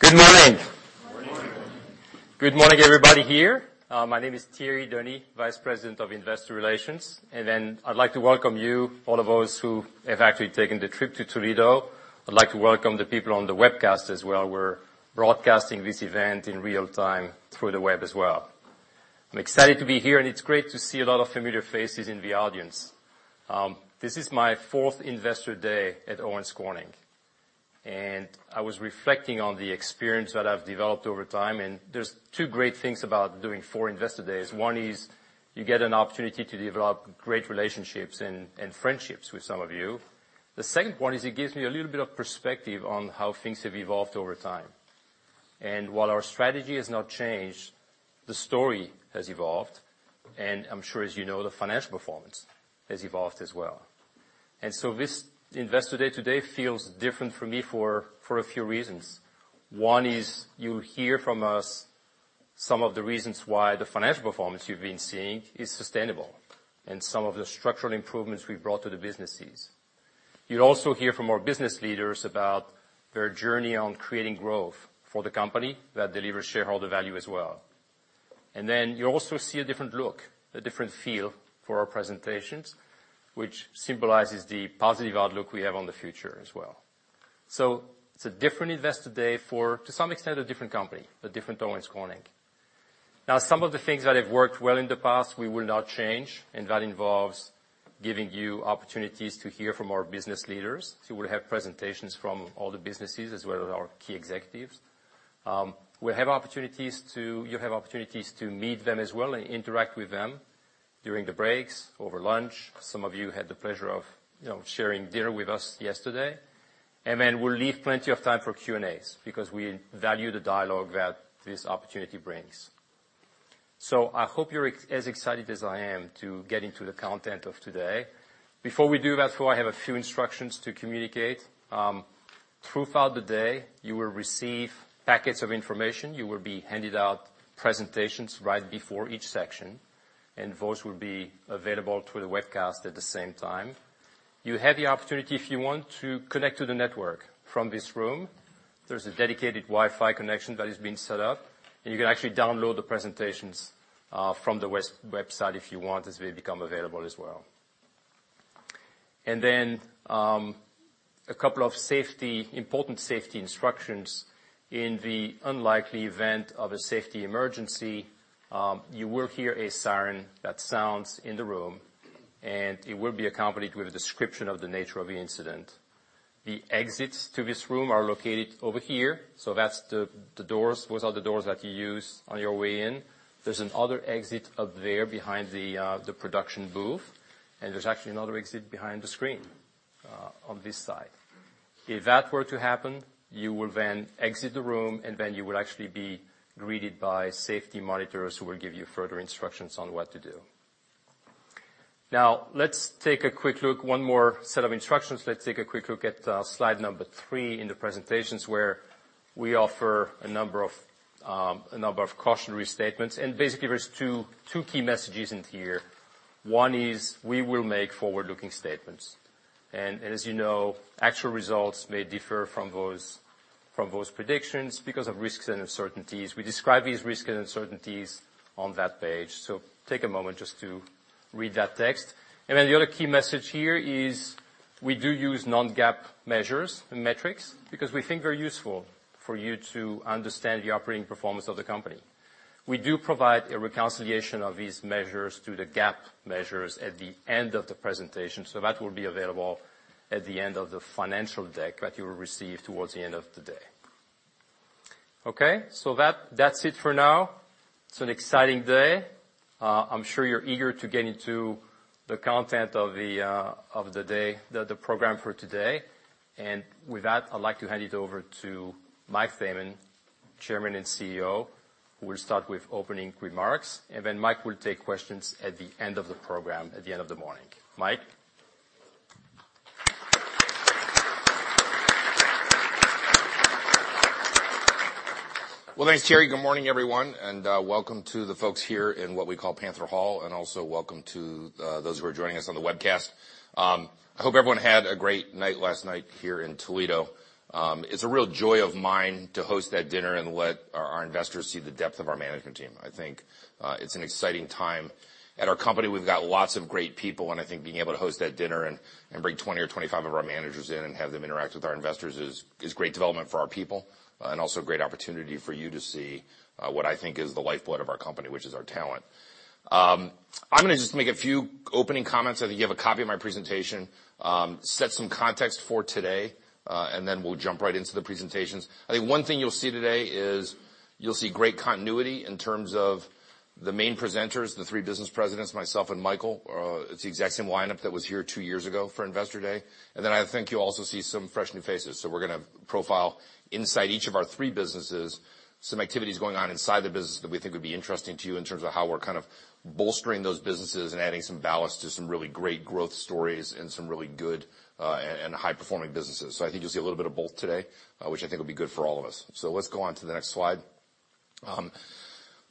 Good morning. Good morning, everybody here. My name is Thierry Denis, Vice President of Investor Relations. And then I'd like to welcome you all of those who have actually taken the trip to Toledo. I'd like to welcome the people on the webcast as well. We're broadcasting this event in real time through the web as well. I'm excited to be here and it's great to see a lot of familiar faces in the audience. This is my fourth investor day at Owens Corning, and I was reflecting on the experience that I've developed over time. And there's two great things about doing four investor days. One is you get an opportunity to develop great relationships and friendships with some of you. The second one is it gives me a little bit of perspective on how things have evolved over time. And while our strategy has not changed, the story has evolved. And I'm sure, as you know, the financial performance has evolved as well. And so this investor day today feels different for me for a few reasons. One is you'll hear from us some of the reasons why the financial performance you've been seeing is sustainable and some of the structural improvements we've brought to the businesses. You'll also hear from our business leaders about their journey on creating growth for the company that delivers shareholder value as well. And then you also see a different look, a different feel for our presentations, which symbolizes the positive outlook we have. On the future as well. So it's a different investor day for, to some extent, a different Owens Corning. Now, some of the things that have worked well in the past, we will not change. And that involves giving you opportunities to hear from our business leaders. So we'll have presentations from all the businesses as well as our key executives. We'll have opportunities to, you have opportunities to meet them as well and interact with them. During the breaks over lunch, some of you had the pleasure of sharing dinner with us yesterday. And then we'll leave plenty of time for Q&As because we value the dialogue that this opportunity brings. So I hope you're as excited as I am to get into the content of today. Before we do that, though, I have a few instructions to communicate. Throughout the day, you will receive packets of information. You will be handed out presentations right before each section and voice will be available through the webcast. At the same time, you have the opportunity if you want to connect to the network from this room. There's a dedicated Wi-Fi connection that has been set up and you can actually download the presentations from the website if you want, as they become available as well, and then a couple of important safety instructions. In the unlikely event of a safety emergency, you will hear a siren that sounds in the room and it will be accompanied with a description of the nature of the incident. The exits to this room are located over here, so that's the doors. Those are the doors that you use on your way in. There's another exit up there behind the production booth and there's actually another exit behind the screen on this side. If that were to happen, you will then exit the room and then you will actually be greeted by safety monitors who will give you further instructions on what to do. Now, let's take a quick look, one more set of instructions. Let's take a quick look at slide number three in the presentations where we offer a number of cautionary statements. And basically there's two key messages in here. One is we will make forward-looking statements and as you know, actual results may differ from those predictions because of risks and uncertainties. We describe these risks and uncertainties on that page. So take a moment just to read that text. And then the other key message here is we do use non-GAAP measures metrics because we think they're useful for you to understand the operating performance of the company. We do provide a reconciliation of these measures to the GAAP measures at the end of the presentation. So that will be available at the end of the financial deck that you will receive towards the end of the day. Okay, so that's it for now. It's an exciting day. I'm sure you're eager to get into the content of the day, the program for today. And with that I'd like to hand it over to Mike Thaman, Chairman and CEO, who will start with opening remarks and then Mike will take questions at the end of the program at the. End of the morning. Mike. Thanks, Thierry. Good morning everyo0263ne and welcome to the folks here in what we call Panther Hall. Also welcome to those who are joining us on the webcast. I hope everyone had a great night last night here in Toledo. It's a real joy of mine to host that dinner and let our investors see the depth of our management team. I think it's an exciting time at our company. We've got lots of great people and I think being able to host that dinner and bring 20 or 25 of our managers in and have them interact with our investors is great development for our people and also great opportunity for you to see what I think is the lifeblood of our company, which is our talent. I'm going to just make a few opening comments. I think you have a copy of my presentation. Set some context for today and then we'll jump right into the presentations. I think one thing you'll see today is you'll see great continuity in terms of the main presenters, the three business presidents, myself and Michael. It's the exact same lineup that was here two years ago for Investor Day, and then I think you also see some fresh new faces. So we're going to profile inside each of our three businesses some activities going on inside the business that we think would be interesting to you in terms of how we're kind of bolstering those businesses and adding some ballast to some really great growth stories and some really good and high performing businesses, so I think you'll see a little bit of both today, which I think will be good for all of us, so let's go on to the next slide.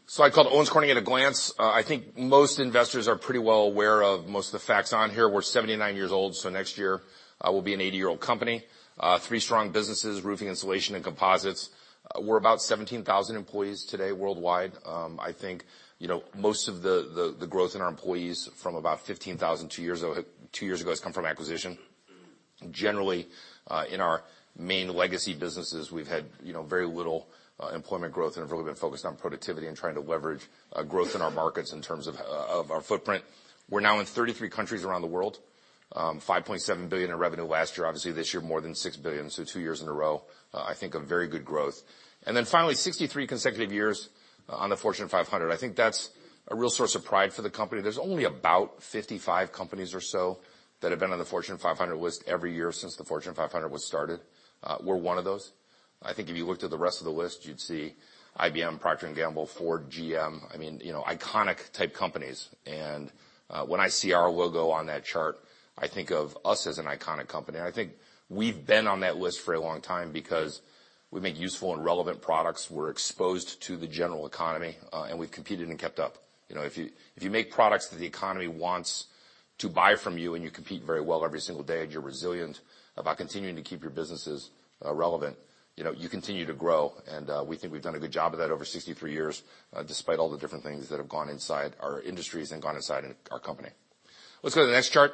So I called Owens Corning at a glance. I think most investors are pretty well aware of most of the facts on here. We're 79 years old, so next year will be an 80 year old company. Three strong businesses. Roofing, Insulation and Composites. We're about 17,000 employees today worldwide. I think, you know, most of the growth in our employees from about 15,000 two years ago has come from acquisition generally in our main legacy businesses. We've had, you know, very little employment growth and have really been focused on productivity and trying to leverage growth in our markets. In terms of our footprint, we're now in 33 countries around the world. $5.7 billion in revenue last year, obviously this year, more than $6 billion. So two years in a row, I think a very good growth. And then finally 63 consecutive years on the Fortune 500. I think that's a real source of pride for the company. There's only about 55 companies or so that have been on the Fortune 500 list every year since the Fortune 500 was started. We're one of those. I think if you looked at the rest of the list, you'd see IBM, Procter & Gamble, Ford, GM. I mean, you know, iconic type companies. And when I see our logo on that chart, I think of us as an iconic company. I think we've been on that list for a long time because we make useful and relevant products. We're exposed to the general economy and we've competed and kept up. You know, if you make products that the economy wants to buy from you and you compete very well every single day and you're resilient about continuing to keep your businesses relevant. You know, you continue to grow, and we think we've done a good job of that over 63 years, despite all the different things that have gone inside our industries and gone inside our company. Let's go to the next chart.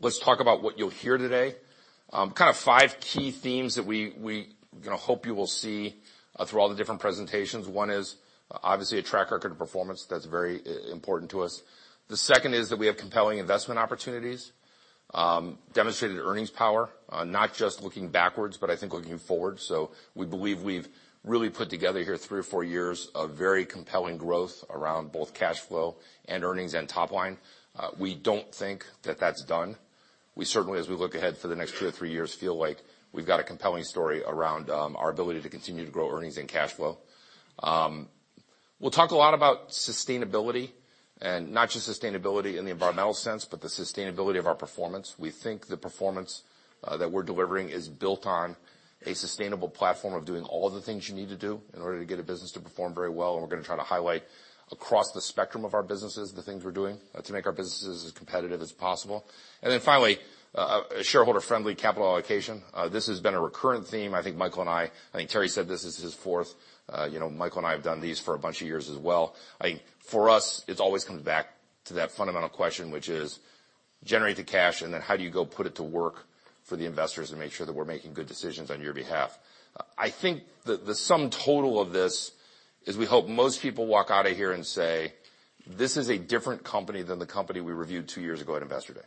Let's talk about what you'll hear today. Kind of five key themes that we hope you will see through all the different presentations. One is obviously a track record of performance that's very important to us. The second is that we have compelling investment opportunities, demonstrated earnings power, not just looking backwards, but I think looking forward. We believe we've really put together here three or four years of very compelling growth around both cash flow and earnings. Top-line, we don't think that that's done. We certainly, as we look ahead for the next two or three years, feel like we've got a compelling story around our ability to continue to grow earnings and cash flow. We'll talk a lot about sustainability, and not just sustainability in the environmental sense, but the sustainability of our performance. We think the performance that we're delivering is built on a sustainable platform of doing all the things you need to do in order to get a business to perform very well. We're going to try to highlight across the spectrum of our businesses the things we're doing to make our businesses as competitive as possible, and then finally, a shareholder friendly capital allocation. This has been a recurrent theme. I think Michael and I, I think Thierry said this is his fourth. You know, Michael and I have done these for a bunch of years as well. I think for us it always comes back to that fundamental question, which is generate the cash and then how do you go put it to work for the investors and make sure that we're making good decisions on your behalf. I think the sum total of this is we hope most people walk out of here and say this is a different company than the company we reviewed two years ago at Investor Day.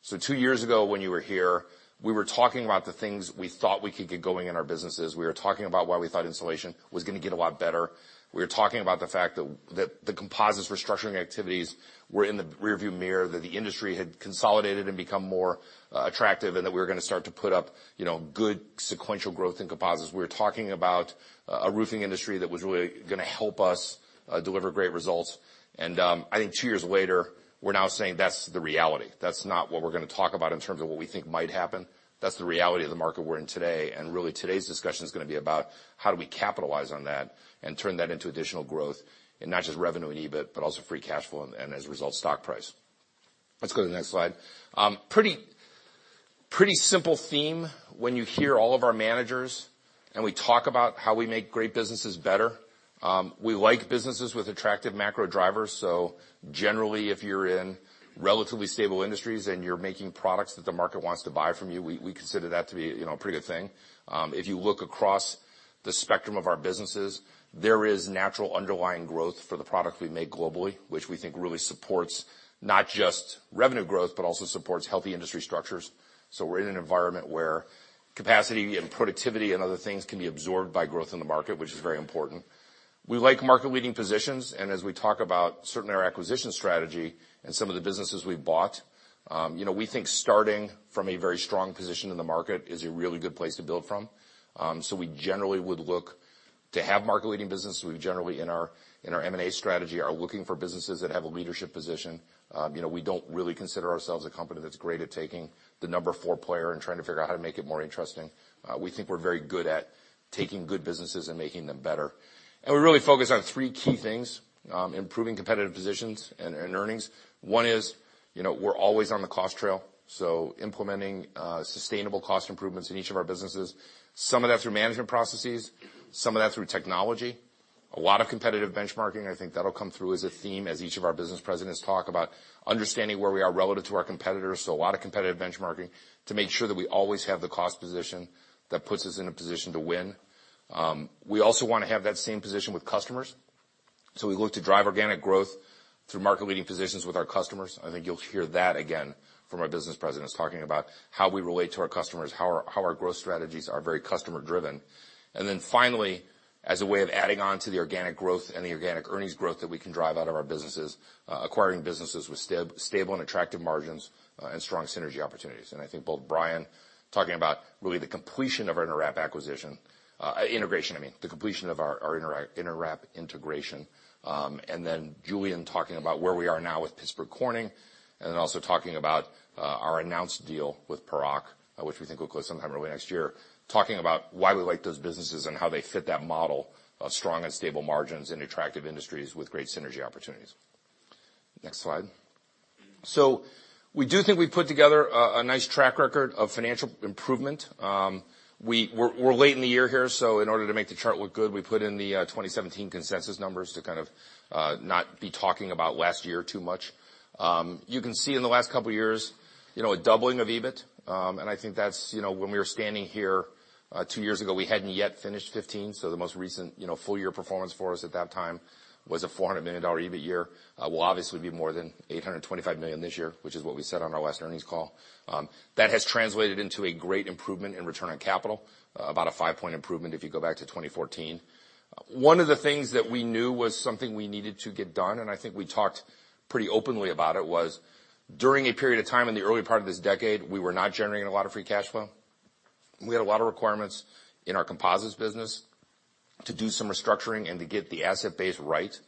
So two years ago when you were here, we were talking about the things we thought we could get going in our businesses. We were talking about why we thought insulation was going to get a lot better. We were talking about the fact that the composites restructuring activities were in the rearview mirror, that the industry had consolidated and become more attractive, and that we were going to start to put up, you know, good sequential growth in composites. We were talking about a roofing industry that was really going to help us deliver great results. And I think two years later, we're now saying that's the reality. That's not what we're going to talk about in terms of what we think might happen. That's the reality of the market we're in today. And really today's discussion is going to be about how do we capitalize on that and turn that into additional growth and not just revenue and EBIT, but also free cash flow and as a result, stock price. Let's go to the next slide. Pretty simple theme. When you hear all of our managers and we talk about how we make great businesses better, we like businesses with attractive macro drivers. So generally if you're in relatively stable industries and you're making products that the market wants to buy from you, we consider that to be a pretty good thing. If you look across the spectrum of our businesses, there is natural underlying growth for the products we make globally, which we think really supports not just revenue growth, but also supports healthy industry structures. So we're in an environment where capacity and productivity and other things can be absorbed by growth in the market, which is very important. We like market-leading positions, and as we talk about certainly our acquisition strategy and some of the businesses we've bought, you know, we think starting from a very strong position in the market is a really good place to build from. So we generally would look to have market-leading business. We generally in our M&A strategy are looking for businesses that have a leadership position. We don't really consider ourselves a company that's great at taking the number four player and trying to figure out how to make it more interesting. We think we're very good at taking good businesses and making them better. And we really focus on three key things, improving competitive positions and earnings. One is, you know, we're always on the cost trail, so implementing sustainable cost improvements in each of our businesses. Some of that through management processes, some of that through technology. A lot of competitive benchmarking. I think that'll come through as a theme as each of our business presidents talk about understanding where we are relative to our competitors. So a lot of competitive benchmarking to make sure that we always have the cost position that puts us in a position to win. We also want to have that same position with customers. So we look to drive organic growth through market leading positions with our customers. I think you'll hear that again from our business presidents talking about how we relate to our customers, how our growth strategies are very customer driven, and then finally as a way of adding on to the organic growth and the organic earnings growth that we can drive out of our businesses. Acquiring businesses with stable and attractive margins and strong synergy opportunities. And I think both Brian talking about really the completion of our InterWrap acquisition integration. I mean, the completion of our InterWrap integration. And then Julian talking about where we are now with Pittsburgh Corning and also talking about our announced deal with Paroc, which we think will close sometime early next year. Talking about why we like those businesses and how they fit that model of strong and stable margins in attractive industries with great synergy opportunities. Next slide. So we do think we've put together a nice track record of financial improvement. We were late in the year here, so in order to make the chart look good, we put in the 2017 consensus numbers to kind of not be talking about last year too much. You can see in the last couple of years, you know, a doubling of EBIT. And I think that's, you know, when we were standing here two years ago, we hadn't yet finished 2015. So the most recent full year performance for us at that time was a $400 million EBIT year. It will obviously be more than $825 million this year, which is what we said on our last earnings call. That has translated into a great improvement in return on capital. About a five point improvement if you go back to 2014. One of the things that we knew was something we needed to get done and I think we talked pretty openly about it, was during a period of time in the early part of this decade, we were not generating a lot of free cash flow. We had a lot of requirements in our composites business to do some restructuring and to get the asset base right.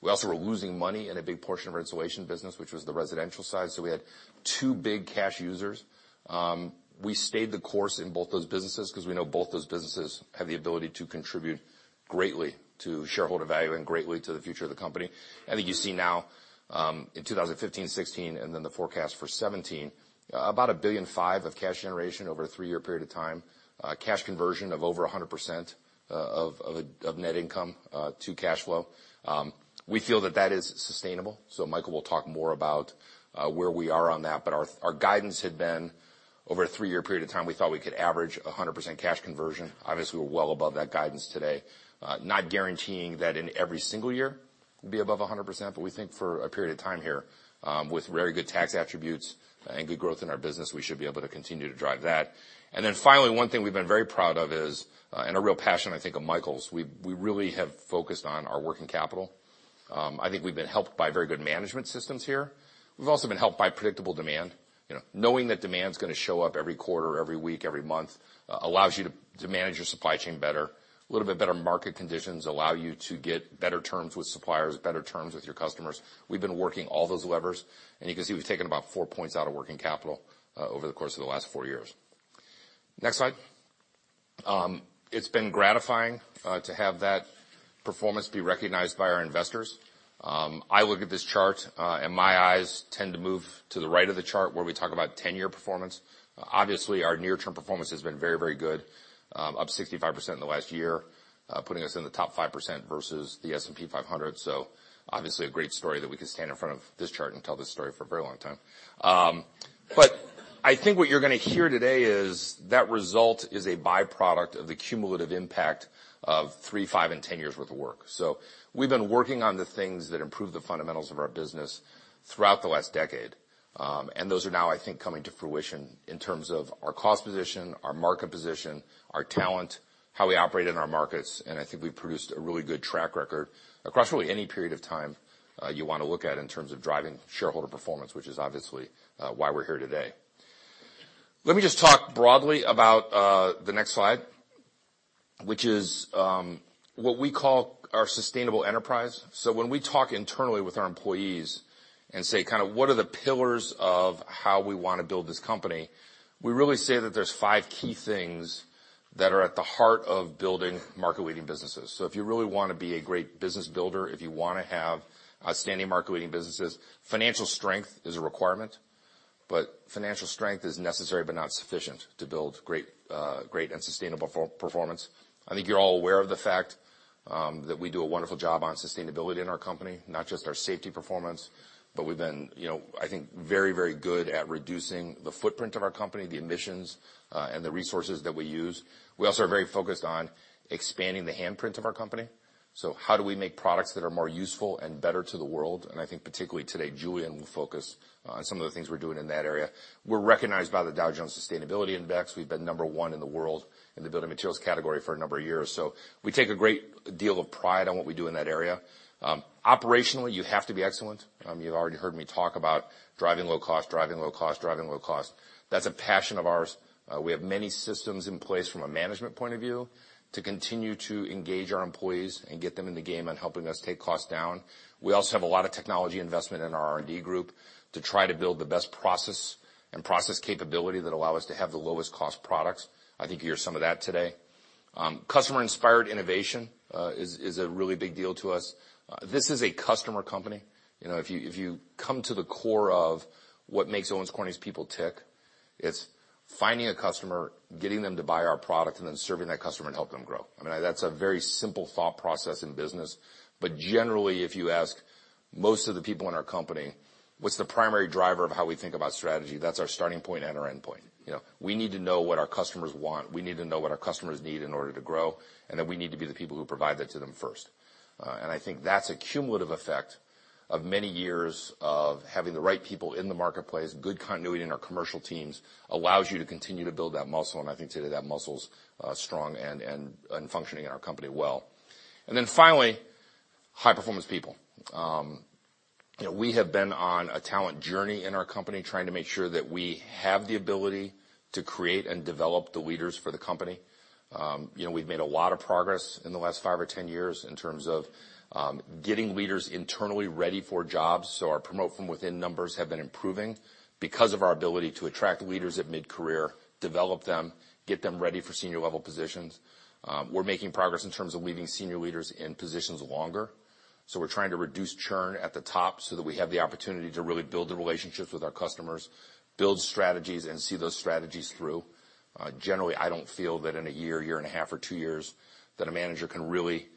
We also were losing money in a big portion of our insulation business, which was the residential side. So we had two big cash users. We stayed the course in both those businesses because we know both those businesses have the ability to contribute greatly to shareholder value and greatly to the future of the company. I think you see now in 2015, 2016 and then the forecast for 2017, about $1.5 billion of cash generation over a three year period of time. Cash conversion of over 100% of net income to cash flow. We feel that that is sustainable. So Michael will talk more about where we are on that. But our guidance had been over a three-year period of time, we thought we could average 100% cash conversion. Obviously we're well above that guidance today, not guaranteeing that in every single year we'll be above 100%. But we think for a period of time here, with very good tax attributes and good growth in our business, we should be able to continue to drive that. And then finally, one thing we've been very proud of is, and a real passion, I think, of Michael's. We really have focused on our working capital. I think we've been helped by very good management systems here. We've also been helped by predictable demand. Knowing that demand is going to show up every quarter, every week, every month allows you to manage your supply chain better. A little bit better market conditions allow you to get better terms with suppliers, better terms with your customers. We've been working all those levers and you can see we've taken about four points out of working capital over the course of the last four years. Next slide. It's been gratifying to have that performance be recognized by our investors. I look at this chart and my eyes tend to move to the right of the chart where we talk about 10-year performance. Obviously our near-term performance has been very, very good, up 65% in the last year, putting us in the top 5% versus the S&P 500. So obviously a great story that we could stand in front of this chart and tell this story for a very long time. But I think what you're going to hear today is that result is a byproduct of the cumulative impact of three, five and 10 years worth of work. So we've been working on the things that improve the fundamentals of our business throughout the last decade and those are now, I think coming to fruition in terms of our cost position, our market position, our talent, how we operate in our markets. And I think we produced a really good track record across really any period of time you want to look at in terms of driving shareholder performance, which is obviously why we're here today. Let me just talk broadly about the next slide, which is what we call our sustainable enterprise. So when we talk internally with our employees and say kind of what are the pillars of how we want to build this company, we really say that there's five key things that are at the heart of building market leading businesses. So if you really want to be a great business builder, if you want to have outstanding market leading businesses, financial strength is a requirement. But financial strength is necessary but not sufficient to build great, great and sustainable performance. I think you're all aware of the fact that we do a wonderful job on sustainability in our company, not just our safety performance, but we've been, you know, I think, very, very good at reducing the footprint of our company, the emissions and the resources that we use. We also are very focused on expanding the handprint of our company. So how do we make products that are more useful and better to the world? And I think particularly today, Julian will focus on some of the things we're doing in that area. We're recognized by the Dow Jones Sustainability Index. We've been number one in the world in the building materials category for a number of years. So we take a great deal of pride on what we do in that area. Operationally, you have to be excellent. You've already heard me talk about driving low cost. Driving low cost, Driving low cost. That's a passion of ours. We have many systems in place from a management point of view to continue to engage our employees and get them in the game on helping us take costs down. We also have a lot of technology investment in our R and D group to try to build the best process and process capability that allow us to have the lowest cost products. I think you hear some of that today. Customer inspired innovation is a really big deal to us. This is a customer company. You know, if you come to the core of what makes Owens Corning's people tick, it's finding a customer, getting them to buy our product and then serving that customer and help them grow. I mean that's a very simple thought process in business. But generally if you ask most of the people in our company, what's the primary driver of how we think about strategy? That's our starting point and our end point. You know, we need to know what our customers want. We need to know what our customers need in order to grow and that we need to be the people who provide that to them first. And I think that's a cumulative effect of many years of having the right people in the marketplace. Good continuity in our commercial teams allows you to continue to build that muscle. And I think today that muscle's strong and functioning in our company well. And then finally high performance people. We have been on a talent journey in our company trying to make sure that we have the ability to create and develop the leaders for the company. We've made a lot of progress in the last five or 10 years in terms of getting leaders internally ready for jobs. Our promote-from-within numbers have been improving because of our ability to attract leaders at mid-career, develop them, get them ready for senior-level positions. We're making progress in terms of leaving senior leaders in positions longer, so we're trying to reduce churn at the top so that we have the opportunity to really build the relationships with our customers, build strategies and see those strategies through. Generally I don't feel that in a year, year and a half or two years that a manager can really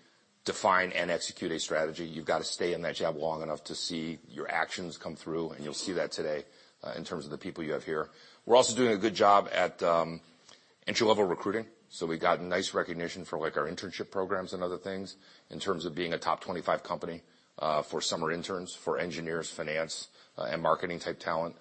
define and execute a strategy. You've got to stay in that job long enough to see your actions come through and you'll see that today in terms of the people you have here. We're also doing a good job at entry-level recruiting. So we got nice recognition for like our internship programs and other things in terms of being a top 25 company for summer interns for engineers, finance and marketing type talent.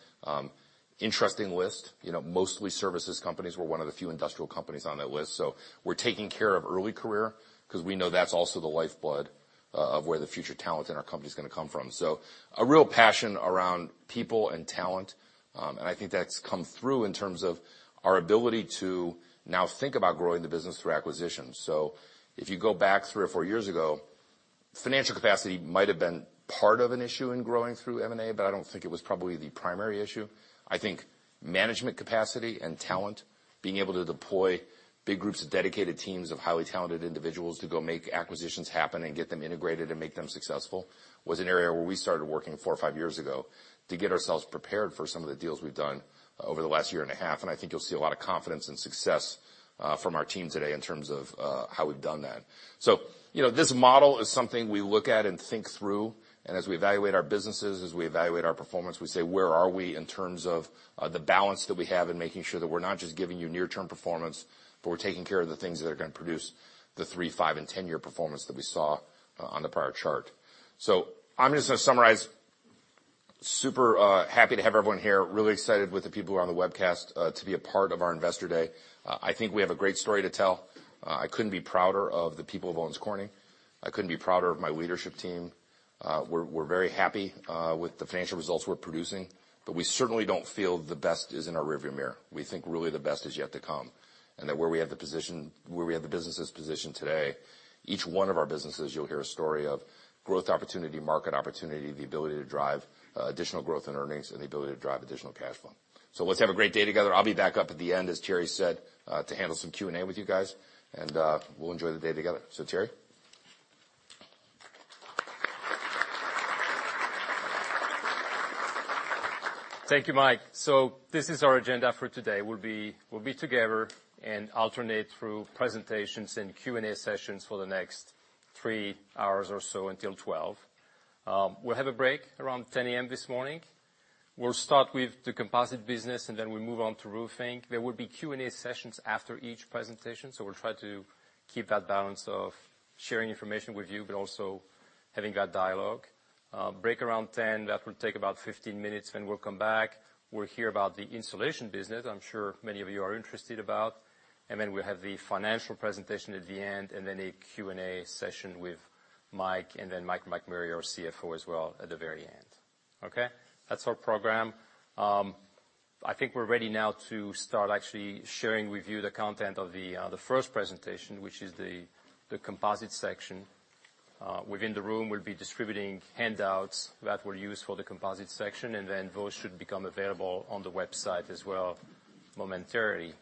Interesting list. You know, mostly services companies. We're one of the few industrial companies on that list. So we're taking care of early career because we know that's also the lifeblood of where the future talent in our company is going to come from. So a real passion around people and talent and I think that's come through in terms of our ability to now think about growing the business through acquisitions. So if you go back three or four years ago, financial capacity might have been part of an issue in growing through M&A, but I don't think it was probably the primary issue. I think management capacity and talent, being able to deploy big groups of dedicated teams of highly talented individuals to go make acquisitions happen and get them integrated and make them successful was an area where we started working four or five years ago to get ourselves prepared for some of the deals we've done over the last year and a half. And I think you'll see a lot of confidence and success from our team today in terms of how we've done that. So, you know, this model is something we look at and think through. And as we evaluate our businesses, as we evaluate our performance, we say where are we in terms of the balance that we have in making sure that we're not just giving you near-term performance, but we're taking care of the things that are going to produce the three, five and 10-year performance that we saw on the prior chart. So I'm just going to summarize. Super happy to have everyone here really excited with the people who are on the webcast to be a part of our investor day. I think we have a great story to tell. I couldn't be prouder of the people of Owens Corning. I couldn't be prouder of my leadership team. We're very happy with the financial results we're producing, but we certainly don't feel the best is in our rearview mirror. We think really the best is yet to come and that where we have the position, where we have the businesses positioned today, each one of our businesses, you'll hear a story of growth, opportunity, market opportunity, the ability to drive additional growth in earnings and the ability to drive additional cash flow. So let's have a great day together. I'll be back up at the end, as Thierry said, to handle some Q and A with you guys, and we'll enjoy the day together. So, Thierry. Thank you, Mike, so this is our agenda for today. We'll be together and alternate through presentations and Q and A sessions for the next three hours or so until 12:00 P.M. We'll have a break around 10:00 A.M. this morning. We'll start with the composite business, and then we move on to roofing. There will be Q and A sessions after each presentation, so we'll try to keep that balance of sharing information with you, but also having that dialogue break around 10:00 A.M. That will take about 15 minutes. Then we'll come back, we'll hear about the insulation business I'm sure many of you are interested about, and then we have the financial presentation at the end, and then a Q and A session with Mike, and then Mike McMurray, our CFO as well, at the very end. Okay, that's our program. I think we're ready now to start actually sharing with you the content of the first presentation, which is the composite section. Within the room, we'll be distributing handouts that we'll use for the composite section, and then those should become available on the website as well momentarily.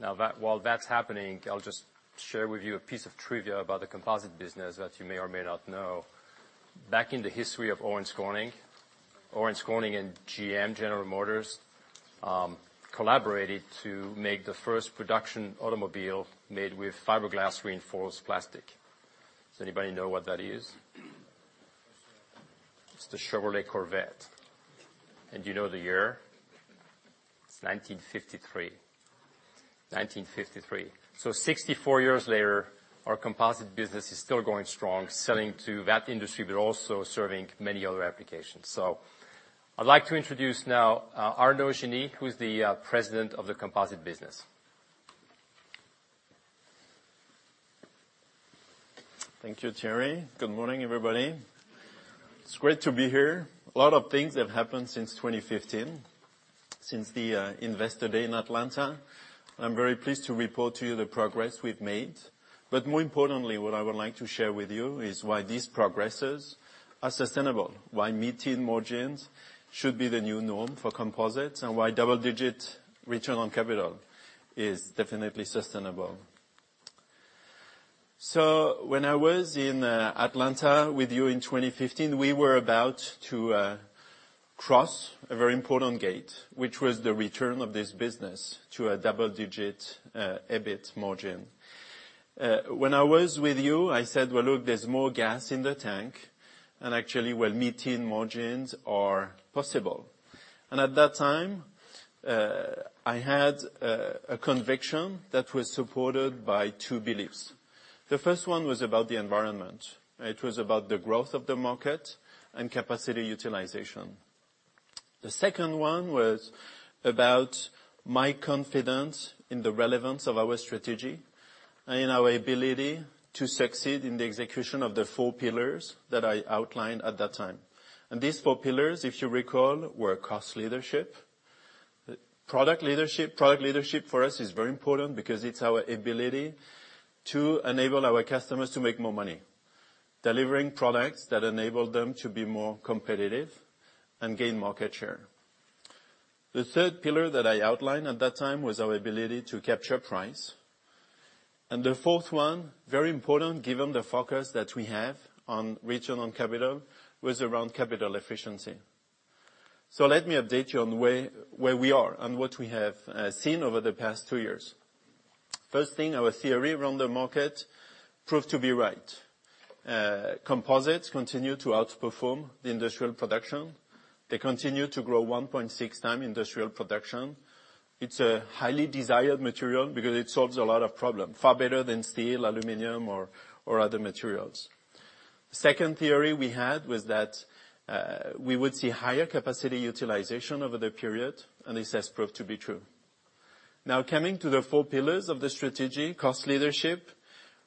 Now, while that's happening, I'll just share with you a piece of trivia about the composite business that you may or may not know. Back in the history of Owens Corning, Owens Corning and GM, General Motors collaborated to make the first production automobile made with fiberglass reinforced plastic. Does anybody know what that is? It's the Chevrolet Corvette. And you know the year? It's 1953. 1953. So 64 years later, our composite business is still going strong, selling to that industry, but also serving many other applications. I would like to introduce now Arnaud Genis, who is the President of the Composites business. Thank you, Thierry. Good morning, everybody. It's great to be here. A lot of things have happened since 2015, since the investor day in Atlanta. I'm very pleased to report to you the progress we've made, but more importantly, what I would like to share with you is why this progress is sustainable, why mid-teens margins should be the new norm for composites, and why double-digit return on capital is definitely sustainable, so when I was in Atlanta with you in 2015, we were about to cross a very important gate, which was the return of this business to a double-digit EBIT margin. When I was with you, I said, well look, there's more gas in the tank and actually mid-teens margins are possible, and at that time I had a conviction that was supported by two beliefs. The first one was about the environment. It was about the growth of the market and capacity utilization. The second one was about my confidence in the relevance of our strategy and in our ability to succeed in the execution of the four pillars that I outlined at that time. And these four pillars, if you recall, were cost leadership, product leadership. Product leadership for us is very important because it's our ability to enable our customers to make more money delivering products that enable them to be more competitive and gain market share. The third pillar that I outlined at that time was our ability to capture price. And the fourth one, very important given the focus that we have on return on capital, was around capital efficiency. So let me update you on where we are and what we have seen over the past two years. First thing, our theory around the market proved to be right. Composites continue to outperform the industrial production. They continue to grow 1.6 times industrial production. It's a highly desired material because it solves a lot of problems far better than steel, aluminum or other materials. Second theory we had was that we would see higher capacity utilization over the period. And this has proved to be true. Now coming to the four pillars of the strategy, cost leadership.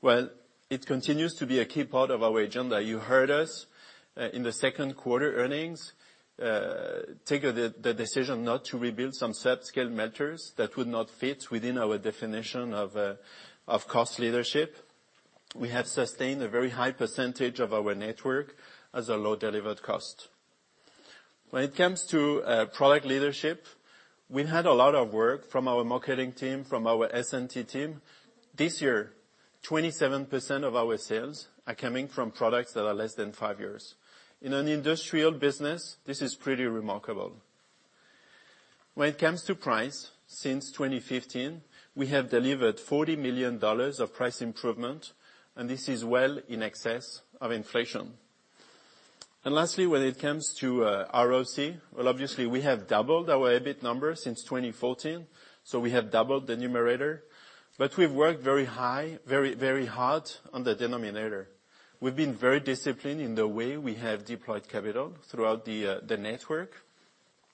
Well, it continues to be a key part of our agenda. You heard us in the second quarter earnings, we took the decision not to rebuild some subscale melters that would not fit within our definition of cost leadership. We have sustained a very high percentage of our network as a low delivered cost. When it comes to product leadership, we've had a lot of work from our marketing team, from our S&T team. This year, 27% of our sales are coming from products that are less than five years in an industrial business. This is pretty remarkable when it comes to price. Since 2015, we have delivered $40 million of price improvement. And this is well in excess of inflation. And lastly, when it comes to ROC, well, obviously we have doubled our EBIT number since 2014. So we have doubled the numerator. But we've worked very high, very, very hard on the denominator. We've been very disciplined in the way we have deployed capital throughout the network.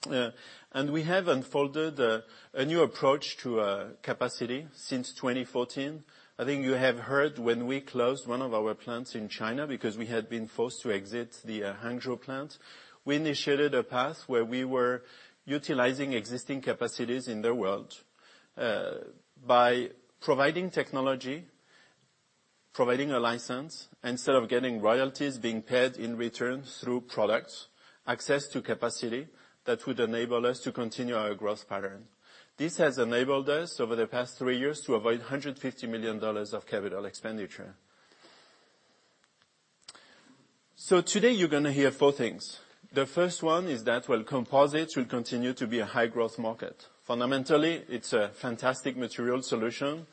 And we have unfolded a new approach to capacity since 2014. I think you have heard when we closed one of our plants in China, because we had been forced to exit the Hangzhou plant, we initiated a pact where we were utilizing existing capacities in their world by providing technology, providing a license instead of getting royalties being paid in return through products access to capacity that would enable us to continue our growth pattern. This has enabled us over the past three years to avoid $150 million of capital expenditure, so today you're going to hear four things. The first one is that, well, composites will continue to be a high growth market. Fundamentally, it's a fantastic material solution,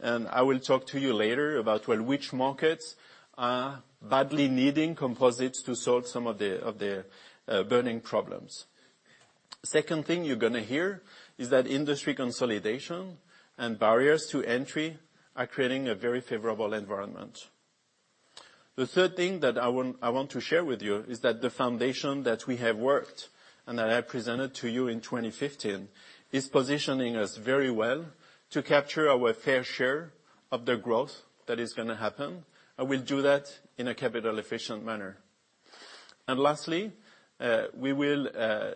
and I will talk to you later about which markets are badly needing composites to solve some of the burning problems. Second thing you're going to hear is that industry consolidation and barriers to entry are creating a very favorable environment. The third thing that I want to share with you is that the foundation that we have worked and that I presented to you in 2015 is positioning us very well to capture our fair share of the growth that is going to happen, and we'll do that in a capital efficient manner, and lastly, we will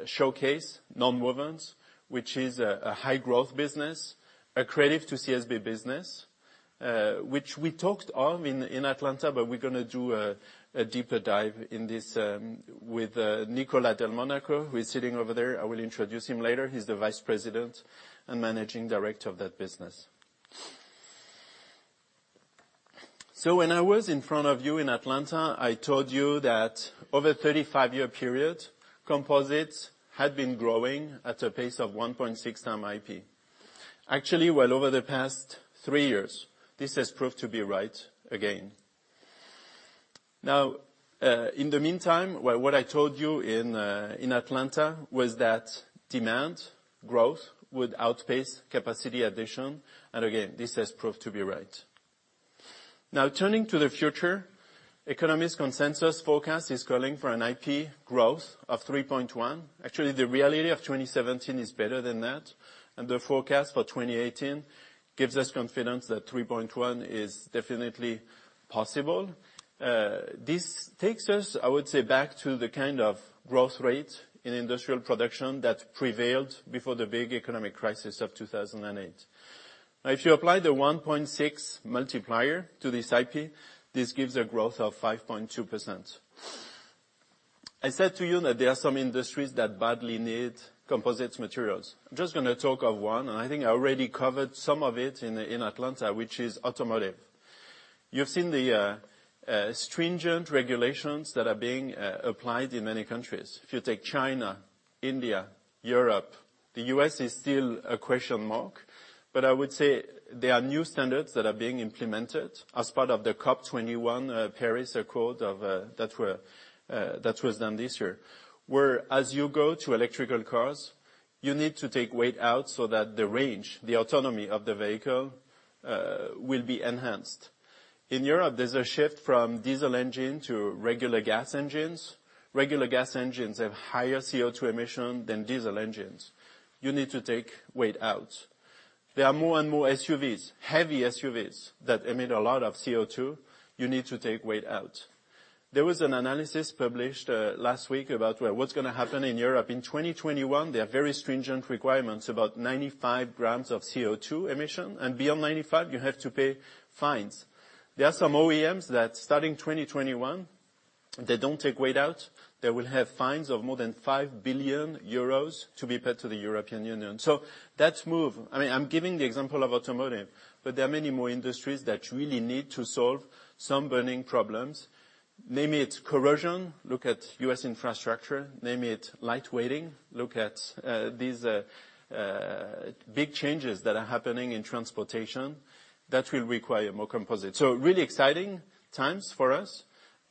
showcase Nonwovens, which is a high growth business, a key to CSB business which we talked of in Atlanta, but we're going to do a deeper dive into this with Nicolas Del Monaco who is sitting over there. I will introduce him later. He's the Vice President and Managing Director of that business. So when I was in front of you in Atlanta, I told you that over a 35-year period composites had been growing at a pace of 1.6 times IP. Actually, well over the past three years this has proved to be right again. Now in the meantime, what I told you in Atlanta was that demand growth would outpace capacity addition. And again this has proved to be right. Now, turning to the future economist consensus forecast is calling for an IP growth of 3.1. Actually the reality of 2017 is better than that. And the forecast for 2018 gives us confidence that 3.1 is definitely possible. This takes us, I would say back to the kind of growth rate in industrial production that prevailed before the big economic crisis of 2008. If you apply the 1.6 multiplier to this IP, this gives a growth of 5.2%. I said to you that there are some industries that badly need composites materials. I'm just going to talk of one and I think I already covered some of it in Atlanta, which is automotive. You've seen the stringent regulations that are being applied in many countries. If you take China, India, Europe, the US is still a question mark. But I would say there are new standards that are being implemented as part of the COP21 Paris Accord that was done this year where as you go to electrical cars, you need to take weight out so that the range, the autonomy of the vehicle will be enhanced. In Europe, there's a shift from diesel engine to regular gas engines. Regular gas engines have higher CO2 emission than diesel engines. You need to take weight out. There are more and more SUVs, heavy SUVs that emit a lot of CO2. You need to take weight out. There was an analysis published last week about what's going to happen in Europe in 2021. There are very stringent requirements, about 95 grams of CO2 emission, and beyond 95, you have to pay fines. There are some OEMs that starting 2021, they don't take weight out. They will have fines of more than 5 billion euros to be paid to the European Union. So that's move. I mean, I'm giving the example of automotive, but there are many more industries that really need to solve some burning problems. Name it. Corrosion. Look at US infrastructure. Name it lightweighting. Look at these big changes that are happening in transportation that will require more composites. So really exciting times for us.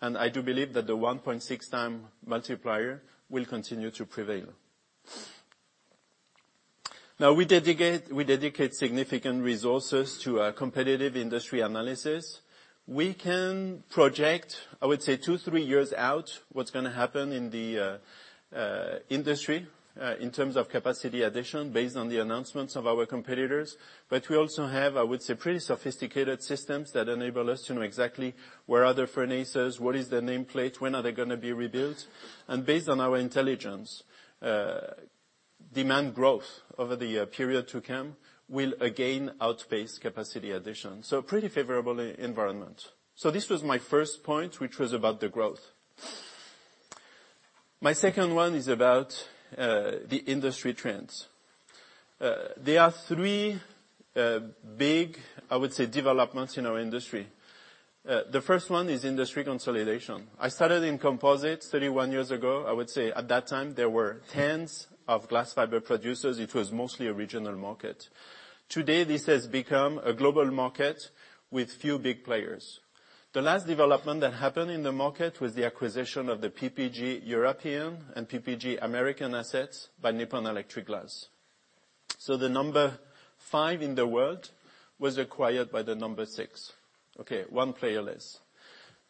And I do believe that the 1.6 times multiplier will continue to prevail. Now we dedicate significant resources to competitive industry analysis. We can project, I would say two, three years out what's going to happen in the industry in terms of capacity addition based on the announcements of our competitors. But we also have, I would say, pretty sophisticated systems that enable us to know exactly where are the furnaces, what is their nameplate, when are they going to be rebuilt. And based on our intelligence, demand growth over the period to come will again outpace capacity addition. So pretty favorable environment. So this was my first point which was about the growth. My second one is about the industry trends. There are three big, I would say, developments in our industry. The first one is industry consolidation. I started in composites 31 years ago. I would say at that time there were tens of glass fiber producers. It was mostly a regional market. Today this has become a global market with few big players. The last development that happened in the market was the acquisition of the PPG European and PPG American assets by Nippon Electric Glass. So the number five in the world was acquired by the number six. Okay, one player less.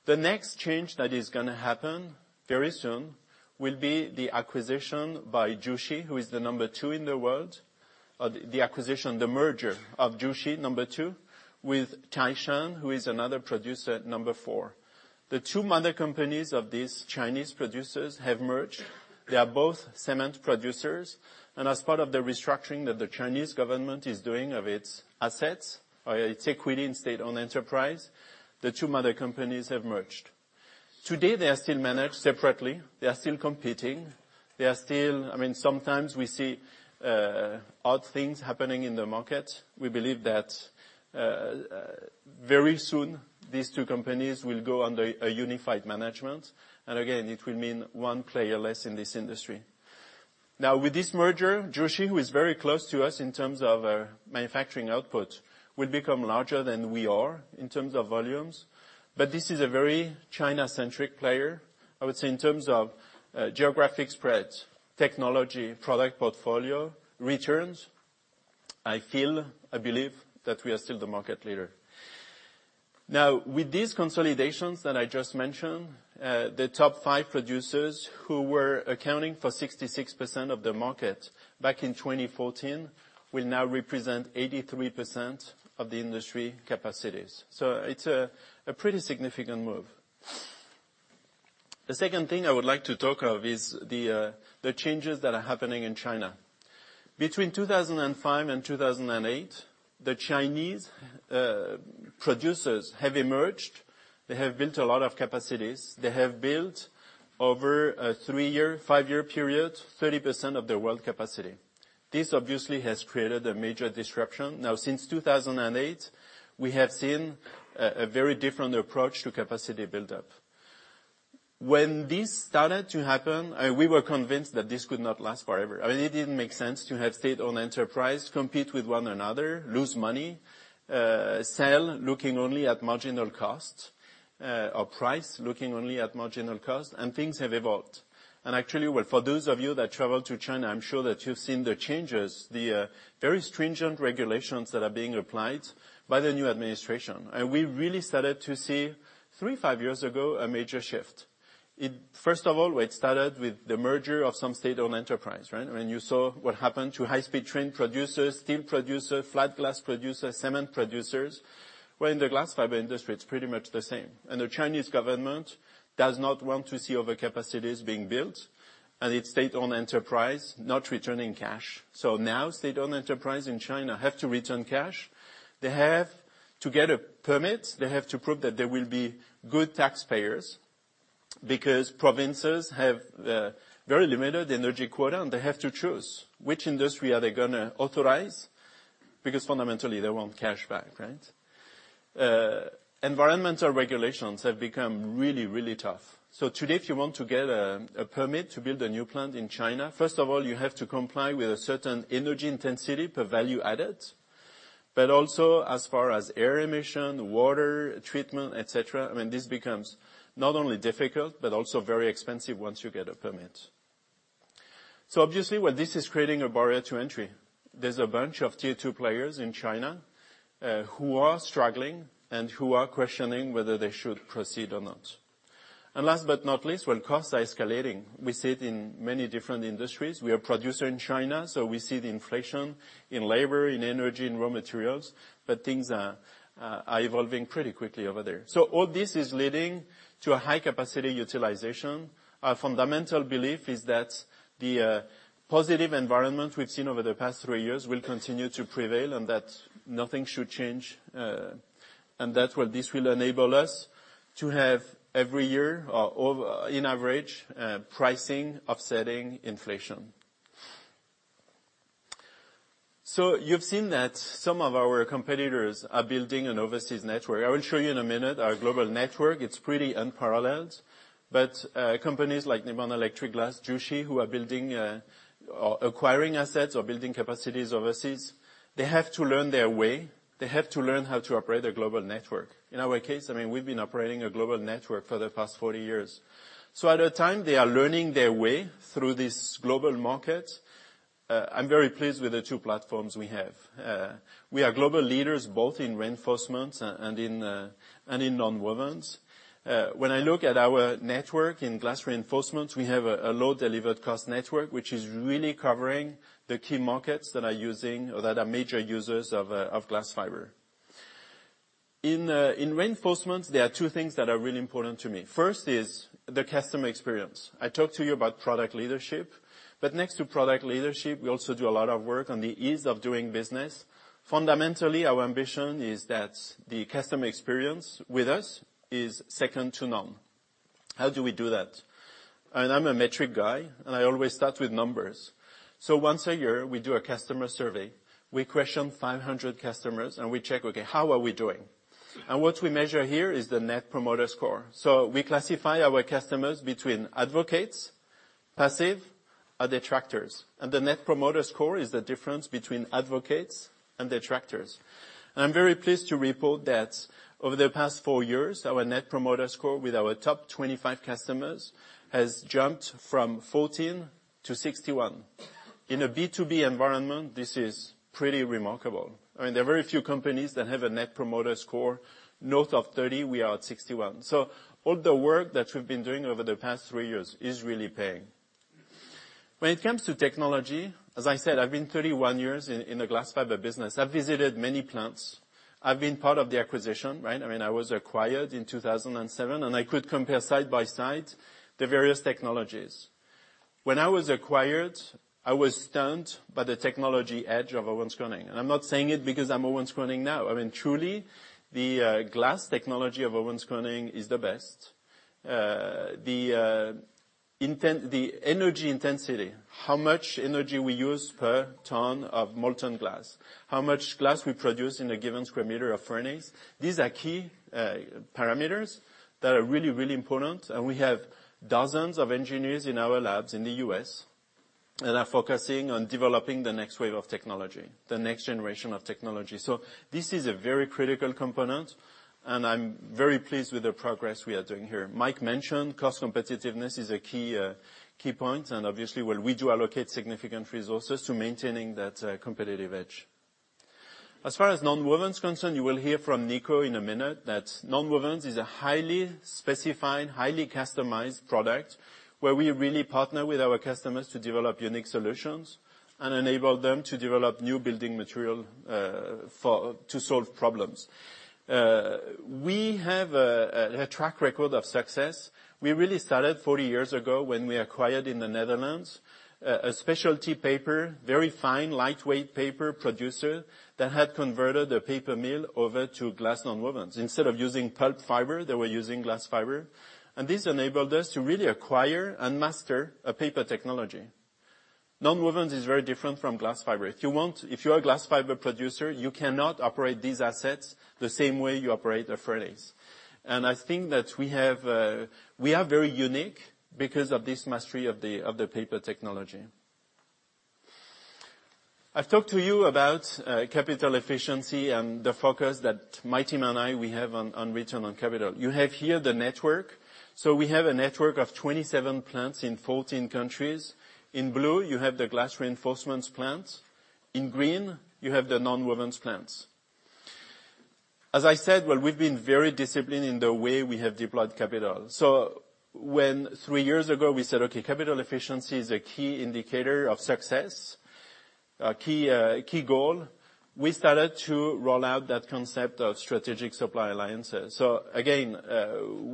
The next change that is going to happen very soon will be the acquisition by Jushi, who is the number two in the world. The acquisition, the merger of Jushi, number two with Taishan, who is another producer, number four. The two mother companies of this Chinese producers have merged. They are both cement producers. And as part of the restructuring that the Chinese government is doing of its assets, it's equity in state owned enterprise. The two mother companies have merged today. They are still managed separately, they are still competing, they are still. I mean sometimes we see odd things happening in the market. We believe that very soon these two companies will go under a unified management and again it will mean one player less in this industry. Now with this merger, Jushi, who is very close to us in terms of manufacturing output will become larger than we are in terms of volumes. But this is a very China-centric player, I would say in terms of geographic spread, technology, product portfolio returns. I feel, I believe that we are still the market leader. Now with these consolidations that I just mentioned, the top five producers who were accounting for 66% of the market back in 2014 will now represent 83% of the industry capacities. So it's a pretty significant move. The second thing I would like to talk of is the changes that are happening in China between 2005 and 2008. The Chinese producers have emerged, they have built a lot of capacities. They have built over a three-year, five-year period, 30% of their world capacity. This obviously has created a major disruption. Now since 2008 we have seen a very different approach to capacity buildup. When these started to happen, we were convinced that this could not last forever. I mean it didn't make sense to have state-owned enterprise compete with one another, lose money, sell looking only at marginal cost or price looking only at marginal cost. And things have evolved. And actually for those of you that travel to China, I'm sure that you've seen the changes, the very stringent regulations that are being applied by the new administration. We really started to see three, five years ago a major shift. First of all, it started with the merger of some state-owned enterprises. You saw what happened to high-speed train producers, steel producers, flat glass producers, cement producers, where in the glass fiber industry. It's pretty much the same. And the Chinese government does not want to see overcapacities being built and its state-owned enterprises not returning cash. So now state-owned enterprises in China have to return cash, they have to get a permit, they have to prove that they will be good taxpayers because provinces have very limited energy quota and they have to choose which industry are they going to authorize because fundamentally they want cash back. Right? Environmental regulations have become really, really tough. So today if you want to get a permit to build a new plant in China, first of all you have to comply with a certain energy intensity per value added, but also as far as air emission, water treatment, et cetera. I mean, this becomes not only difficult but also very expensive once you get a permit. So obviously, well, this is creating a barrier to entry. There's a bunch of Tier 2 players in China who are struggling and who are questioning whether they should proceed or not. And last but not least, when costs are escalating, we see it in many different industries. We are producer in China, so we see the inflation in labor, in energy, in raw materials. But things are evolving pretty quickly over there. So all this is leading to a high capacity utilization. Our fundamental belief is that the positive environment we've seen over the past three years will continue to prevail and that nothing should change and that will. This will enable us to have every year in average pricing, offsetting inflation. So you've seen that some of our competitors are building an overseas network. I will show you in a minute. Our global network. It's pretty unparalleled, but companies like Nippon Electric Glass, Jushi who are building or acquiring assets or building capacities overseas, they have to learn their way. They have to learn how to operate a global network. In our case, I mean, we've been operating a global network for the past 40 years. So at a time they are learning their way through this global market. I'm very pleased with the two platforms we have. We are global leaders both in reinforcements and in nonwovens. When I look at our network in glass reinforcements, we have a low delivered cost network which is really covering the key markets that are using or that are major users of glass fiber in reinforcements. There are two things that are really important to me. First is the customer experience. I talked to you about product leadership, but next to product leadership, we also do a lot of work on the ease of doing business. Fundamentally, our ambition is that the customer experience with us is second to none. How do we do that? I'm a metric guy and I always start with numbers, so once a year we do a customer survey. We question 500 customers and we check, okay, how are we doing, and what we measure here is the Net Promoter Score, so we classify our customers between advocates, passive or detractors. The Net Promoter Score is the difference between advocates and detractors. I'm very pleased to report that over the past four years, our Net Promoter Score with our top 25 customers has jumped from 14 to 61. In a B2B environment. This is pretty remarkable. I mean there are very few companies that have a Net Promoter Score north of 30. We are at 61. So all the work that we've been doing over the past three years is really paying when it comes to technology. As I said, I've been 31 years in the glass fiber business. I've visited many plants. I've been part of the acquisition. Right. I mean I was acquired in 2007 and I could compare side by side the various technologies. When I was acquired, I was stunned by the technology edge of Owens Corning. I'm not saying it because I'm Owens Corning now. I mean truly the glass technology of Owens Corning is the best. The intent, the energy intensity, how much energy we use per ton of molten glass, how much glass we produce in a given square meter of furnace. These are key parameters that are really, really important. We have dozens of engineers in our labs in the US that are focusing on developing the next wave of technology, the next generation of technology. This is a very critical component and I'm very pleased with the progress we are doing here. Mike mentioned cost competitiveness is a key point and obviously, well, we do allocate significant resources to maintaining that competitive edge. As far as nonwovens concerned. You will hear from Nico in a minute that nonwovens is a highly specified, highly customized product where we really partner with our customers to develop unique solutions and enable them to develop new building material to solve problems. We have a track record of success. We really started 40 years ago when we acquired in the Netherlands a specialty paper, very fine lightweight paper producer that had converted a paper mill over to glass nonwovens. Instead of using pulp fiber, they were using glass fiber. And this enabled us to really acquire and master a paper technology. Nonwovens is very different from glass fiber. If you are a glass fiber producer, you cannot operate these assets the same way you operate a furnace. And I think that we have, we are very unique because of this mastery of the paper technology. I've talked to you about capital efficiency and the focus that my team and I, we have on return on capital. You have here the network. So we have a network of 27 plants in 14 countries. In blue you have the glass reinforcements plant. In green you have the nonwovens plants. As I said, well, we've been very disciplined in the way we have deployed capital. So when three years ago we said okay, capital efficiency is a key indicator of success, key goal, we started to roll out that concept of strategic supply alliances. So again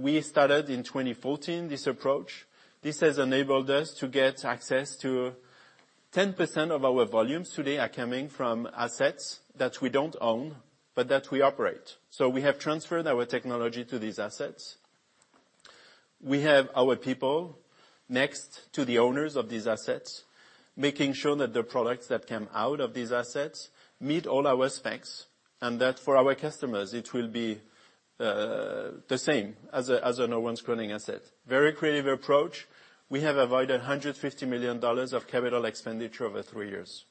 we started in 2014. This approach, this has enabled us to get access to 10% of our volumes today are coming from assets that we don't own but that we operate. So we have transferred our technology to these assets. We have our people next to the owners of these assets making sure that the products that come out of these assets meet all our specs and that for our customers it will be the same as an Owens Corning asset. Very creative approach. We have avoided $150 million of capital expenditure over three years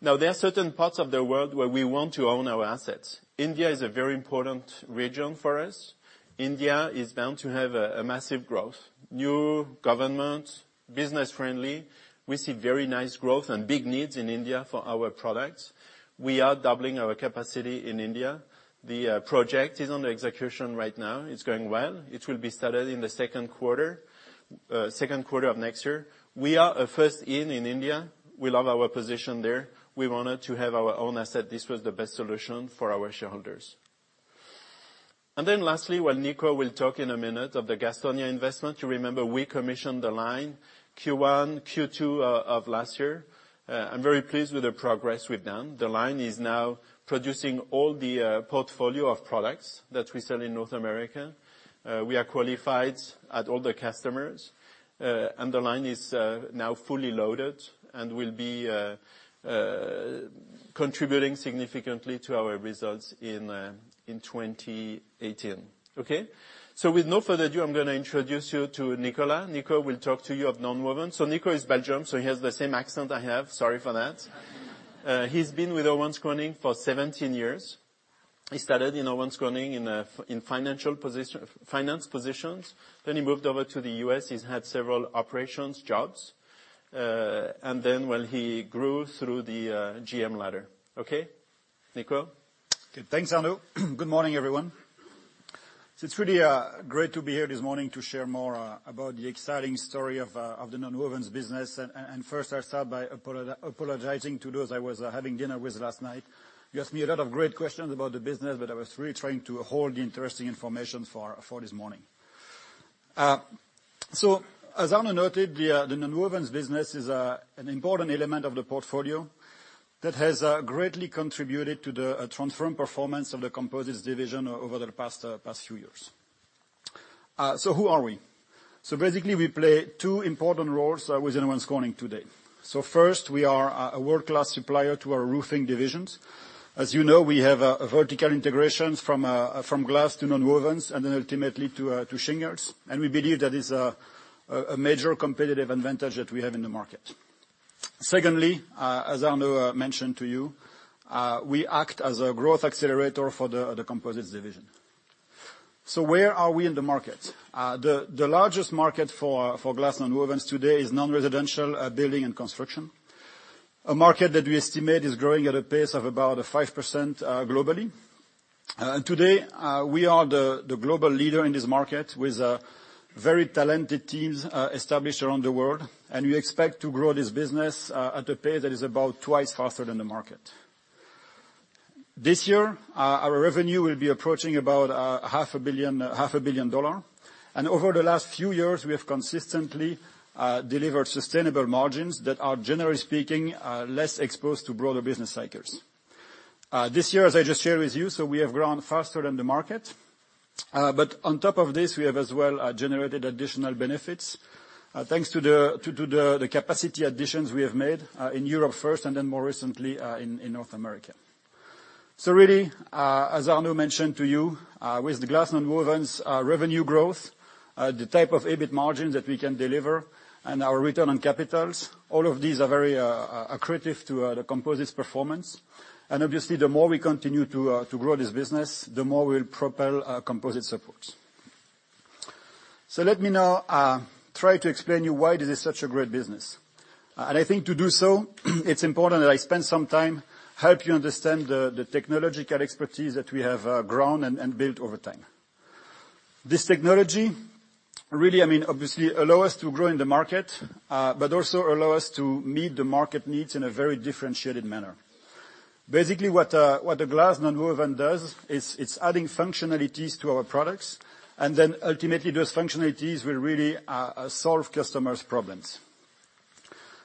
now. There are certain parts of the world where we want to own our assets. India is a very important region for us. India is bound to have a massive growth. New government business friendly. We see very nice growth and big needs in India for our products. We are doubling our capacity in India. The project is under execution right now. It's going well. It will be started in the second quarter, second quarter of next year. We are a first in India. We love our position there. We wanted to have our own asset. This was the best solution for our shareholders. And then lastly, while Nico will talk in a minute of the Gastonia investment, you remember we commissioned the line Q1 Q2 of last year. I'm very pleased with the progress we've done. The line is now producing all the portfolio of products that we sell in North America. We are qualified at all the customers. The line is now fully loaded and will. Be. Contributing significantly to our results in 2018. Okay, so with no further ado, I'm going to introduce you to Nicolas. Nicolas will talk to you of nonwovens. So Nicolas is Belgian. So he has the same accent I have. Sorry for that. He's been with Owens Corning for 17 years. He started in Owens Corning in finance positions. Then he moved over to the US. He's had several operations jobs and then he grew through the GM ladder. Okay, Nicolas. Thanks Arnaud. Good morning everyone. It's really great to be here this morning to share more about the exciting story of the nonwovens business. First I'll start by apologizing to those I was having dinner with last night. You asked me a lot of great questions about the business but I was really trying to hold the interesting information for this morning. As Arnaud noted, the nonwovens business is an important element of the portfolio that has greatly contributed to the transformed performance of the composites division over the past few years. Who are we? Basically we play two important roles with Owens Corning today. First we are a world class supplier to our roofing divisions. As you know, we have vertical integrations from glass to nonwovens and then ultimately to shingles. We believe that is a major competitive advantage that we have in the market. Secondly, as Arnaud mentioned to you, we act as a growth accelerator for the composites division. So where are we in the market? The largest market for glass nonwovens today is non-residential building and construction. A market that we estimate is growing at a pace of about 5% globally. Today we are the global leader in this market with very talented teams established around the world. We expect to grow this business at a pace that is about twice faster than the market. This year our revenue will be approaching about $500 million. Over the last few years we have consistently delivered sustainable margins that are, generally speaking, less exposed to broader business cycles. This year, as I just shared with you. So we have grown faster than the market. But on top of this, we have as well generated additional benefits thanks to the capacity additions we have made in Europe first and then more recently in North America. So really, as Arnaud mentioned to you, with the glass nonwovens revenue growth, the type of EBIT margins that we can deliver, and our return on capital, all of these are very accretive to the composites performance. And obviously the more we continue to grow this business, the more we'll propel composites support. So let me now try to explain you why this is such a great business. And I think to do so it's important that I spend some time, help you understand the technological expertise that we have grown and built over time. This technology really, I mean, obviously allow us to grow in the market, but also allow us to meet the market needs in a very differentiated manner. Basically what the glass non-woven does is it's adding functionalities to our products. And then ultimately those functionalities will really solve customers' problems.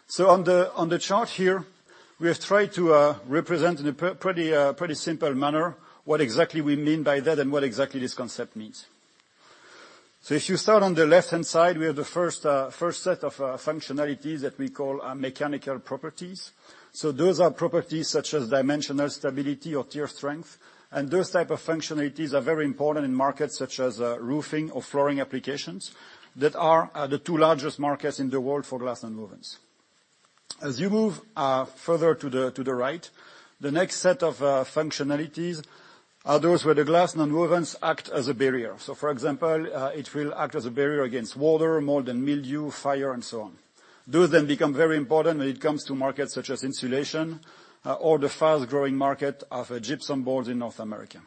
So on the chart here we have tried to represent in a pretty simple manner what exactly we mean by that and what exactly this concept means. So if you start on the left-hand side, we have the first set of functionalities that we call mechanical properties. So those are properties such as dimensional stability or tear strength. And those type of functionalities are very important in markets such as roofing or flooring applications that are the two largest markets in the world for glass nonwovens. As you move further to the right, the next set of functionalities are those where the glass nonwovens act as a barrier. So for example, it will act as a barrier against water, mold and mildew, fire and so on. Those then become very important when it comes to markets such as insulation or the fast growing market of gypsum boards in North America.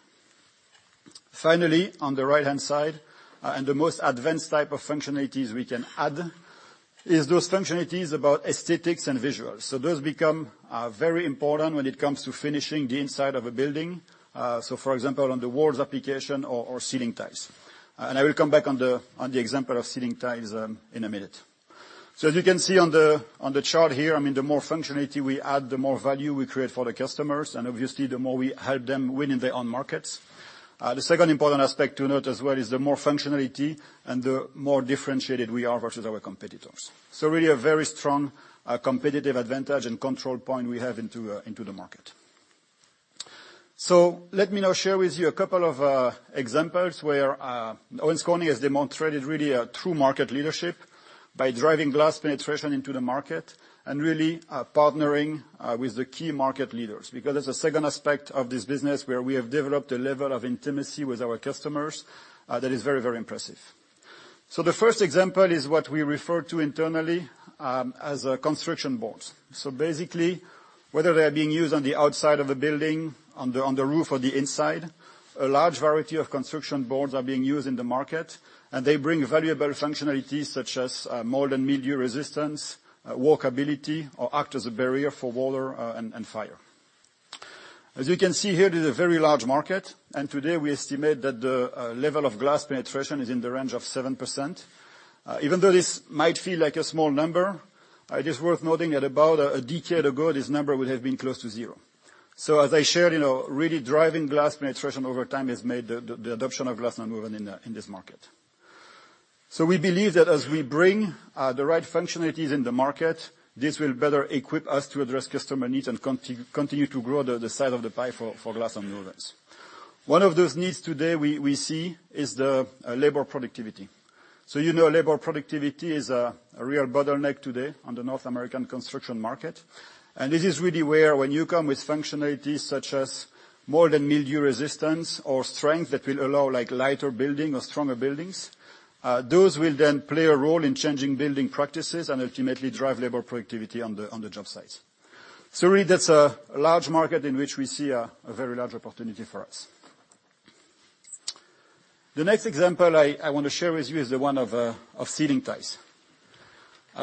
Finally, on the right hand side and the most advanced type of functionalities we can add is those functionalities about aesthetics and visuals. So those become are very important when it comes to finishing the inside of a building. So for example on the walls application or ceiling tiles. And I will come back on the example of ceiling tiles in a minute. So as you can see on the chart here, I mean the more functionality we add, the more value we create for the customers. And obviously the more we help them win in their own markets. The second important aspect to note as well is the more functionality and the more differentiated we are versus our competitor. So really a very strong competitive advantage and control point we have into the market. So let me now share with you a couple of examples where Owens Corning has demonstrated really true market leadership by driving glass penetration into the market and really partnering with the key market leaders. Because that's the second aspect of this business where we have developed a level of intimacy with our customers that is very, very impressive. So the first example is what we refer to internally as construction boards. So basically whether they are being used on the outside of a building, on the roof or the inside, a large variety of construction boards are being used in the market. And they bring valuable functionalities such as mold and mildew resistance, walkability or act as a barrier for water and fire. As you can see here, this is a very large market and today we estimate that the level of glass penetration is in the range of 7%. Even though this might feel like a small number, it is worth noting that about a decade ago this number would have been close to zero. So as I shared, really driving glass penetration over time has made the adoption of glass non-wovens in this market. So we believe that as we bring the right functionalities in the market, this will better equip us to address customer needs and continue to grow the size of the pie for glass nonwovens. One of those needs today we see is the labor productivity. So you know, labor productivity is a real bottleneck today on the North American construction market. And this is really where when you come with functionalities such as mold and mildew resistance or strength that will allow like lighter buildings or stronger buildings, those will then play a role in changing building practices and ultimately drive labor productivity on the job sites. So really that's a large market in which we see a very large opportunity for us. The next example I want to share with you is the one of ceiling tiles.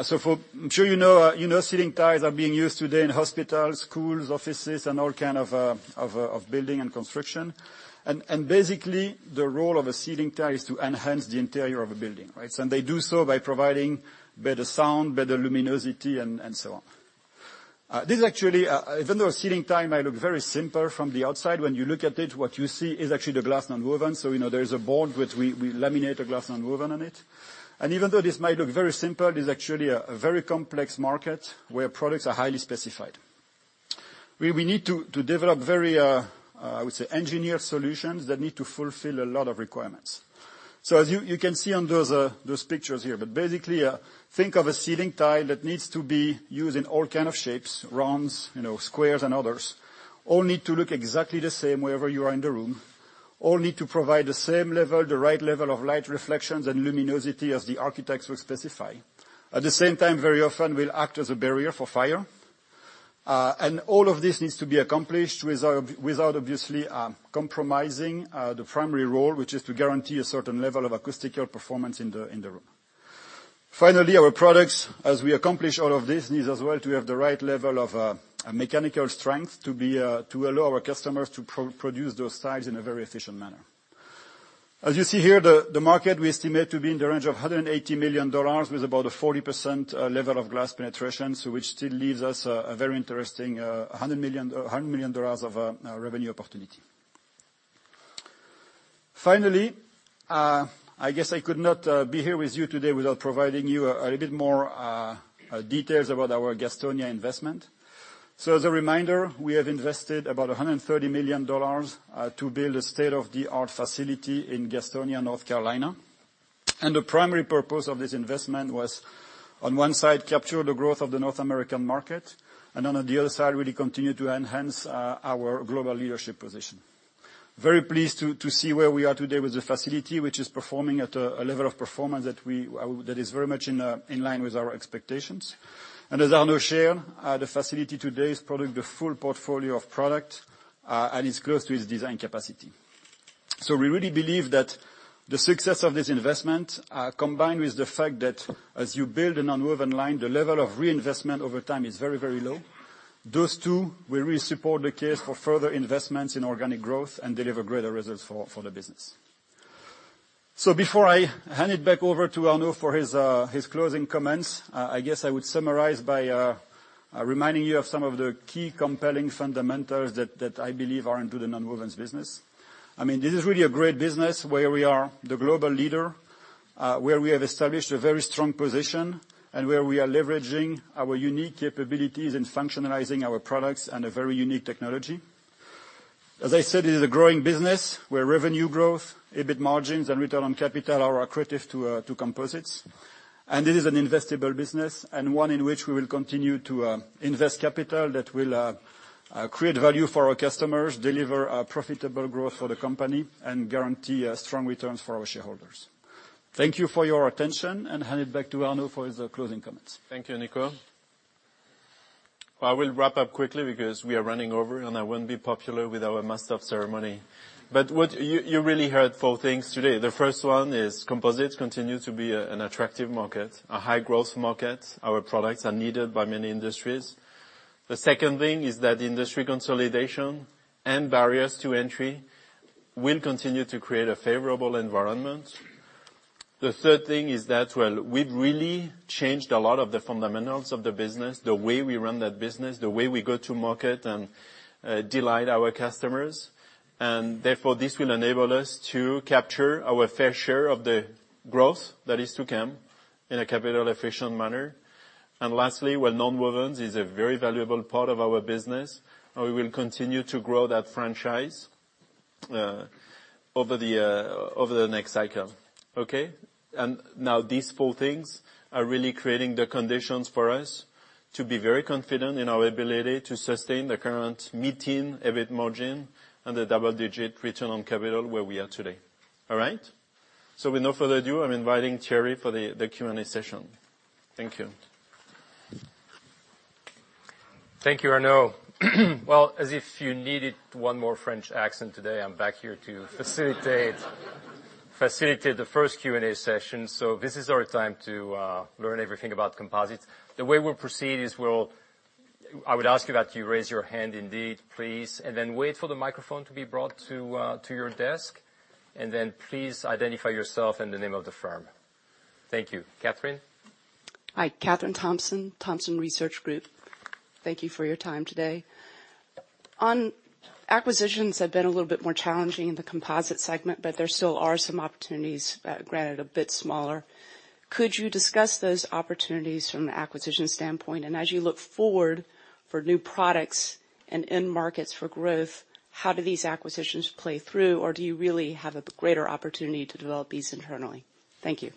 So I'm sure you know, ceiling tiles are being used today in hospitals, schools, offices, and all kinds of buildings and construction. And basically the role of a ceiling tile is to enhance the interior of a building, right? And they do so by providing better sound, better luminosity and so on. This actually, even though ceiling tile might look very simple from the outside, when you look at it, what you see is actually the glass nonwoven. So, you know, there is a board which we laminate a glass nonwoven on it. And even though this might look very simple, it's actually a very complex market where products are highly specified. We need to develop very, I would say, engineered solutions that need to fulfill a lot of requirements. So as you can see on those pictures here, but basically think of a ceiling tile that needs to be used in all kind of shapes, rounds, you know, squares and others. All need to look exactly the same wherever you are in the room. All need to provide the same level, the right level of light, reflections and luminosity, as the architects were specified, at the same time very often will act as a barrier for fire. And all of this needs to be accomplished without obviously compromising the primary role, which is to guarantee a certain level of acoustical performance in the room. Finally, our products, as we accomplish all of this, needs as well to have the right level of mechanical strength to allow our customers to produce those tiles in a very efficient manner. As you see here, the market we estimate to be in the range of $180 million with about a 40% level of glass penetration, so which still leaves us a very interesting $100 million of revenue opportunity. Finally, I guess I could not be here with you today without providing you a little bit more details about our Gastonia investment, so as a reminder, we have invested about $130 million to build a state-of-the-art facility in Gastonia, North Carolina. And the primary purpose of this investment was on one side, capture the growth of the North American market, and on the other side, really continue to enhance our global leadership position. Very pleased to see where we are today with the facility, which is performing at a level of performance that is very much in line with our expectations. And as Arnaud shared, the facility today is producing the full portfolio of product and it's close to its design capacity. So we really believe that the success of this investment, combined with the fact that as you build a nonwoven line, the level of reinvestment over time is very, very low. Those two will really support the case for further investments in organic growth and deliver greater results for the business. So before I hand it back over to Arnaud for his closing comments. I guess I would summarize by reminding you of some of the key compelling fundamentals that I believe are into the nonwovens business. I mean, this is really a great business where we are the global leader, where we have established a very strong position, and where we are leveraging our unique capabilities in functionalizing our products and a very unique technology. As I said, it is a growing business where revenue growth, EBIT margins and return on capital are accretive to composites. And it is an investable business and one in which we will continue to invest capital that will create value for our customers, deliver profitable growth for the company, and guarantee strong returns for our shareholders. Thank you for your attention and hand it back to Arnaud for his closing comments. Thank you, Nico. I will wrap up quickly because we are running over and I won't be popular with our master of ceremony, but you really heard four things today. The first one is composites continue to be an attractive market, a high growth market. Our products are needed by many industries. The second thing is that industry consolidation and barriers to entry will continue to create a favorable environment. The third thing is that we've really changed a lot of the fundamentals of the business, the way we run that business, the way we go to market and delight our customers. And therefore, this will enable us to capture our fair share of the growth that is to come in a capital efficient manner. And lastly, well, nonwovens is a very valuable part of our business and we will continue to grow that franchise over the. Over the next cycle. Okay, and now these four things are really creating the conditions for us to be very confident in our ability to sustain the current mid teen EBIT margin and the double-digit return on capital where we are today. All right, so with no further ado, I'm inviting Thierry for the Q and A session. Thank you. Thank you, Arnaud. As if you needed one more French accent today, I'm back here to facilitate the first Q and A session, so this is our time to learn everything about composites. The way we'll proceed is dI would ask that you raise your hand. Indeed, please, and then wait for the microphone to be brought to your desk, and then please identify yourself and the name of the firm. Thank you. Kathryn. Hi, Kathryn Thompson, Thompson Research Group. Thank you for your time today on. Acquisitions have been a little bit more. Challenging in the composites segment, but there. Still are some opportunities, granted, a bit smaller. Could you discuss those opportunities from an acquisition standpoint? As you look forward. For new products and end markets for growth. How do these acquisitions play through? Or do you really have a greater opportunity to develop these internally? Thank you.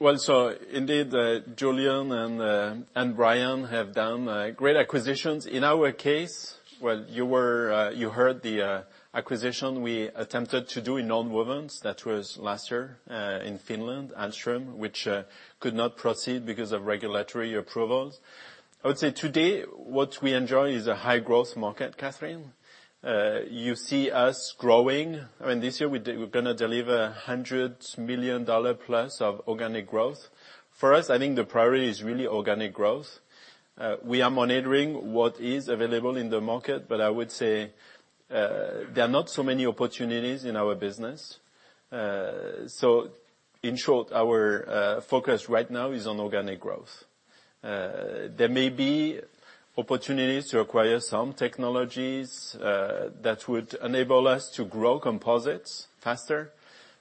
Indeed Julian and Brian have done great acquisitions in our case. You heard the acquisition we attempted to do in nonwovens. That was last year in Finland, Ahlstrom, which could not proceed because of regulatory approvals. I would say today, what we enjoy is a high growth market. Kathryn, you see us growing. I mean, this year we're going to deliver $100 million plus of organic growth. For us, I think the priority is really organic growth. We are monitoring what is available in the market. But I would say there are not so many opportunities in our business. In short, our focus right now is on organic growth. There may be opportunities to acquire some technologies that would enable us to grow composites faster.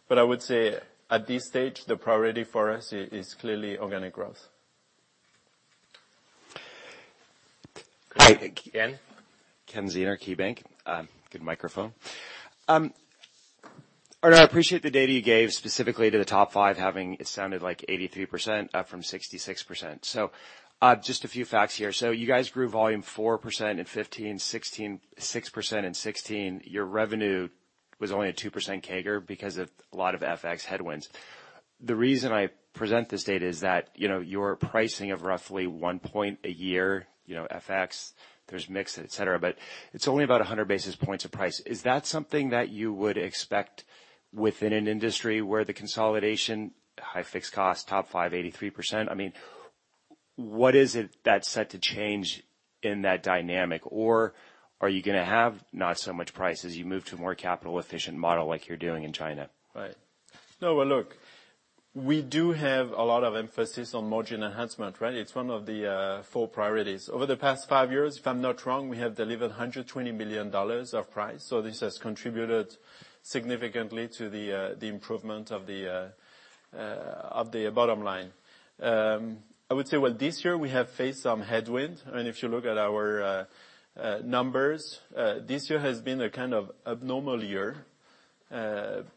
But I would say at this stage, the priority for us is clearly organic growth. Hi again. Ken Zener, KeyBanc. Good microphone. I appreciate the data you gave specifically to the top five having it sounded like 83% up from 66%. So just a few facts here. So you guys grew volume 4% in 2015, 2016, 6% in 2016. Your revenue was only a 2% CAGR because of a lot of FX headwinds. The reason I present this data is that your pricing of roughly one point a year, you know, FX, there's mix, et cetera, but it's only about 100 basis points of price. Is that something that you would expect within an industry where the consolidation, high fixed cost, top five, 83%. I mean, what is it that's set to change in that dynamic? Or are you going to have not so much price as you move to a more capital efficient model like you're doing in China, right? No. Look, we do have a lot of emphasis on margin enhancement. It's one of the four priorities over the past five years, if I'm not wrong, we have delivered $120 million of price. So this has contributed significantly to the improvement of the bottom line, I would say. This year we have faced some headwind and if you look at our numbers, this year has been a kind of abnormal year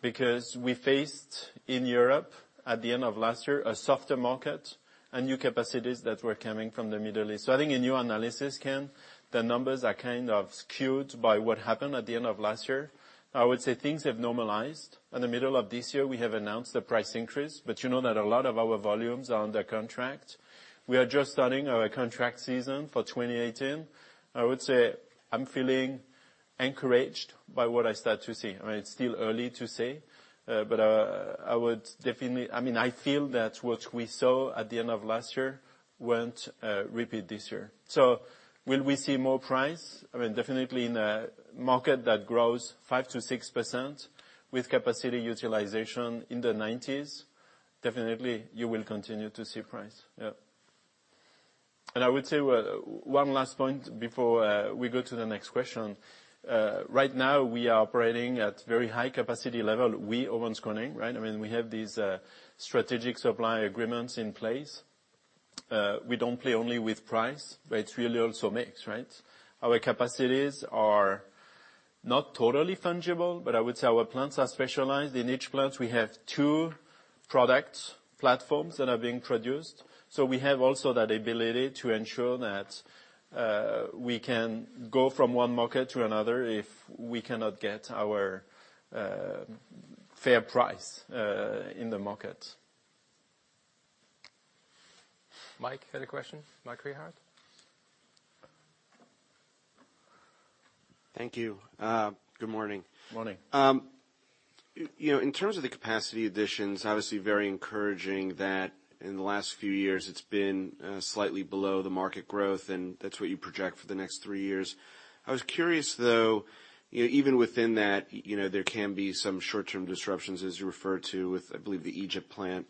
because we faced in Europe at the end of last year a softer market and new capacities that were coming from the Middle East. So I think a new analysis can. The numbers are kind of skewed by what happened at the end of last year. I would say things have normalized in the middle of this year. We have announced the price increase. But you know that a lot of our volumes are under contract. We are just starting our contract season for 2018. I would say I'm feeling encouraged by what I start to see. I mean it's still early to say but I would definitely, I mean I feel that what we saw at the end of last year won't repeat this year. So will we see more price? I mean definitely. In a market that grows 5%-6% with capacity utilization in the 90s, definitely you will continue to see price. And I would say one last point before we go to the next question. Right now we are operating at very high capacity level. We're Owens Corning. Right. I mean we have these strategic supply agreements in place. We don't play only with price, but it's really also mix. Right. Our capacities are not totally fungible but I would say our plants are specialized. In each plant we have two products platforms that are being produced, so we have also that ability to ensure that we can go from one market to another if we cannot get our fair price in the market. Mike had a question, Mike. Rehaut. Thank you. Good morning. Morning. You know in terms of the capacity additions, obviously very encouraging that in the last few years it's been slightly below the market growth and that's what you project for the next three years. I was curious though, even within that there can be some short term disruptions as you refer to with I believe the Egypt plant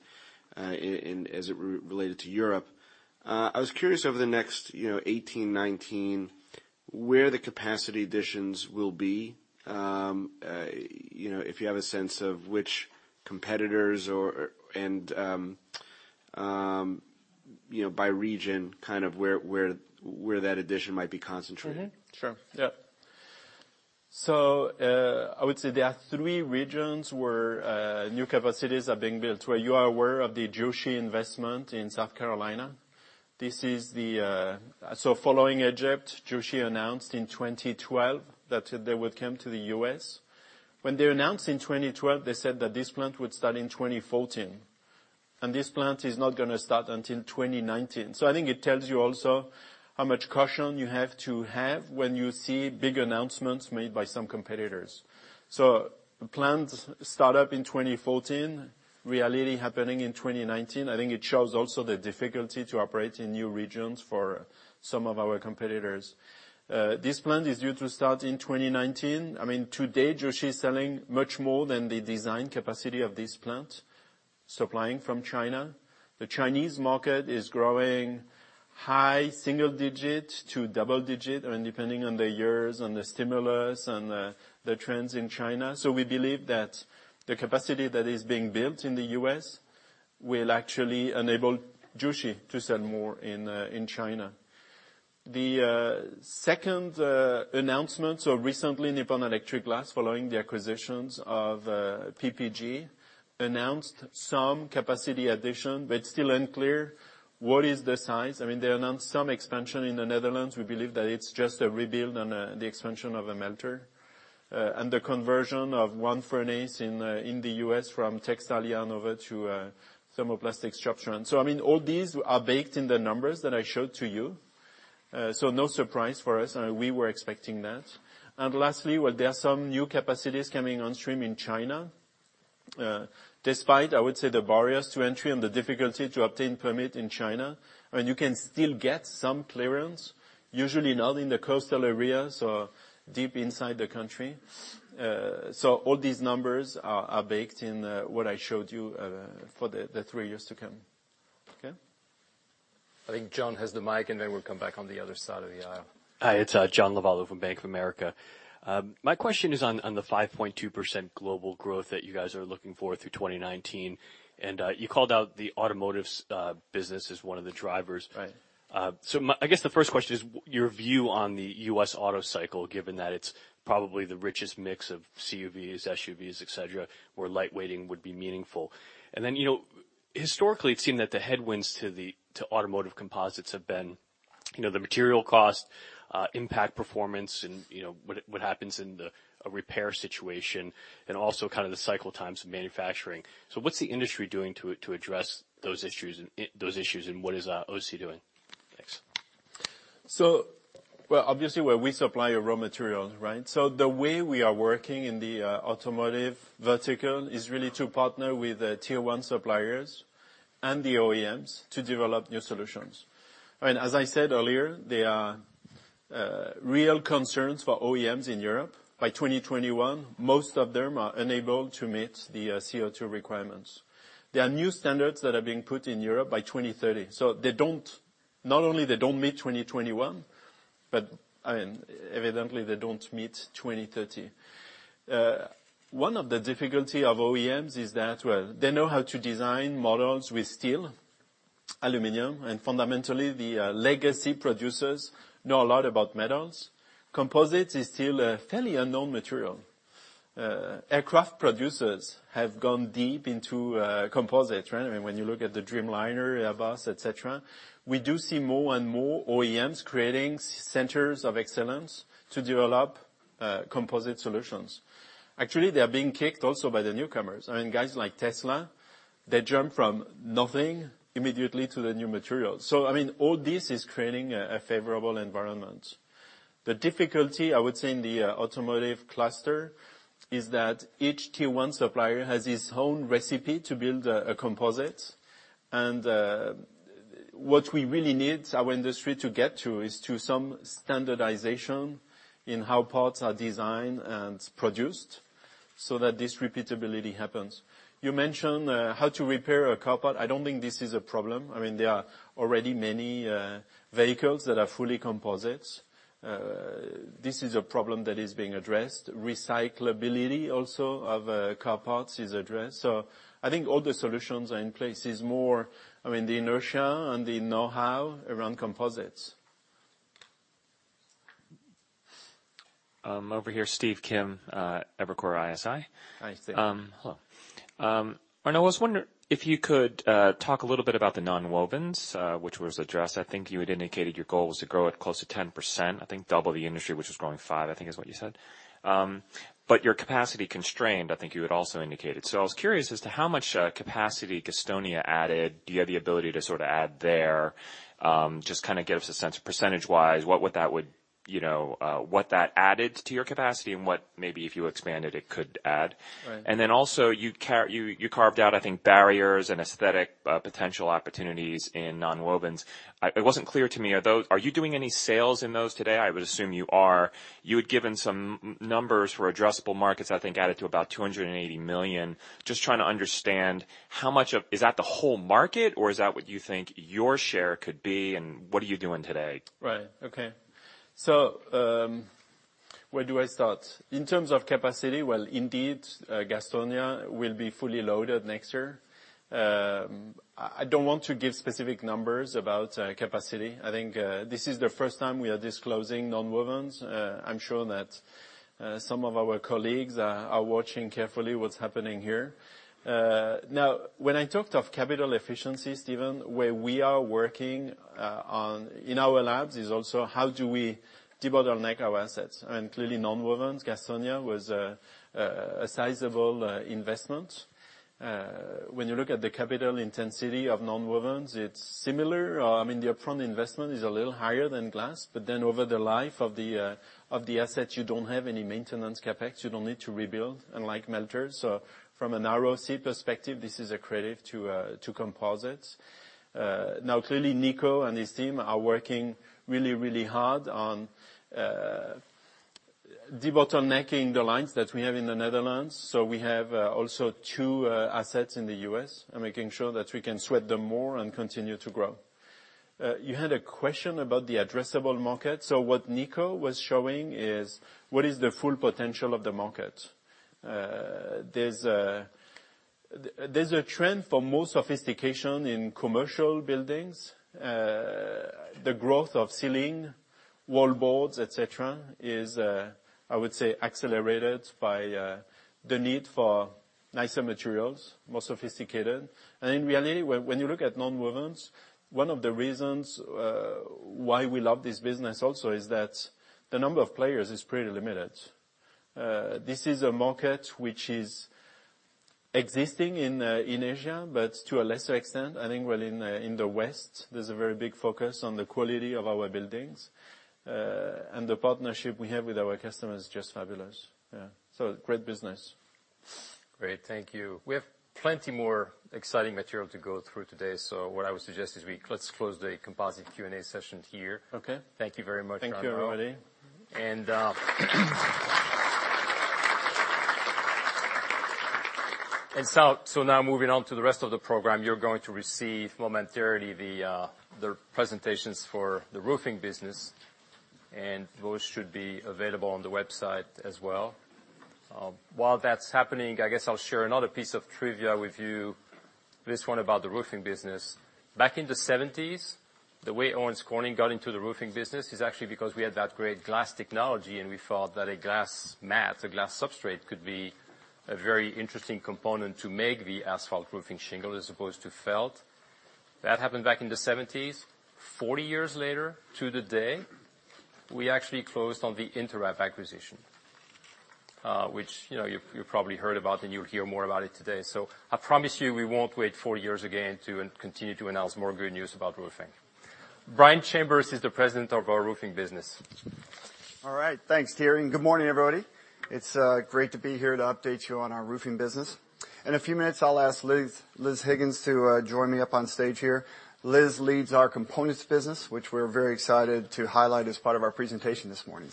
as it related to Europe. I was curious over the next 2018-2019 where the capacity additions will be if you have a sense of which competitors and by region kind of where that addition might be concentrated. Sure. Yeah. So I would say there are three regions where new capacities are being built. Where you are aware of the Jushi investment in South Carolina. This is the so following Egypt, Jushi announced in 2012 that they would come to the US when they announced in 2012 they said that this plant would start in 2014 and this plant is not going to start until 2019. So I think it tells you also how much caution you have to have when you see big announcements made by some competitors. So planned startup in 2014, reality happening in 2019. I think it shows also the difficulty to operate in new regions for some of our competitors. This plant is due to start in 2019. I mean today Jushi is selling much more than the design capacity of this plant supplying from China. The Chinese market is growing high single digit to double-digit depending on the years on the stimulus and the trends in China. So we believe that the capacity that is being built in the US will actually enable Jushi to sell more in China. The second announcement. So recently Nippon Electric Glass, following the acquisitions of PPG, announced some capacity addition, but still unclear what is the size. I mean, they announced some expansion in the Netherlands. We believe that it's just a rebuild and the expansion of a melter and the conversion of one furnace in the US from textile over to thermoplastic structure. And so, I mean, all these are baked in the numbers that I showed to you. So no surprise for us. We were expecting that. And lastly, well, there are some new capacities coming on stream in China. Despite, I would say the barriers to entry and the difficulty to obtain permit in China, you can still get some clearance, usually not in the coastal areas or deep inside the country. So all these numbers are baked in what I showed you for the three years to come. I think John has the mic and then we'll come back on the other. Side of the aisle. Hi, it's John Lovallo from Bank of America. My question is on the 5.2% global growth that you guys are looking for through 2019 and you called out the automotive business as one of the drivers. So I guess the first question is your view on the US auto cycle, given that it's probably the richest mix of CUVs, SUVs, et cetera, where light. Weighting would be meaningful. And then, you know, historically it seemed that the headwinds to the automotive composites. Have been, you know, the material cost, impact, performance and, you know, what happens in the repair situation and also kind of the cycle times of manufacturing. So what's the industry doing to address. Those issues, those issues? What is OC doing? Well, obviously where we supply a raw material, right. So the way we are working in the automotive vertical is really to partner with tier one suppliers and the OEMs to develop new solutions. As I said earlier, there are real concerns for OEMs in Europe. By 2021, most of them are unable to meet the CO2 requirements. There are new standards that are being put in Europe by 2030. So they don't, not only they don't meet 2021, but evidently they don't meet 2030. One of the difficulty of OEMs is that they know how to design models with steel, aluminum and fundamentally the legacy producers know a lot about metals. Composites is still a fairly unknown material. Aircraft producers have gone deep into composites. When you look at the Dreamliner, Airbus, etc. We do see more and more OEMs creating centers of excellence to develop composite solutions. Actually they are being kicked also by the newcomers. I mean, guys like Tesla, they jump from nothing immediately to the new materials. So I mean all this is creating a favorable environment. The difficulty, I would say in the automotive cluster is that each Tier 1 supplier has its own recipe to build a composite. And what we really need our industry to get to is to some standardization in how parts are designed and produced so that this repeatability happens. You mentioned how to repair a car part. I don't think this is a problem. I mean there are already many vehicles that are fully composite. This is a problem that is being addressed. Recyclability also of car parts is addressed. So I think all the solutions are in place. It's more, I mean, the inertia and the know-how around composites. Over here, Steve Kim, Evercore ISI. Hi Steve. Hello, Arnaud. I was wondering if you could talk a little bit about the nonwovens which was addressed. I think you had indicated your goal was to grow at close to 10%. I think double the industry which was growing five, I think is what you said. But you're capacity-constrained, I think you had also indicated. So I was curious as to how. Much capacity Gastonia added. Do you have the ability to sort of add there, just kind of give. Give us a sense of percentage-wise what that added to your capacity and what? Maybe if you expanded it could add. And then also you carved out, I think, barriers and aesthetic potential opportunities in nonwovens. It wasn't clear to me. Are you doing any sales in those today? I would assume you are. You had given some numbers for addressable markets. I think added to about $280 million. Just trying to understand how much of. Is that the whole market or is? That's what you think your share could be? What are you doing today? Right, okay, so where do I start in terms of capacity? Well, indeed, Gastonia will be fully loaded next year. I don't want to give specific numbers about capacity. I think this is the first time we are disclosing nonwovens. I'm sure that some of our colleagues are watching carefully what's happening here. Now, when I talked of capital efficiency, Stephen, where we are working on in our labs is also how do we debottleneck our assets? And clearly nonwovens. Gastonia was a sizable investment. When you look at the capital intensity of nonwovens, it's similar. I mean the upfront investment is a little higher than glass, but then over the life of the assets, you don't have any maintenance CapEx, you don't need to rebuild, unlike melters. So from a narrow seat perspective, this is accretive to composites. Now, clearly, Nico and his team are working really, really hard on debottlenecking the lines that we have in the Netherlands. So we have also two assets in the US and making sure that we can sweat them more and continue to grow. You had a question about the addressable market. So what Nico was showing is what is the full potential of the market? There's a trend for more sophistication in commercial buildings. The growth of ceiling, wall boards, et cetera, is, I would say, accelerated by the need for nicer materials, more sophisticated, and in reality, when you look at nonwovens, one of the reasons why we love this business also is that the number of players is pretty limited. This is a market which is existing in Asia, but to a lesser extent, I think in the West. There's a very big focus on the quality of our buildings. And the partnership we have with our customers is just fabulous. So great business. Great. Thank you. We have plenty more exciting material to go through today. So what I would suggest is let's close the Composites Q and A session here. Okay? Thank you very much. Thank you, everybody. So now, moving on to the rest of the program, you're going to receive momentarily the presentations for the roofing business, and those should be available on the website as well. While that's happening, I guess I'll share another piece of trivia with you, this one about the roofing business. Back in the 1970s, the way Owens Corning got into the roofing business is actually because we had that great glass technology, and we thought that a glass mat, a glass substrate, could be a very interesting component to make the asphalt roofing shingle as opposed to felt that happened back in the 1970s. Forty years later to the day, we actually closed on the InterWrap acquisition, which, you know, you've probably heard about and you'll hear more about it today. So I promise you we won't wait four years again to continue to announce more good news about roofing. Brian Chambers is the President of our roofing business. All right, thanks, Thierry. Good morning, everybody. It's great to be here to update you on our roofing business. In a few minutes, I'll ask Liz Higgins to join me up on stage here. Liz leads our components business, which we're very excited to highlight as part of our presentation this morning.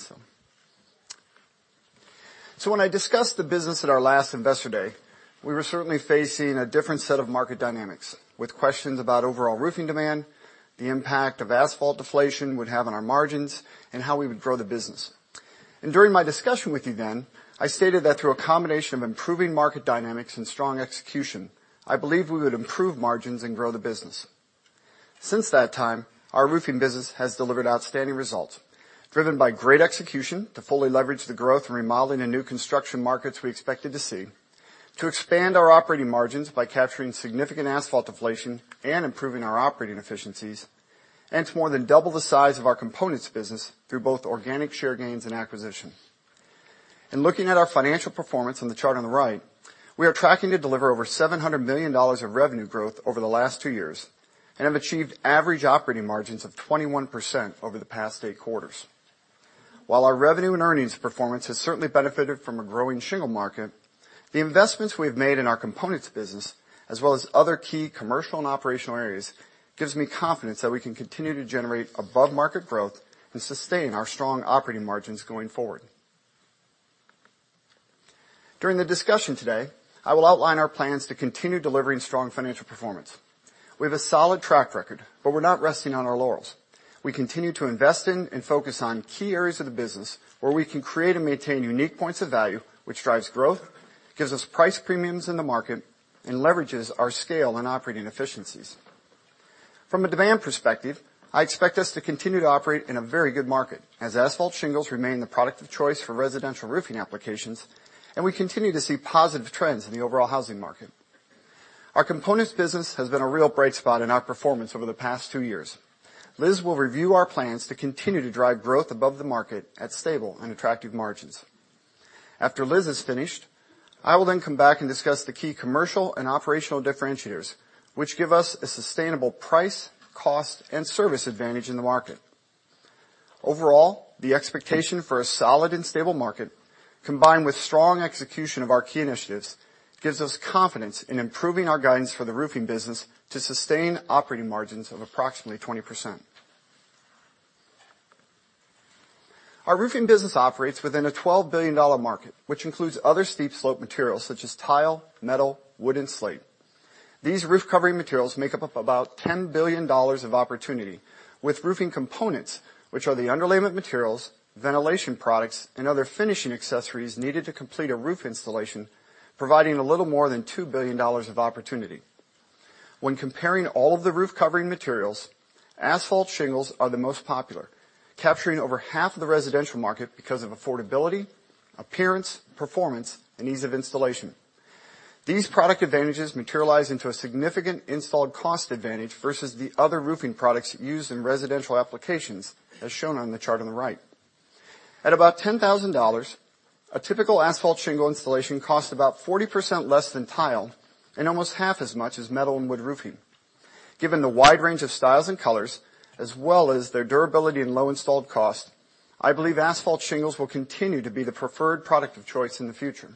When I discussed the business at our last Investor Day, we were certainly facing a different set of market dynamics with questions about overall roofing demand, the impact of asphalt deflation would have on our margins, and how we would grow the business, and during my discussion with you then, I stated that through a combination of improving market dynamics and strong execution, I believe we would improve margins and grow the business. Since that time, our roofing business has delivered outstanding results driven by great execution to fully leverage the growth and remodeling and new construction markets. We expected to see to expand our operating margins by capturing significant asphalt deflation and improving our operating efficiencies and to more than double the size of our components business through both organic share gains and acquisition and looking at our financial performance on the chart on the right, we are tracking to deliver over $700 million of revenue growth over the last two years and have achieved average operating margins of 21% over the past eight quarters. While our revenue and earnings performance has certainly benefited from a growing shingle market, the investments we have made in our components business as well as other key commercial and operational areas gives me confidence that we can continue to generate above market growth and sustain our strong operating margins going forward. During the discussion today, I will outline our plans to continue delivering strong financial performance. We have a solid track record, but we're not resting on our laurels. We continue to invest in and focus on key areas of the business where we can create and maintain unique points of value which drives growth, gives us price premiums in the market and leverages our scale and operating efficiencies from a demand perspective. I expect us to continue to operate in a very good market as asphalt shingles remain the product of choice for residential roofing applications and we continue to see positive trends in the overall housing market. Our components business has been a real bright spot in our performance over the past two years. Liz will review our plans to continue to drive growth above the market at stable and attractive margins. After Liz is finished, I will then come back and discuss the key commercial and operational differentiators which give us a sustainable price, cost and service advantage in the market. Overall, the expectation for a solid and stable market combined with strong execution of our key initiatives gives us confidence in improving our guidance for the roofing business to sustain operating margins of approximately 20%. Our roofing business operates within a $12 billion market which includes other steep slope materials such as tile, metal, wood and slate. These roof covering materials make up about $10 billion of opportunity with roofing components which are the underlayment materials, ventilation products and other finishing accessories needed to complete a roof insulation, providing a little more than $2 billion of opportunity. When comparing all of the roof covering materials, asphalt shingles are the most popular capturing over half of the residential market because of affordability, appearance, performance and ease of installation. These product advantages materialize into a significant installed cost advantage versus the other roofing products used in residential applications. As shown on the chart on the right. At about $10,000, a typical asphalt shingle insulation costs about 40% less than tile and almost half as much as metal and wood roofing. Given the wide range of styles and colors, as well as their durability and low installed cost, I believe asphalt shingles will continue to be the preferred product of choice in the future,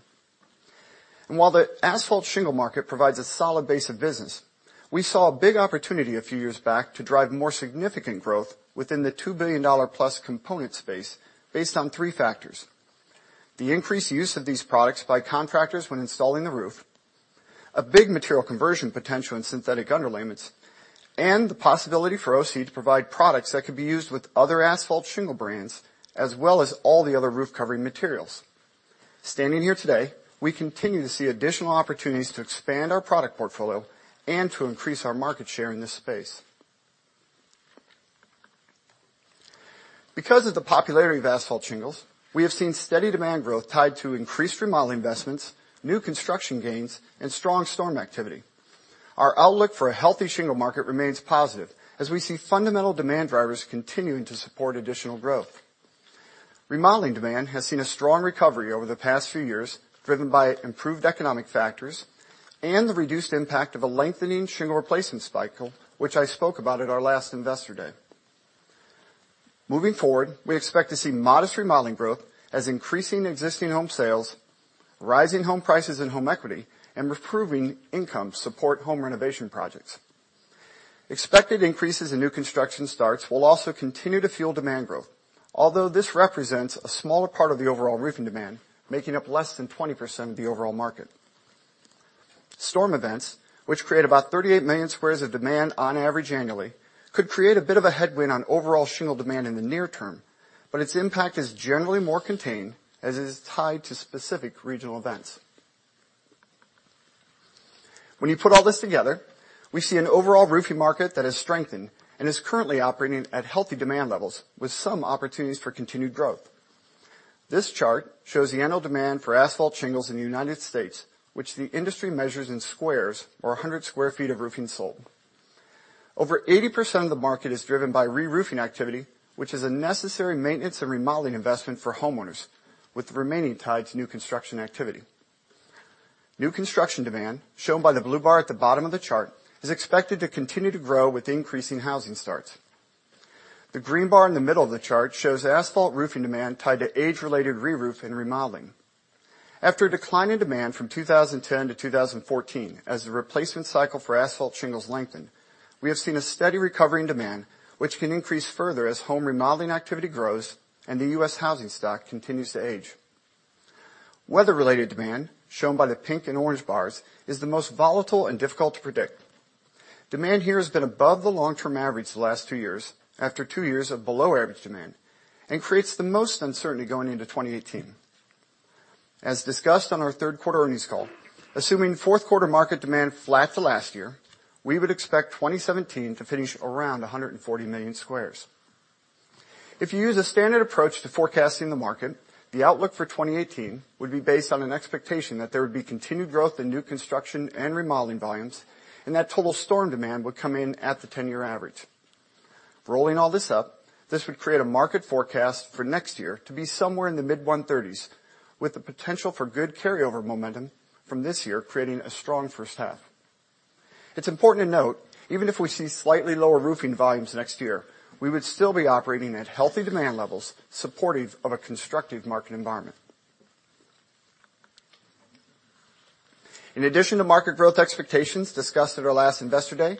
and while the asphalt shingle market provides a solid base of business, we saw a big opportunity a few years back to drive more significant growth within the $2 billion plus component space based on three factors: the increased use of these products by contractors when installing the roof, a big material conversion potential in synthetic underlayments, and the possibility for OC to provide products that could be used with other asphalt shingle brands as well as all the other roof covering materials. Standing here today, we continue to see additional opportunities to expand our product portfolio and to increase our market share in this space. Because of the popularity of asphalt shingles, we have seen steady demand growth tied to increased remodeling investments, new construction gains, and strong storm activity. Our outlook for a healthy shingle market remains positive as we see fundamental demand drivers continuing to support additional growth. Remodeling demand has seen a strong recovery over the past few years, driven by improved economic factors and the reduced impact of a lengthening shingle replacement cycle which I spoke about at our last Investor Day. Moving forward, we expect to see modest remodeling growth as increasing existing home sales, rising home prices in home equity, and improving income support home renovation projects. Expected increases in new construction starts will also continue to fuel demand growth, although this represents a smaller part of the overall roofing demand, making up less than 20% of the overall market. Storm events, which create about 38 million squares of demand on average annually, could create a bit of a headwind on overall shingle demand in the near term, but its impact is generally more contained as it is tied to specific regional events. When you put all this together, we see an overall roofing market that has strengthened and is currently operating at healthy demand levels with some opportunities for continued growth. This chart shows the annual demand for asphalt shingles in the United States, which the industry measures in squares or 100 sq ft of roofing sold. Over 80% of the market is driven by reroofing activity, which is a necessary maintenance and remodeling investment for homeowners with the remaining tied to new construction activity. New construction demand shown by the blue bar at the bottom of the chart is expected to continue to grow with increasing housing starts. The green bar in the middle of the chart shows asphalt roofing demand tied to age-related reroof and remodeling. After a decline in demand from 2010 to 2014 as the replacement cycle for asphalt shingles lengthened, we have seen a steady recovery in demand which can increase further as home remodeling activity grows and the US housing stock continues to age. Weather-related demand shown by the pink and orange bars is the most volatile and difficult to predict. Demand here has been above the long-term average the last two years after two years of below-average demand and creates the most uncertainty going into 2018. As discussed on our third quarter earnings call, assuming fourth quarter market demand flat to last year, we would expect 2017 to finish around 140 million squares. If you use a standard approach to forecasting the market, the outlook for 2018 would be based on an expectation that there would be continued growth in new construction and remodeling volumes and that total storm demand would come in at the 10-year average. Rolling all this up, this would create a market forecast for next year to be somewhere in the mid-130s with the potential for good carryover momentum from this year creating a strong first half. It's important to note, even if we see slightly lower roofing volumes next year, we would still be operating at healthy demand levels supportive of a constructive market environment. In addition to market growth expectations discussed at our last investor day,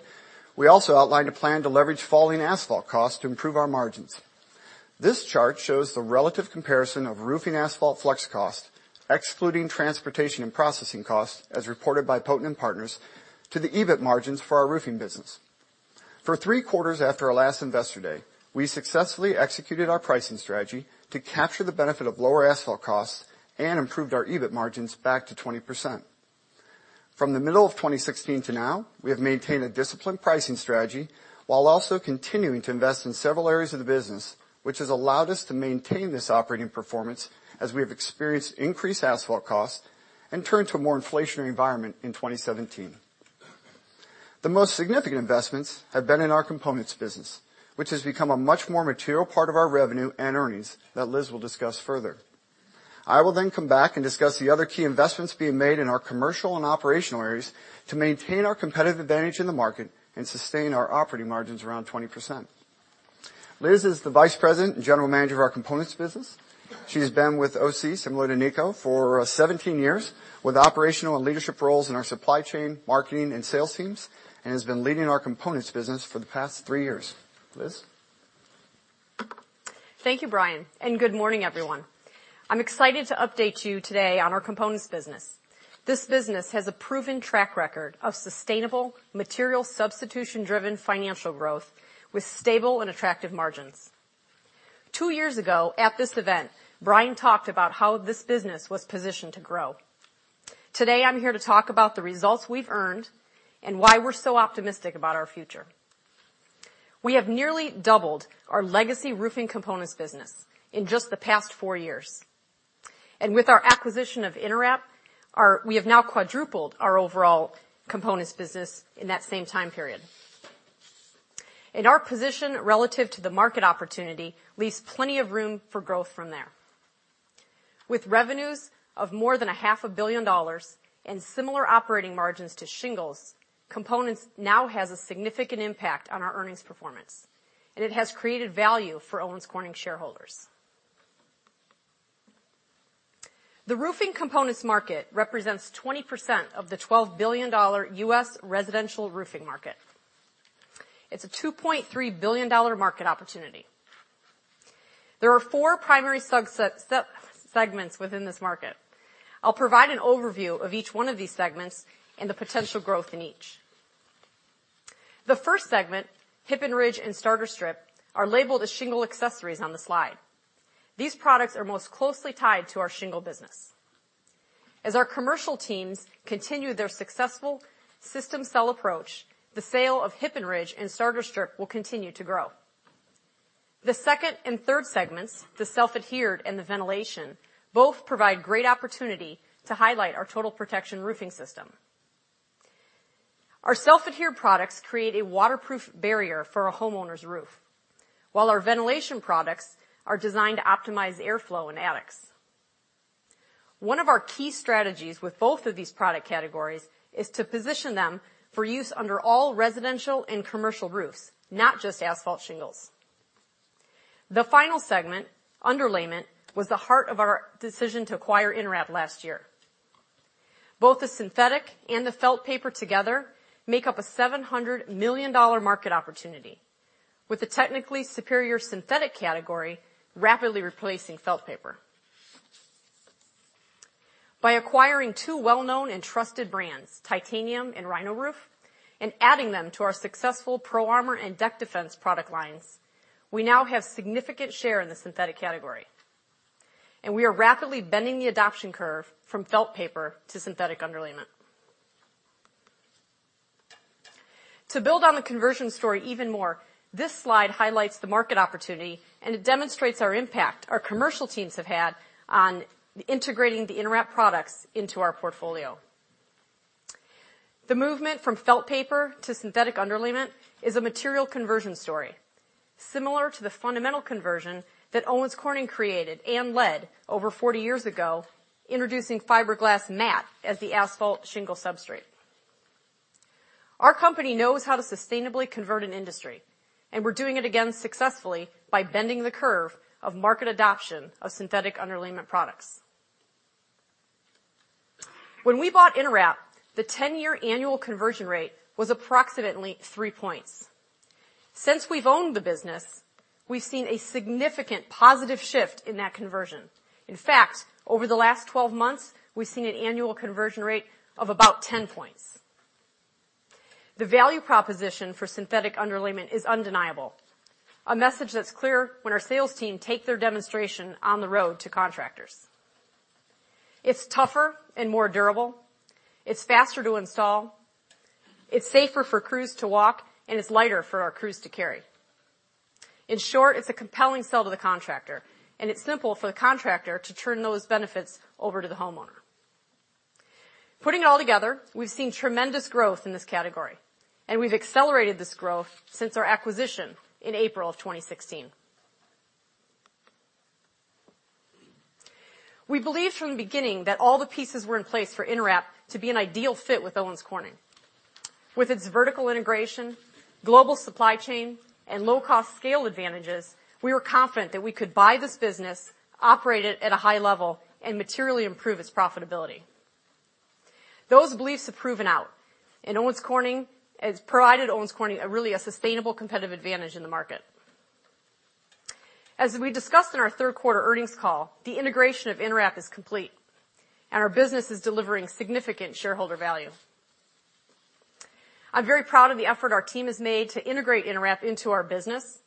we also outlined a plan to leverage falling asphalt costs to improve our margins. This chart shows the relative comparison of roofing asphalt flux cost excluding transportation and processing costs as reported by Poten & Partners to the EBIT margins for our roofing business for three quarters after our last investor day. We successfully executed our pricing strategy to capture the benefit of lower asphalt costs and improved our EBIT margins back to 20%. From the middle of 2016 to now, we have maintained a disciplined pricing strategy while also continuing to invest in several areas of the business which has allowed us to maintain this operating performance. As we have experienced increased asphalt costs and turned to a more inflationary environment in 2017. The most significant investments have been in our components business, which has become a much more material part of our revenue and earnings that Liz will discuss further. I will then come back and discuss the other key investments being made in our commercial and operational areas to maintain our competitive advantage in the market and sustain our operating margins around 20%. Liz is the Vice President and General Manager of our components business. She has been with OC, similar to Nico, for 17 years with operational and leadership roles in our supply chain, marketing and sales teams and has been leading our components business for the past three years. Liz. Thank you Brian and good morning everyone. I'm excited to update you today on our components business. This business has a proven track record of sustainability, sustainable material substitution driven financial growth with stable and attractive margins. Two years ago at this event, Brian talked about how this business was positioned to grow. Today I'm here to talk about the results we've earned and why we're so optimistic about our future. We have nearly doubled our legacy roofing components business in just the past four years and with our acquisition of InterWrap, and we have now quadrupled our overall components business in that same time period and our position relative to the market opportunity leaves plenty of room for growth from there. With revenues of more than $500 million and similar operating margins to shingles, components now has a significant impact on our earnings performance and it has created value for Owens Corning shareholders. The roofing components market represents 20% of the $12 billion US residential roofing market. It's a $2.3 billion market opportunity. There are four primary segments within this market. I'll provide an overview of each one of these segments and the potential growth in each. The first segment, Hip and Ridge and Starter Strip, are labeled as shingle accessories on the slide. These products are most closely tied to our shingle business. As our commercial teams continue their successful system sell approach, the sale of Hip and Ridge and Starter Strip will continue to grow. The second and third segments, the Self-Adhered and the Ventilation both provide great opportunity to highlight our total protection roofing system. Our Self-Adhered products create a waterproof barrier for a homeowner's roof, while our ventilation products are designed to optimize airflow in attics. One of our key strategies with both of these product categories is to position them for use under all residential and commercial roofs, not just asphalt shingles. The final segment underlayment was the heart of our decision to acquire InterWrap last year. Both the Synthetic and the felt paper together make up a $700 million market opportunity with the technically superior synthetic category rapidly replacing felt paper. By acquiring two well-known and trusted brands, Titanium and RhinoRoof, and adding them to our successful ProArmor and Deck Defense product lines, we now have significant share in the synthetic category, and we are rapidly bending the adoption curve from felt paper to synthetic underlayment to build on the conversion story even more. This slide highlights the market opportunity, and it demonstrates our impact our commercial teams have had on integrating the InterWrap products into our portfolio. The movement from felt paper to synthetic underlayment is a material conversion story similar to the fundamental conversion that Owens Corning created and led over 40 years ago, introducing fiberglass mat as the asphalt shingle substrate. Our company knows how to sustainably convert an industry, and we're doing it again successfully by bending the curve of market adoption of synthetic underlayment products. When we bought InterWrap, the 10-year annual conversion rate was approximately 3 points. Since we've owned the business, we've seen a significant positive shift in that conversion. In fact, over the last 12 months, we've seen an annual conversion rate of about 10 points. The value proposition for synthetic underlayment is undeniable, a message that's clear when our sales team take their demonstration on the road to contractors. It's tougher and more durable. It's faster to install, it's safer for crews to walk, and it's lighter for our crews to carry. In short, it's a compelling sell to the contractor and it's simple for the contractor to turn those benefits over to the homeowner. Putting it all together, we've seen tremendous growth in this category and we've accelerated this growth since our acquisition in April of 2016. We believed from the beginning that all the pieces were in place for InterWrap to be an ideal fit with Owens Corning. With its vertical integration, global supply chain and low cost scale advantages, we were confident that we could buy this business, operate it at a high level and materially improve its profitability. Those beliefs have proven out and InterWrap has provided Owens Corning really a sustainable competitive advantage in the market. As we discussed in our third quarter earnings call, the integration of InterWrap is complete and our business is delivering significant shareholder value. I'm very proud of the effort our team has made to integrate InterWrap into our business.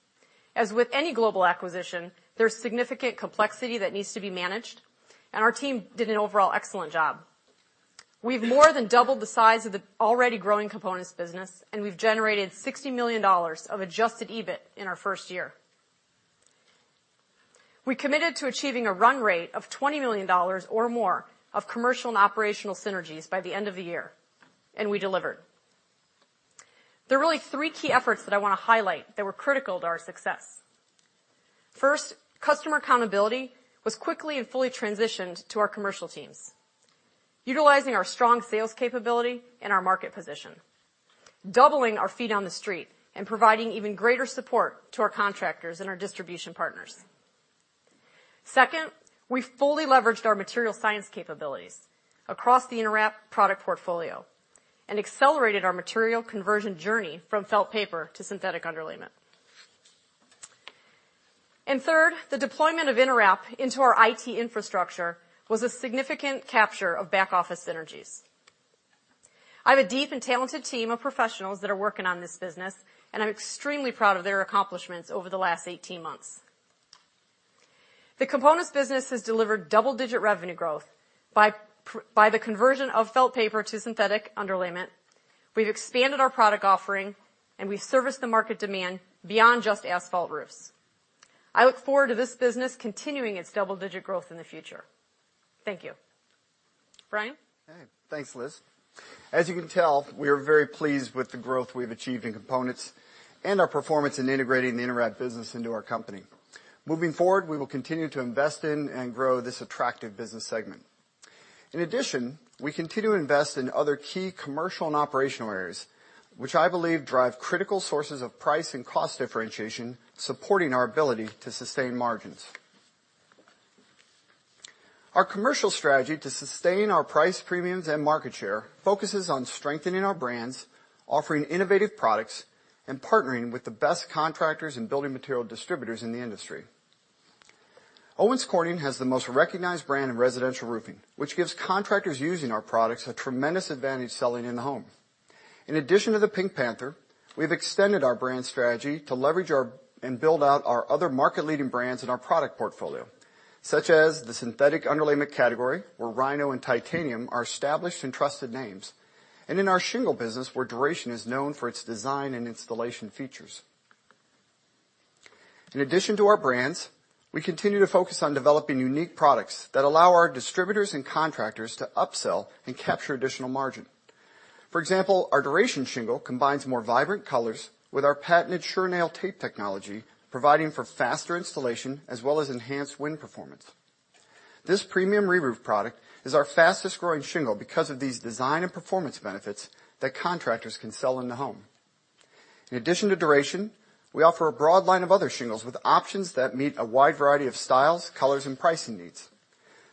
As with any global acquisition, there's significant complexity that needs to be managed and our team did an overall excellent job. We've more than doubled the size of the already growing components business and we've generated $60 million of adjusted EBIT in our first year. We committed to achieving a run rate of $20 million or more of commercial and operational synergies by the end of the year and we delivered. There are really three key efforts that I want to highlight that were critical to our success. First, customer accountability was quickly and fully transitioned to our commercial teams, utilizing our strong sales capability and our market position, doubling our feet on the street and providing even greater support to our contractors and our distribution partners. Second, we fully leveraged our material science capabilities across the InterWrap product portfolio and accelerated our material conversion journey from felt paper to synthetic underlayment. And third, the deployment of InterWrap into our IT infrastructure was a significant capture of back-office synergies. I have a deep and talented team of professionals that are working on this business and I'm extremely proud of their accomplishments. Over the last 18 months, the components business has delivered double-digit revenue growth by the conversion of felt paper to synthetic underlayment. We've expanded our product offering and we serviced the market demand beyond just asphalt roofs. I look forward to this business continuing its double-digit growth in the future. Thank you, Brian. Thanks Liz. As you can tell, we are very pleased with the growth we have achieved in Components and our performance in integrating the InterWrap business into our company. Moving forward, we will continue to invest in and grow this attractive business segment. In addition, we continue to invest in other key commercial and operational areas with which I believe drive critical sources of price and cost differentiation, supporting our ability to sustain margins. Our commercial strategy to sustain our price premiums and market share focuses on strengthening our brands, offering innovative products and partnering with the best contractors and building material distributors in the industry. Owens Corning has the most recognized brand in residential roofing, which gives contractors using our products a tremendous advantage selling in the home. In addition to the Pink Panther, we've extended our brand strategy to leverage and build out our other market leading brands in our product portfolio such as the synthetic underlayment category where Rhino and Titanium are established and trusted names and in our shingle business where Duration is known for its design and installation features. In addition to our brands, we continue to focus on developing unique products that allow our distributors and contractors to upsell and capture additional margin. For example, our Duration shingle combines more vibrant colors with our patented SureNail tape technology, providing for faster installation as well as enhanced wind performance. This premium reroof product is our fastest growing shingle because of these design and performance benefits that contractors can sell in the home. In addition to Duration, we offer a broad line of other shingles with options that meet a wide variety of styles, colors and pricing needs.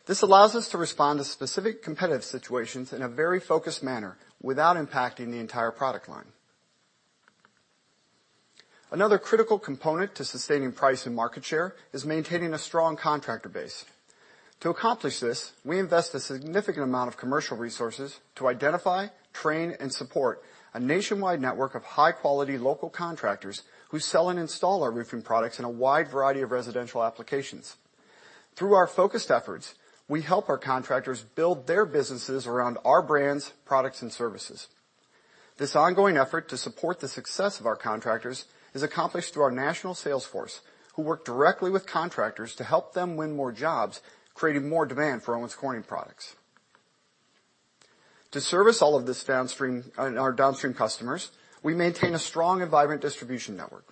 This allows us to respond to specific competitive situations in a very focused manner without impacting the entire product line. Another critical component to sustaining price and market share is maintaining a strong contractor base. To accomplish this, we invest a significant amount of commercial resources to identify, train and support a nationwide network of high quality local contractors who sell and install our roofing products in a wide variety of residential applications. Through our focused efforts, we help our contractors build their businesses around our brands, products and services. This ongoing effort to support the success of our contractors is accomplished through our national sales force who work directly with contractors to help them win more jobs, creating more demand for Owens Corning products to service all of this downstream. Our downstream customers, we maintain a strong and vibrant distribution network.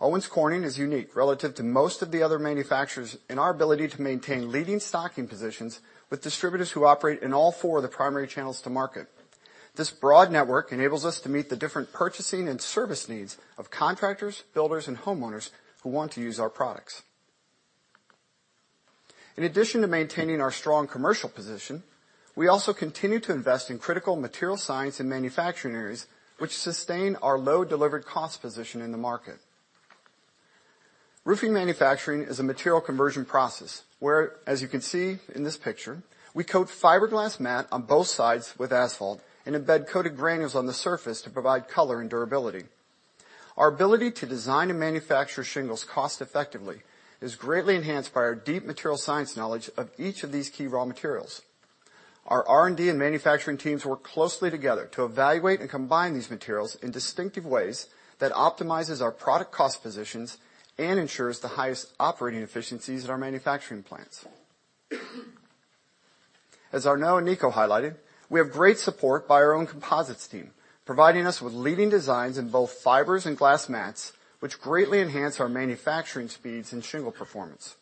Owens Corning is unique relative to most of the other manufacturers in our ability to maintain leading stocking positions with distributors who operate in all four of the primary channels to market. This broad network enables us to meet the different purchasing and service needs of contractors, builders and homeowners who want to use our products. In addition to maintaining our strong commercial position, we also continue to invest in critical materials science and manufacturing areas such as which sustain our low delivered cost position in the market. Roofing manufacturing is a material conversion process where, as you can see in this picture, we coat fiberglass mat on both sides with asphalt and embed coated granules on the surface to provide color and durability. Our ability to design and manufacture shingles cost effectively is greatly enhanced by our deep material science knowledge of each of these key raw materials. Our R&D and manufacturing teams work closely together to evaluate and combine these materials in distinctive ways that optimizes our product cost positions and ensures the highest operating efficiencies at our manufacturing plants. As Arnaud and Nico highlighted, we have great support by our own composites team providing us with leading designs in both fibers and glass mats which greatly enhance our manufacturing speeds and shingle performance.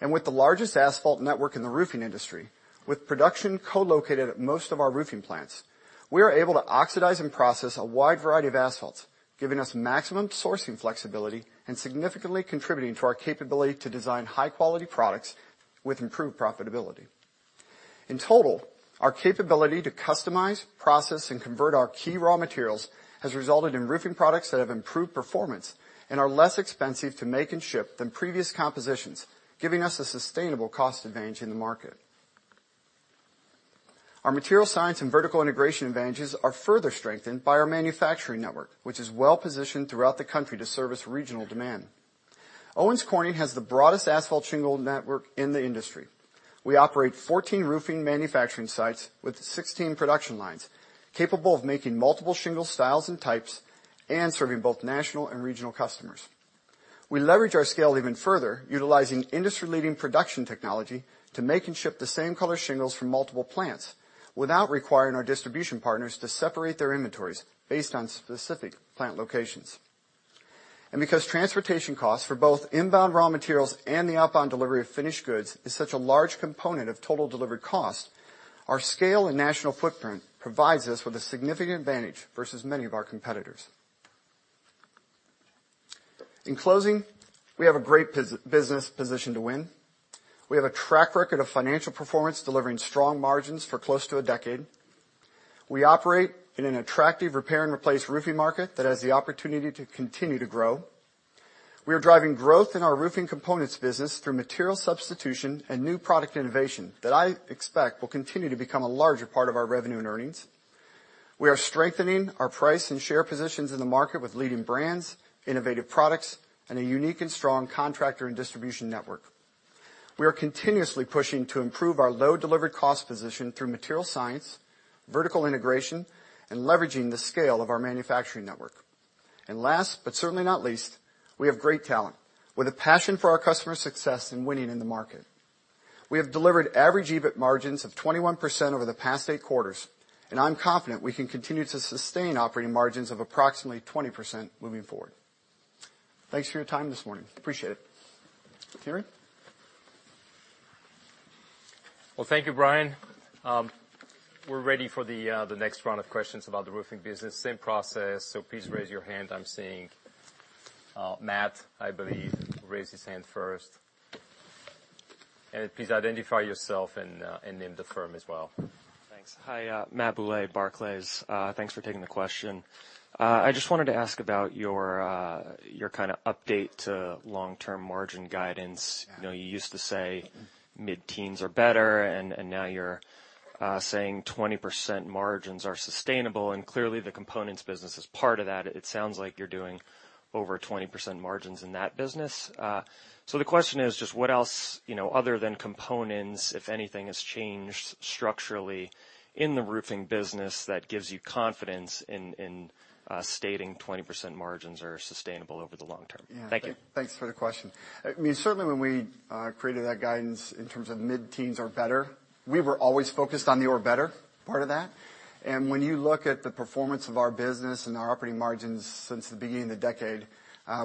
And. With the largest asphalt network in the roofing industry. With production co-located at most of our roofing plants, we are able to oxidize and process a wide variety of asphalts, giving us maximum sourcing flexibility and significantly contributing to our capability to design high-quality products with improved profitability. In total, our capability to customize, process and convert our key raw materials has resulted in roofing products that have improved performance and are less expensive to make and ship than previous compositions, giving us a sustainable cost advantage in the market. Our material science and vertical integration advantages are further strengthened by our manufacturing network which is well positioned throughout the country to service regional demand. Owens Corning has the broadest asphalt shingle network in the industry. We operate 14 roofing manufacturing sites with 16 production lines, capable of making multiple shingle styles and types and serving both national and regional customers. We leverage our scale even further, utilizing industry leading production technology to make and ship the same color shingles from multiple plants without requiring our distribution partners to separate their inventories based on specific plant locations. And because transportation costs for both inbound raw materials and the outbound delivery of finished goods is such a large component of total delivered cost, our scale and national footprint provides us with a significant advantage versus many of our competitors. In closing, we have a great business position to win. We have a track record of financial performance delivering strong margins for close to a decade. We operate in an attractive repair and replace roofing market that has the opportunity to continue to grow. We are driving growth in our roofing components business through material substitution and new product innovation that I expect will continue to become a larger part of our revenue and earnings. We are strengthening our price and share positions in the market with leading brands, innovative products and a unique and strong contractor and distribution network. We are continuously pushing to improve our low delivered cost position through material science, vertical integration and leveraging the scale of our manufacturing network. And last but certainly not least, we have great talent with a passion for our customer success and winning in the market. We have delivered average EBIT margins of 21% over the past eight quarters and I'm confident we can continue to sustain operating margins of approximately 20% moving forward. Thanks for your time this morning. Appreciate it, Kieran. Thank you, Brian. We're ready for the next round of questions about the roofing business. Same process, so please raise your hand. I'm seeing Matt, I believe raised his hand first, and please identify yourself and name the firm as well. Thanks. Hi, Matthew Bouley, Barclays. Thanks for taking the question. I just wanted to ask about your kind of update to long-term margin guidance. You used to say mid-teens are better and now you're saying 20% margins are sustainable. And clearly the components business is pretty part of that. It sounds like you're doing over 20% margins in that business. So the question is just what else you know other than components? If anything has changed structurally in the roofing business that gives you confidence in stating 20% margins are sustainable over the long term. Thank you. Thanks for the question. I mean, certainly when we created that guidance in terms of mid-teens or better, we were always focused on the or better part of that. And when you look at the performance of our business and our operating margins since the beginning of the decade,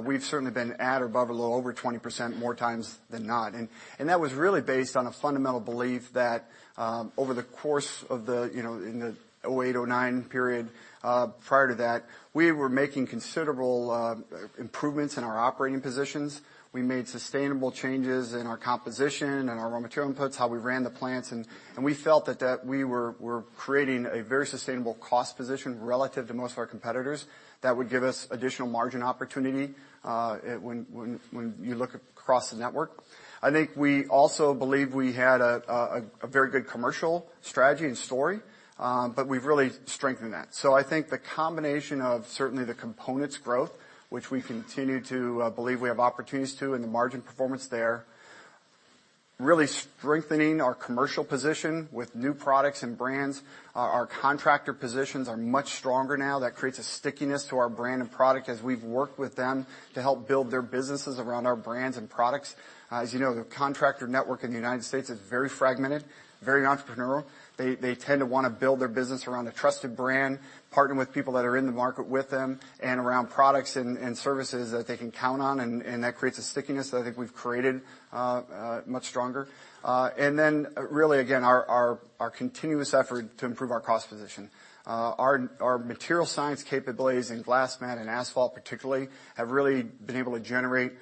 we've certainly been at or above a little over 20% more times than not. And that was really based on a fundamental belief that over the course of the you know, in the 2008-2009 period prior to that, we were making considerable improvements in our operating positions. We made sustainable changes in our composition and our raw material inputs, how we ran the plants and. And we felt that we were creating a very sustainable cost position relative to most of our competitors that would give us additional margin opportunity. When you look across the network, I think we also believe we had a very good commercial strategy and story, but we've really strengthened that. So I think the combination of certainly the components growth, which we continue to believe we have opportunities to in the margin performance there, really strengthening our commercial position with new products and brands. Our contractor positions are much stronger now. That creates a stickiness to our brand and product as we've worked with them to help build their businesses around our brands and products. As you know, the contractor network in the United States is very fragmented, very entrepreneurial. They tend to want to build their business around a trusted brand, partner with people that are in the market with them, and around products and services that they can count on. And that creates a system stickiness that I think we've created much stronger. And then really again, our continuous effort to improve our cost position, our material science capabilities in glass, mat and asphalt particularly have really been able to generate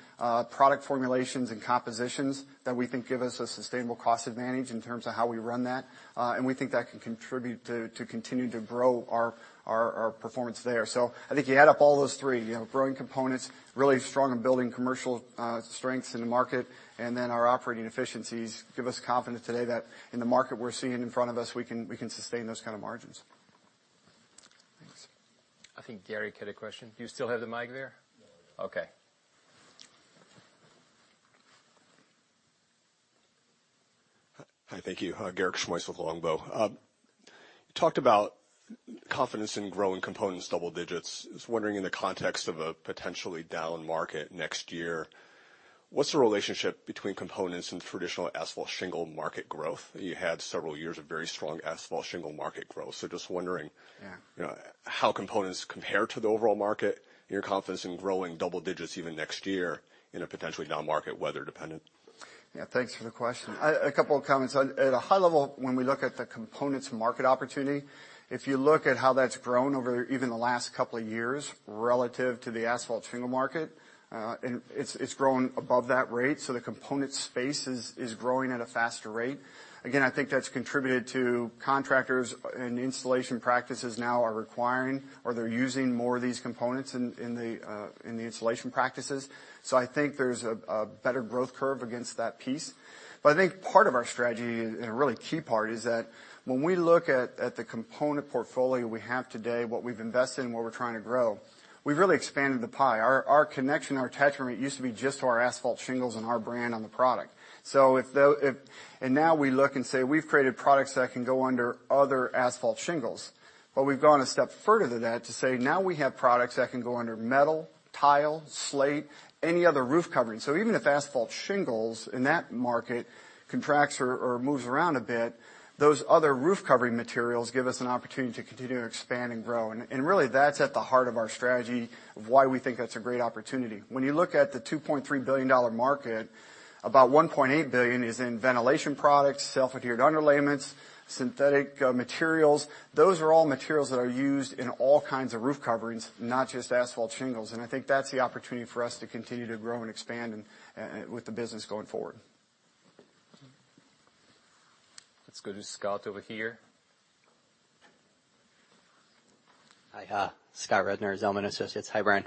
product formulations and compositions that we think give us a sustainable cost advantage in terms of how we run that. And we think that can contribute to continue to grow our performance there. So I think you add up all those three growing components really strong and building commercial strengths in the market, and then our operating efficiencies give us confidence today that in the market we're seeing in front of us, we can sustain those kind of margins. I think Garik had a question. Do you still have the mic there? Okay. Hi, thank you. Garik Shmois with Longbow. You talked about confidence in growing components double-digits. Just wondering, in the context of a potentially down market next year, what's the relationship between components and traditional asphalt shingle market growth? You had several years of very strong. Asphalt shingle market growth. Just wondering how components compare to the overall market and your confidence in growing double-digits even next year in a potentially non-market weather dependent. Yeah, thanks for the question. A couple of comments. At a high level, when we look at the components market opportunity, if you look at how that's grown over even the last couple of years relative to the asphalt shingle market, it's grown above that rate. So the component space is growing at a faster rate. Again, I think that's contributed to contractors and installation practices now are requiring or they're using more of these components in the installation practices. So I think there's a better growth curve against that piece. But I think part of our strategy and a really key part is that when we look at the component portfolio we have today, what we've invested and what we're trying to grow, we've really expanded the pie. Our connection, our attachment used to be just to our asphalt shingles and our brand on the product. So if, and now we look and say we've created products that can go under other asphalt shingles, but we've gone a step further than that to say now we have products that can go under metal, tile, slate, any other roof covering. So even if asphalt shingles in that market contracts or moves around a bit, those other roof covering materials give us an opportunity to continue to expand and grow. And really that's at the heart of our strategy of why we think that's a great opportunity. When you look at the $2.3 billion market, about $1.8 billion is in ventilation process products, Self-Adhered underlayments, synthetic materials. Those are all materials that are used in all kinds of roof coverings, not just asphalt shingles. And I think that's the opportunity for us to continue to grow and expand with the business going forward. Let's go to Scott over here. Hi, Scott Rednor, Zelman & Associates. Hi Brian.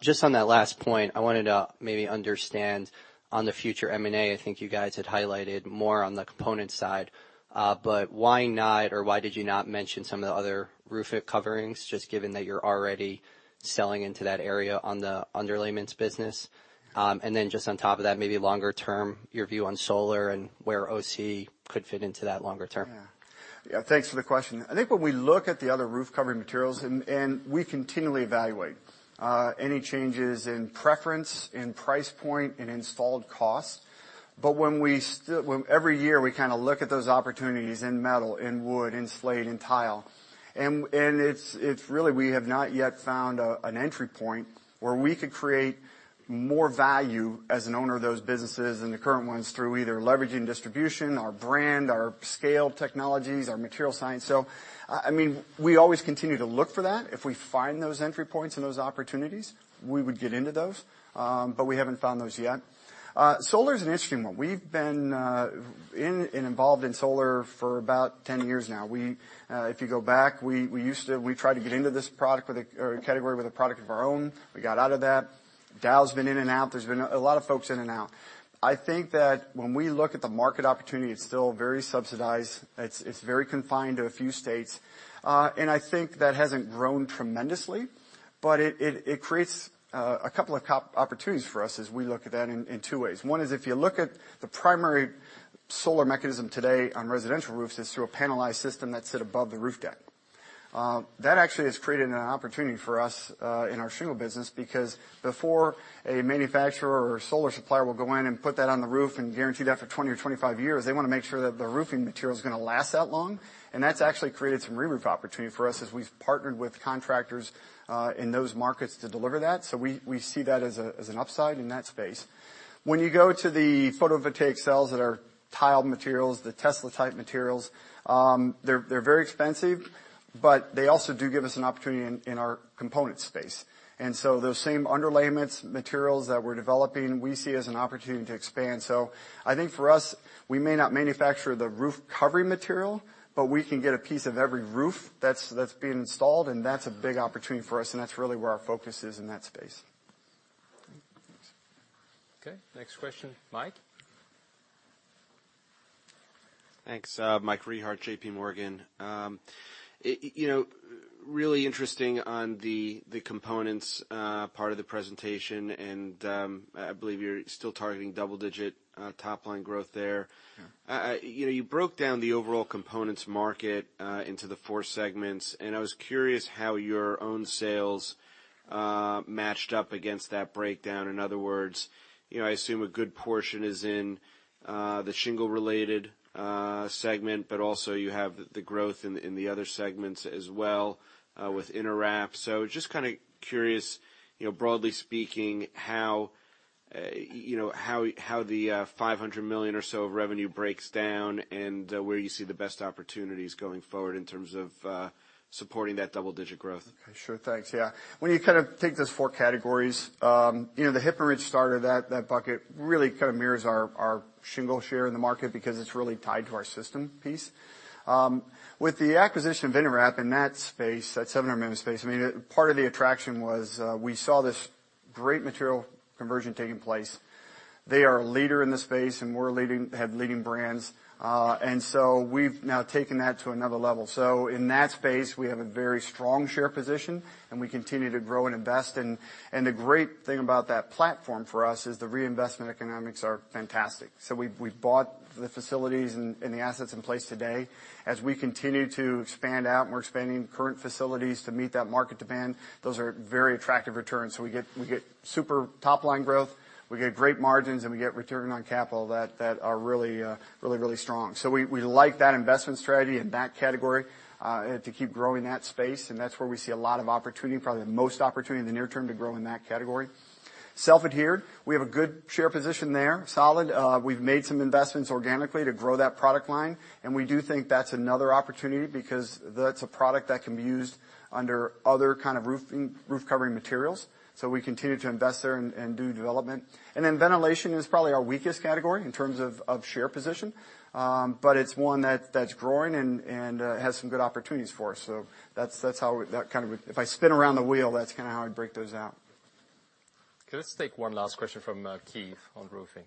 Just on that last point, I wanted. To maybe understand on the future ma. I think you guys had highlighted more. On the component side, but why not, or why did you not mention some? Of the other roofing coverings, just given. That you're already selling into that area on the underlayments business, and then just on top of that, maybe longer term your view on solar and where OC could fit into that longer term. Thanks for the question. I think when we look at the other roof covering materials and we continually evaluate any changes in preference in price point, in installed cost, but when we, every year we kind of look at those opportunities in metal, in wood, in slate, in tile, and it's really, we have not yet found an entry point where we could create more value as an owner of those businesses than the current ones through either leveraging distribution, our brand, our scale technologies, our material science. So I mean we always continue to look for that. If we find those entry points and those opportunities, we would get into those, but we haven't found those yet. Solar is an interesting one. We've been involved in solar for about 10 years now. We, if you go back, we used to try to get into this product or category with a product of our own. We got out of that. Dow's been in and out. There's been a lot of folks in and out. I think that when we look at the market opportunity, it's still very subsidized. It's very confined to a few states. And I think that hasn't grown tremendously. But it creates a couple of opportunities for us as we look at that in two ways. One is, if you look at the primary solar mechanism today on residential roofs is through a panelized system that sit above the roof deck. That actually has created an opportunity for us in our shingle business because before a manufacturer or solar supplier will go in and put that on the roof and guarantee that for 20, 20 or 25 years, they want to make sure that the roofing material is going to last that long. And that's actually created some reroof opportunity for us as we've partnered with contractors in those markets to deliver that. So we see that as an upside in that space. When you go to the photovoltaic cells that are tiled materials, the Tesla type materials, they're very expensive, but they also do give us an opportunity in our component space. And so those same underlayments materials that we're developing, we see as an opportunity to expand. So I think for us, we may not manufacture the roof covering material, but we can get a piece of every roof that's being installed. And that's a big opportunity for us. And that's really where our focus is in that space. Okay, next question. Mike. Thanks. Mike Rehaut, J.P. Morgan. You know, really interesting on the components part of the presentation and I believe you're still targeting double-digit top-line growth there. You broke down the overall components market into the four segments and I was curious how your own sales matched up against that breakdown. In other words, I assume a good portion is in the shingle related segment, but also you have the growth in the other segments as well with InterWrap. So just kind of curious, broadly speaking, how the $500 million or so of revenue breaks down and where you see the best opportunities going forward in terms of supporting that double-digit growth. Okay, sure, thanks. Yeah, when you kind of take those four categories, you know, the hip and ridge starter, that bucket really kind of mirrors our shingle share in the market because it's really tied to our system piece with the acquisition of InterWrap in that space, that 700 million space. I mean, part of the attraction was we saw this great material conversion taking place. They are a leader in the space and we're leading, have leading brands and so we've now taken that to another level. So in that space we have a very strong share position and we continue to grow and invest. And the great thing about that platform for us is the reinvestment economics are fantastic. So we bought the facilities and the assets in place today. As we continue to expand out and we're expanding current facilities to meet that market demand. Those are very attractive returns. So we get super top-line growth, we get great margins and we get return on capital that are really, really, really strong. So we like that investment strategy in that category to keep growing that space and that's where we see a lot of opportunity, probably the most opportunity in the near term to grow in that category. Self-adhered. We have a good share position there. Solid. We've made some investments organically to grow that product line and we do think that's another opportunity because that's a product that can be used under other kind of roof covering materials. So we continue to invest there and do development and then ventilation is probably our weakest category in terms of share position. But it's one that's growing and has some good opportunities for us. So that's how that kind of, if I spin around the wheel, that's kind of how I break those out. Let's take one last question from Keith on roofing.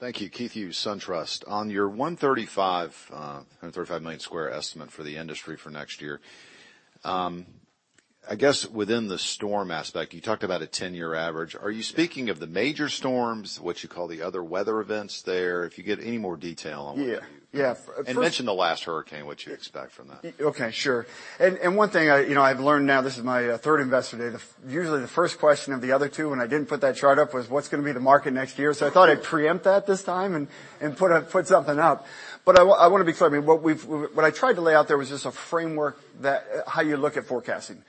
Thank you, Keith. SunTrust on your $135 million. Square estimate for the industry for next year, I guess within the storm aspect. You talked about a 10-year average. Are you speaking of the major storms with what you call the other weather events there? If you get any more detail on. Mention the last hurricane, what you expect from that? Okay, sure. And one thing I've learned now, this is my third Investor Day. Usually the first question of the other two and I didn't put that chart up was what's going to be the market next year? So I thought I'd preempt that this time and put something up. But I want to be clear what I tried to lay out there was just a framework how you look at forecasting.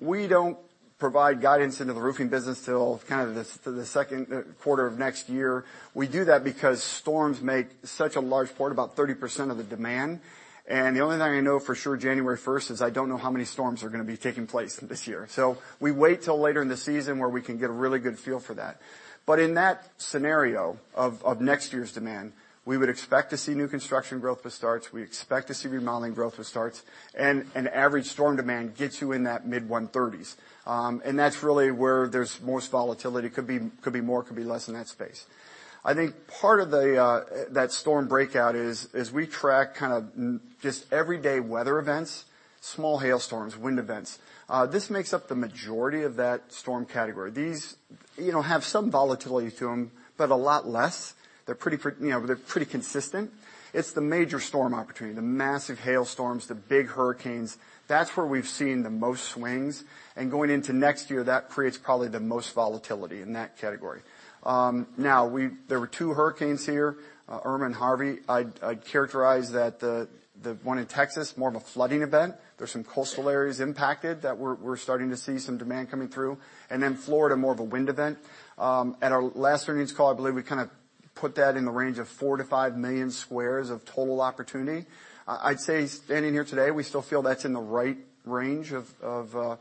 We don't provide guidance into the roofing business till kind of the second quarter of next year. We do that because storms make such a large part about 30% of the demand. And the only thing I know for sure January 1st is I don't know how many storms are going to be taking place this year. So we wait till later in the season where we can get a really good feel for that. But in that scenario of next year's demand, we would expect to see new construction growth with starts. We expect to see remodeling growth with starts. And an average storm demand gets you in that mid-130s. And that's really where there's most volatility. Could be more, could be less in that space. I think part of that storm breakout is as we track kind of just everyday weather events. Small hail storms, wind events. This makes up the majority of that storm category. These, you know, have some volatility to them, but a lot less. They're pretty consistent, you know. It's the major storm opportunity, the massive hail storms, the big hurricanes. That's where we've seen the most swings. And going into next year, that creates probably the most volatility in that category. Now, there were two hurricanes here, Irma and Harvey. I'd characterize that the one in Texas, more of a flooding event. There's some coastal areas impacted that we're starting to see some demand coming through. And then Florida, more of a wind event. At our last earnings call, I believe we kind of put that in the range of four to five million squares of total opportunity. I'd say standing here today, we still feel that's in the right range of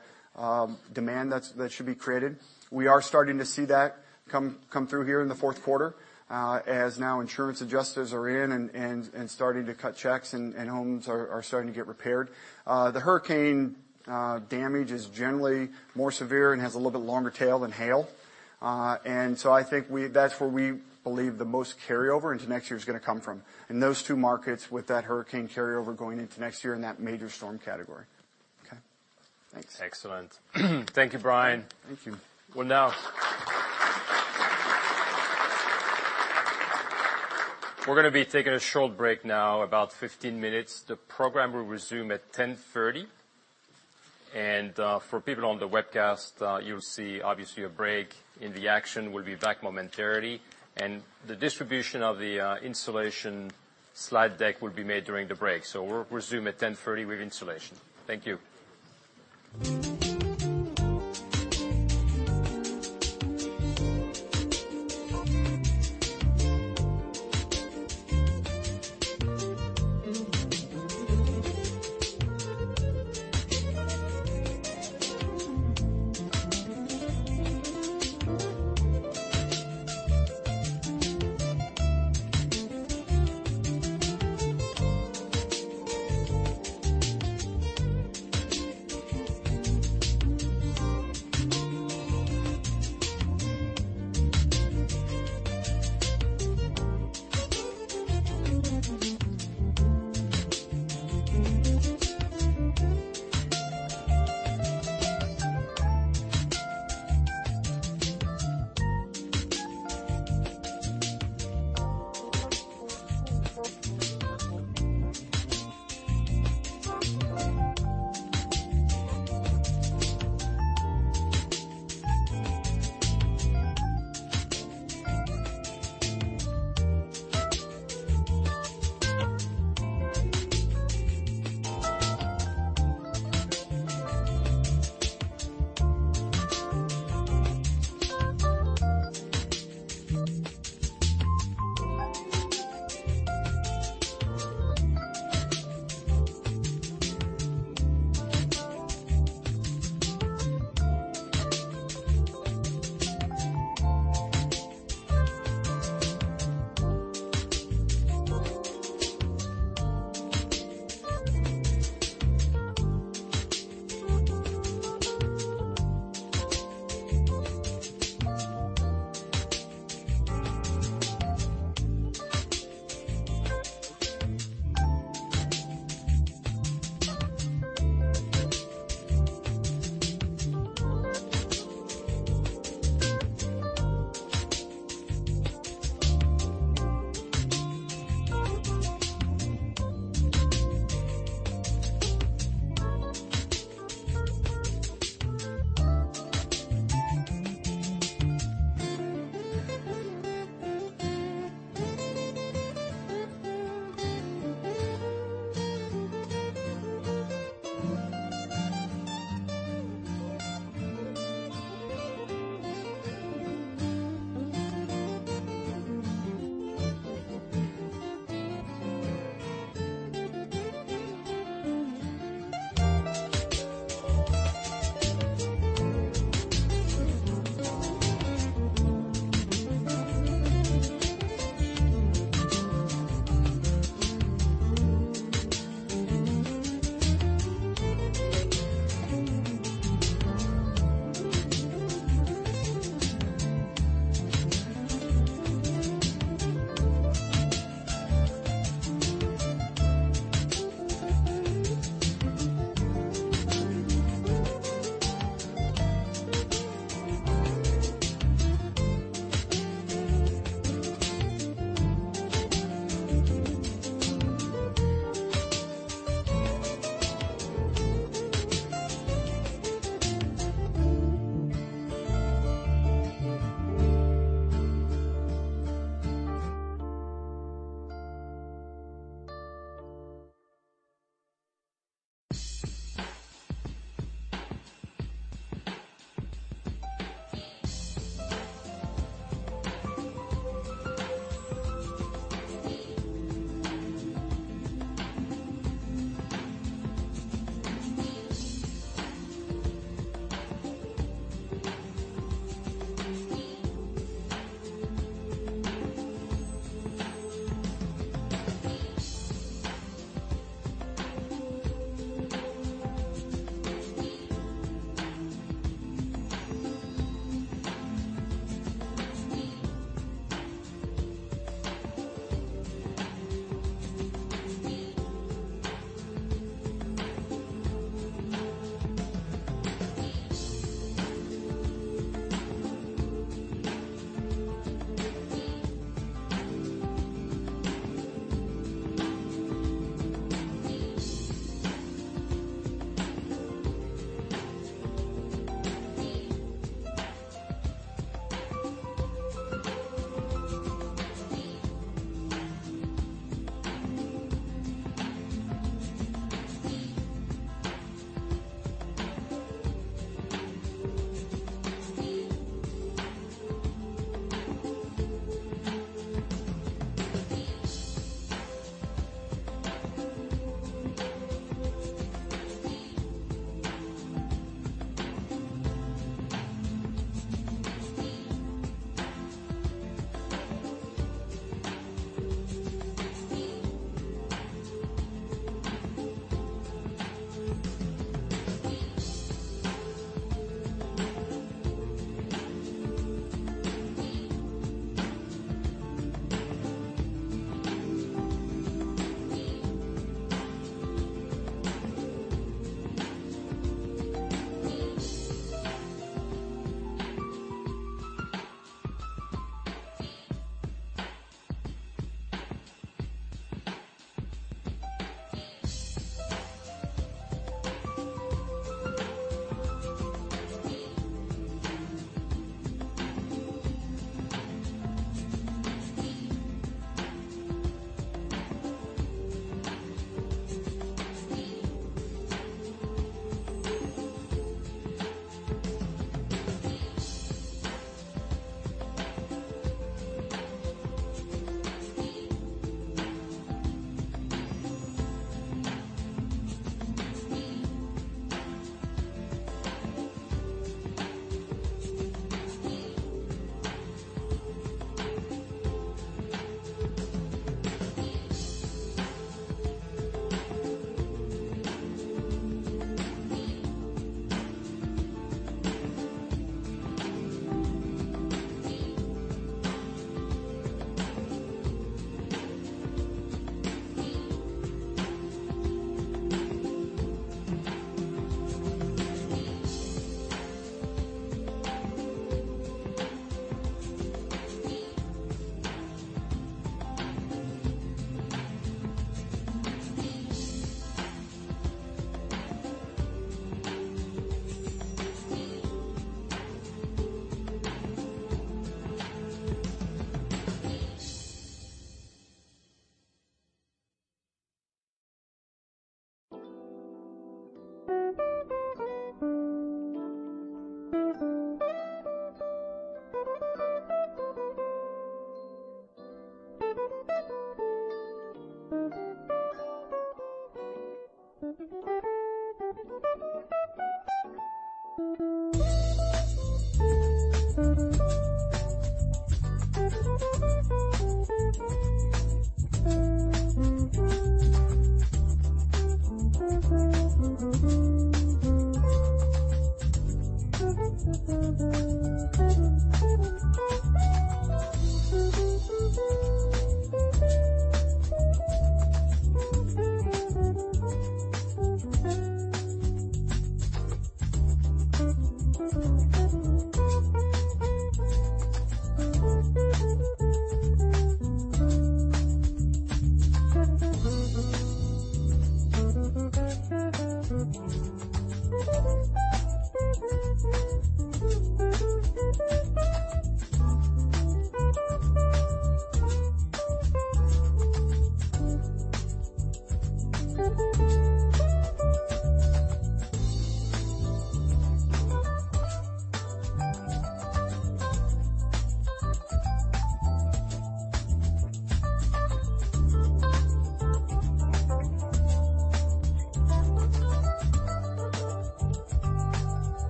demand that should be created. We are starting to see that come through here in the fourth quarter as now insurance adjusters are in and starting to cut checks and homes are starting to get repaired. The hurricane damage is generally more severe and has a little bit longer tail than hail. And so I think that's where we believe the most carryover into next year is going to come from in those two markets with that hurricane carryover going into next year in that major storm category. Okay, thanks. Excellent. Thank you, Brian. Thank you. Well, now We're going to be taking a short break now, about 15 minutes. The program will resume at 10:30 A.M., and for people on the webcast, you'll see, obviously, a break in the action will be back momentarily and the distribution of the insulation slide deck will be made during the break. We'll resume at 10:30 A.M. with insulation. Thank you.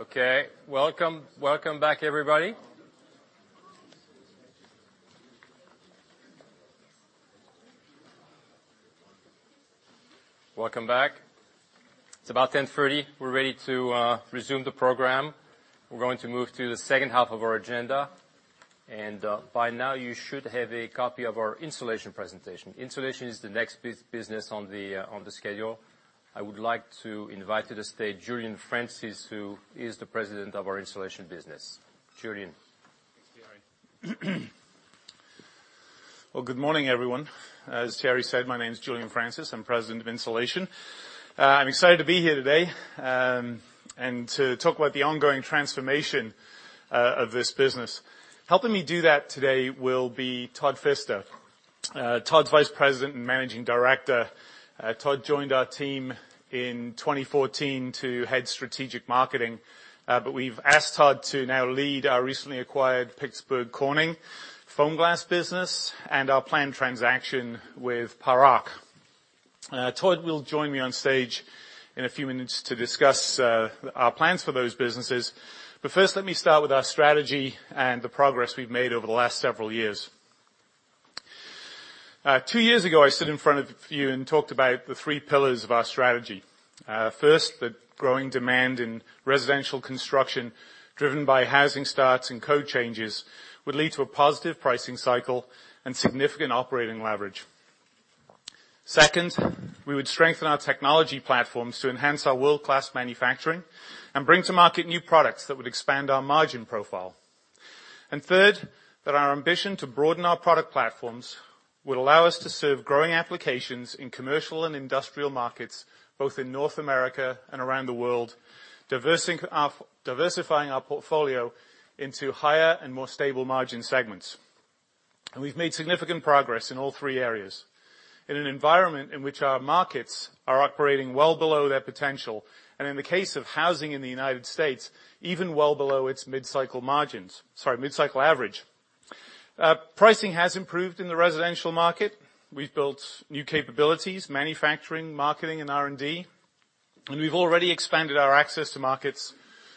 Okay, welcome. Welcome back, everybody. Welcome back. It's about 10:30 A.M. We're ready to resume the program. We're going to move to the second half of our agenda, and by now you should have a copy of our insulation presentation. Insulation is the next business on the schedule. I would like to invite to the stage Julian Francis, who is the President of our Insulation business, Julian. Good morning everyone. As Thierry said, my name is Julian Francis. I'm President of Insulation. I'm excited to be here today and to talk about the ongoing transformation of this business. Helping me do that today will be Todd Fister, Todd's Vice President and Managing Director. Todd joined our team in 2014 to head strategic marketing, but we've asked Todd to now lead our recently acquired Pittsburgh Corning Foamglas business and our planned transaction with Paroc. Todd will join me on stage in a few minutes to discuss our plans for those businesses. But first, let me start with our strategy and the progress we've made over the last several years. Two years ago I stood in front of you and talked about the three pillars of our strategy. First, the growing demand in residential construction driven by housing starts and code changes would lead to a positive pricing cycle and significant operating leverage. Second, we would strengthen our technology platforms to enhance our world class manufacturing and bring to market new products that would expand our margin profile. And third, that our ambition to broaden our product platforms would allow us to serve growing applications in commercial and industrial markets both in North America and around the world, diversifying our portfolio into higher and more stable margin segments. And we've made significant progress in all three areas. In an environment in which our markets are operating well below their potential and in the case of housing in the United States, even well below its mid-cycle margins. Sorry, mid-cycle average pricing has improved. In the residential market, we've built new capabilities manufacturing, marketing and R&D and we've already expanded our access to markets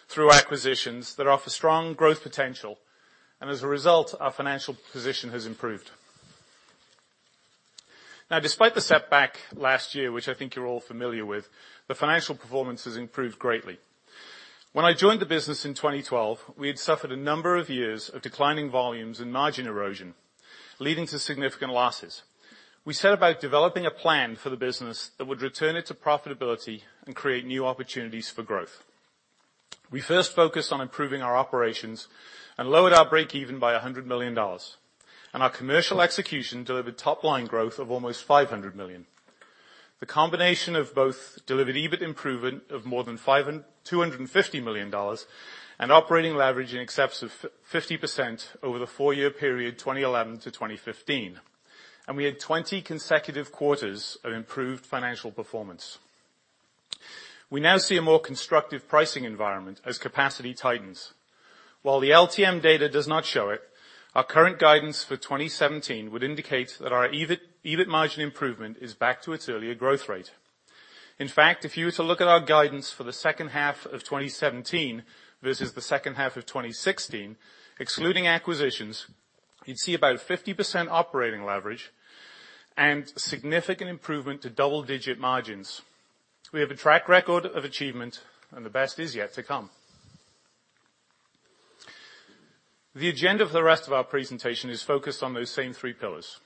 through acquisitions that offer strong growth potential. And as a result, our financial position has improved. Now, despite the setback last year, which I think you're all familiar with, the financial performance has improved greatly. When I joined the business in 2012, we had suffered a number of years of declining volumes and margin erosion leading to significant losses. We set about developing a plan for the business that would return it to profitability and create new opportunities for growth. We first focused on improving our operations and lowered our breakeven by $100 million and our commercial execution delivered top-line growth of almost $500 million. The combination of both delivered EBIT improvement of more than $250 million and operating leverage in excess of 50% over the four-year period 2011 to 2015, and we had 20 consecutive quarters of improved financial performance. We now see a more constructive pricing environment as capacity tightens. While the LTM data does not show it, our current guidance for 2017 would indicate that our EBIT margin improvement is back to its earlier growth rate. In fact, if you were to look at our guidance for the second half of 2017 versus the second half of 2016, excluding acquisitions, you'd see about 50% operating leverage and significant improvement to double-digit margins. We have a track record of achievement and the best is yet to come. The agenda for the rest of our presentation is focused on those same three pillars.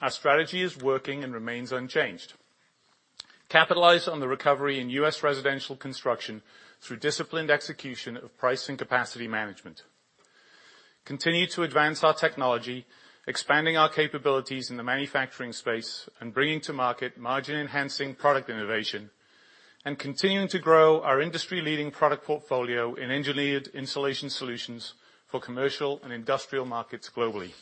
Our strategy is working and remains unchanged. Capitalize on the recovery in US residential construction through disciplined execution of price and capacity management. Continue to advance our technology, expanding our capabilities in the manufacturing space and bringing to market margin enhancing product innovation and continuing to grow our industry leading product portfolio in engineered insulation solutions for commercial and industrial markets globally.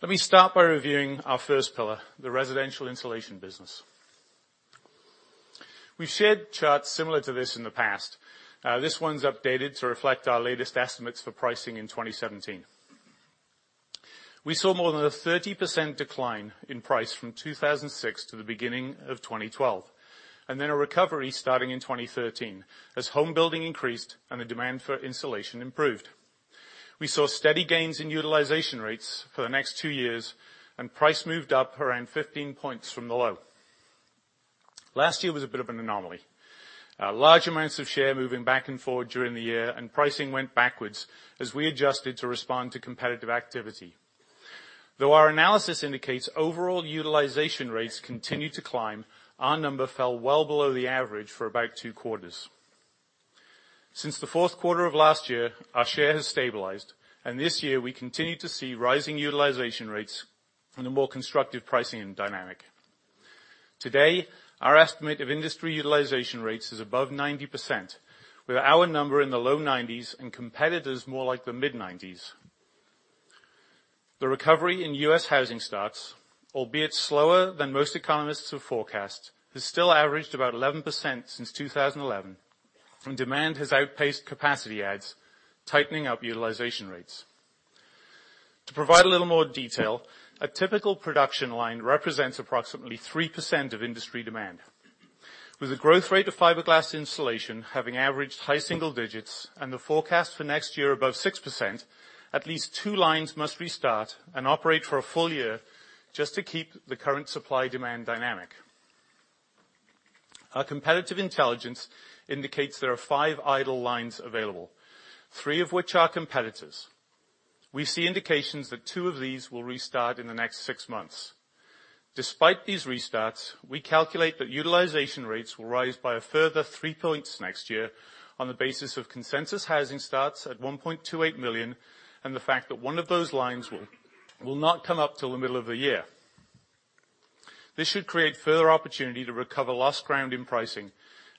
Let me start by reviewing our first pillar, the residential insulation business. We've shared charts similar to this in the past. This one's updated to reflect our latest estimates for pricing in 2017. We saw more than a 30% decline in price from 2006 to the beginning of 2012 and then a recovery starting in 2013 as home building increased and the demand for insulation improved. We saw steady gains in utilization rates for the next two years and price moved up around 15 points from the low. Last year was a bit of an anomaly, large amounts of share moving back and forth during the year and pricing went backwards as we adjusted to respond to competitive activity. Though our analysis indicates overall utilization rates continue to climb, our number fell well below the average for about two quarters since the fourth quarter of last year. Our share has stabilized and this year we continue to see rising utilization rates and a more constructive pricing dynamic. Today, our estimate of industry utilization rates is above 90%, with our number in the low 90s and competitors more like the mid 90s. The recovery in US housing stocks, albeit slower than most economists have forecast, has still averaged about 11% since 2011, and demand has outpaced capacity adds, tightening up utilization rates. To provide a little more detail, a typical production line represents approximately 3% of industry demand. With the growth rate of fiberglass installation having averaged high single digits and the forecast for next year above 6%, at least two lines must restart and operate for a full year just to keep the current supply demand dynamic. Our competitive intelligence indicates there are five idle lines available, three of which are competitors. We see indications that two of these will restart in the next six months. Despite these restarts, we calculate that utilization rates will rise by a further three points next year. On the basis of consensus, housing starts at 1.28 million and the fact that one of those lines will not come up till the middle of the year, this should create further opportunity to recover lost ground in pricing,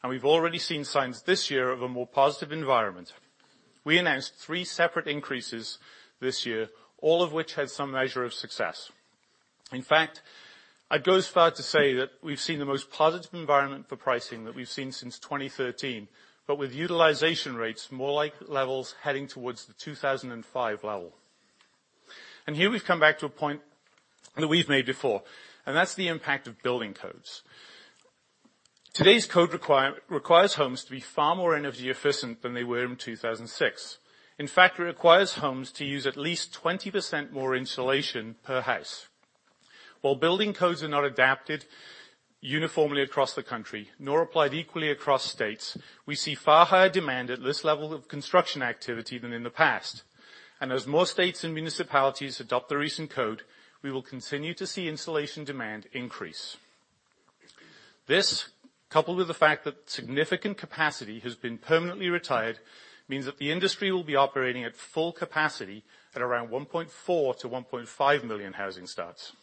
and we've already seen signs this year of a more positive environment. We announced three separate increases this year, all of which had some measure of success. In fact, I'd go as far to say that we've seen the most positive environment for pricing that we've seen since 2013, but with utilization rates more like levels heading towards the 2005 level, and here we've come back to a point that we've made before, and that's the impact of building codes. Today's code requires homes to be far more energy efficient than they were in 2006. In fact, it requires homes to use at least 20% more insulation per house. While building codes are not adapted uniformly across the country, nor applied equally across states, we see far higher demand at this level of construction activity than in the past, and as more states and municipalities adopt the recent code, we will continue to see insulation demand increase. This, coupled with the fact that significant capacity has been permanently retired, means that the industry will be operating at full capacity at around 1.4-1.5 million housing starts.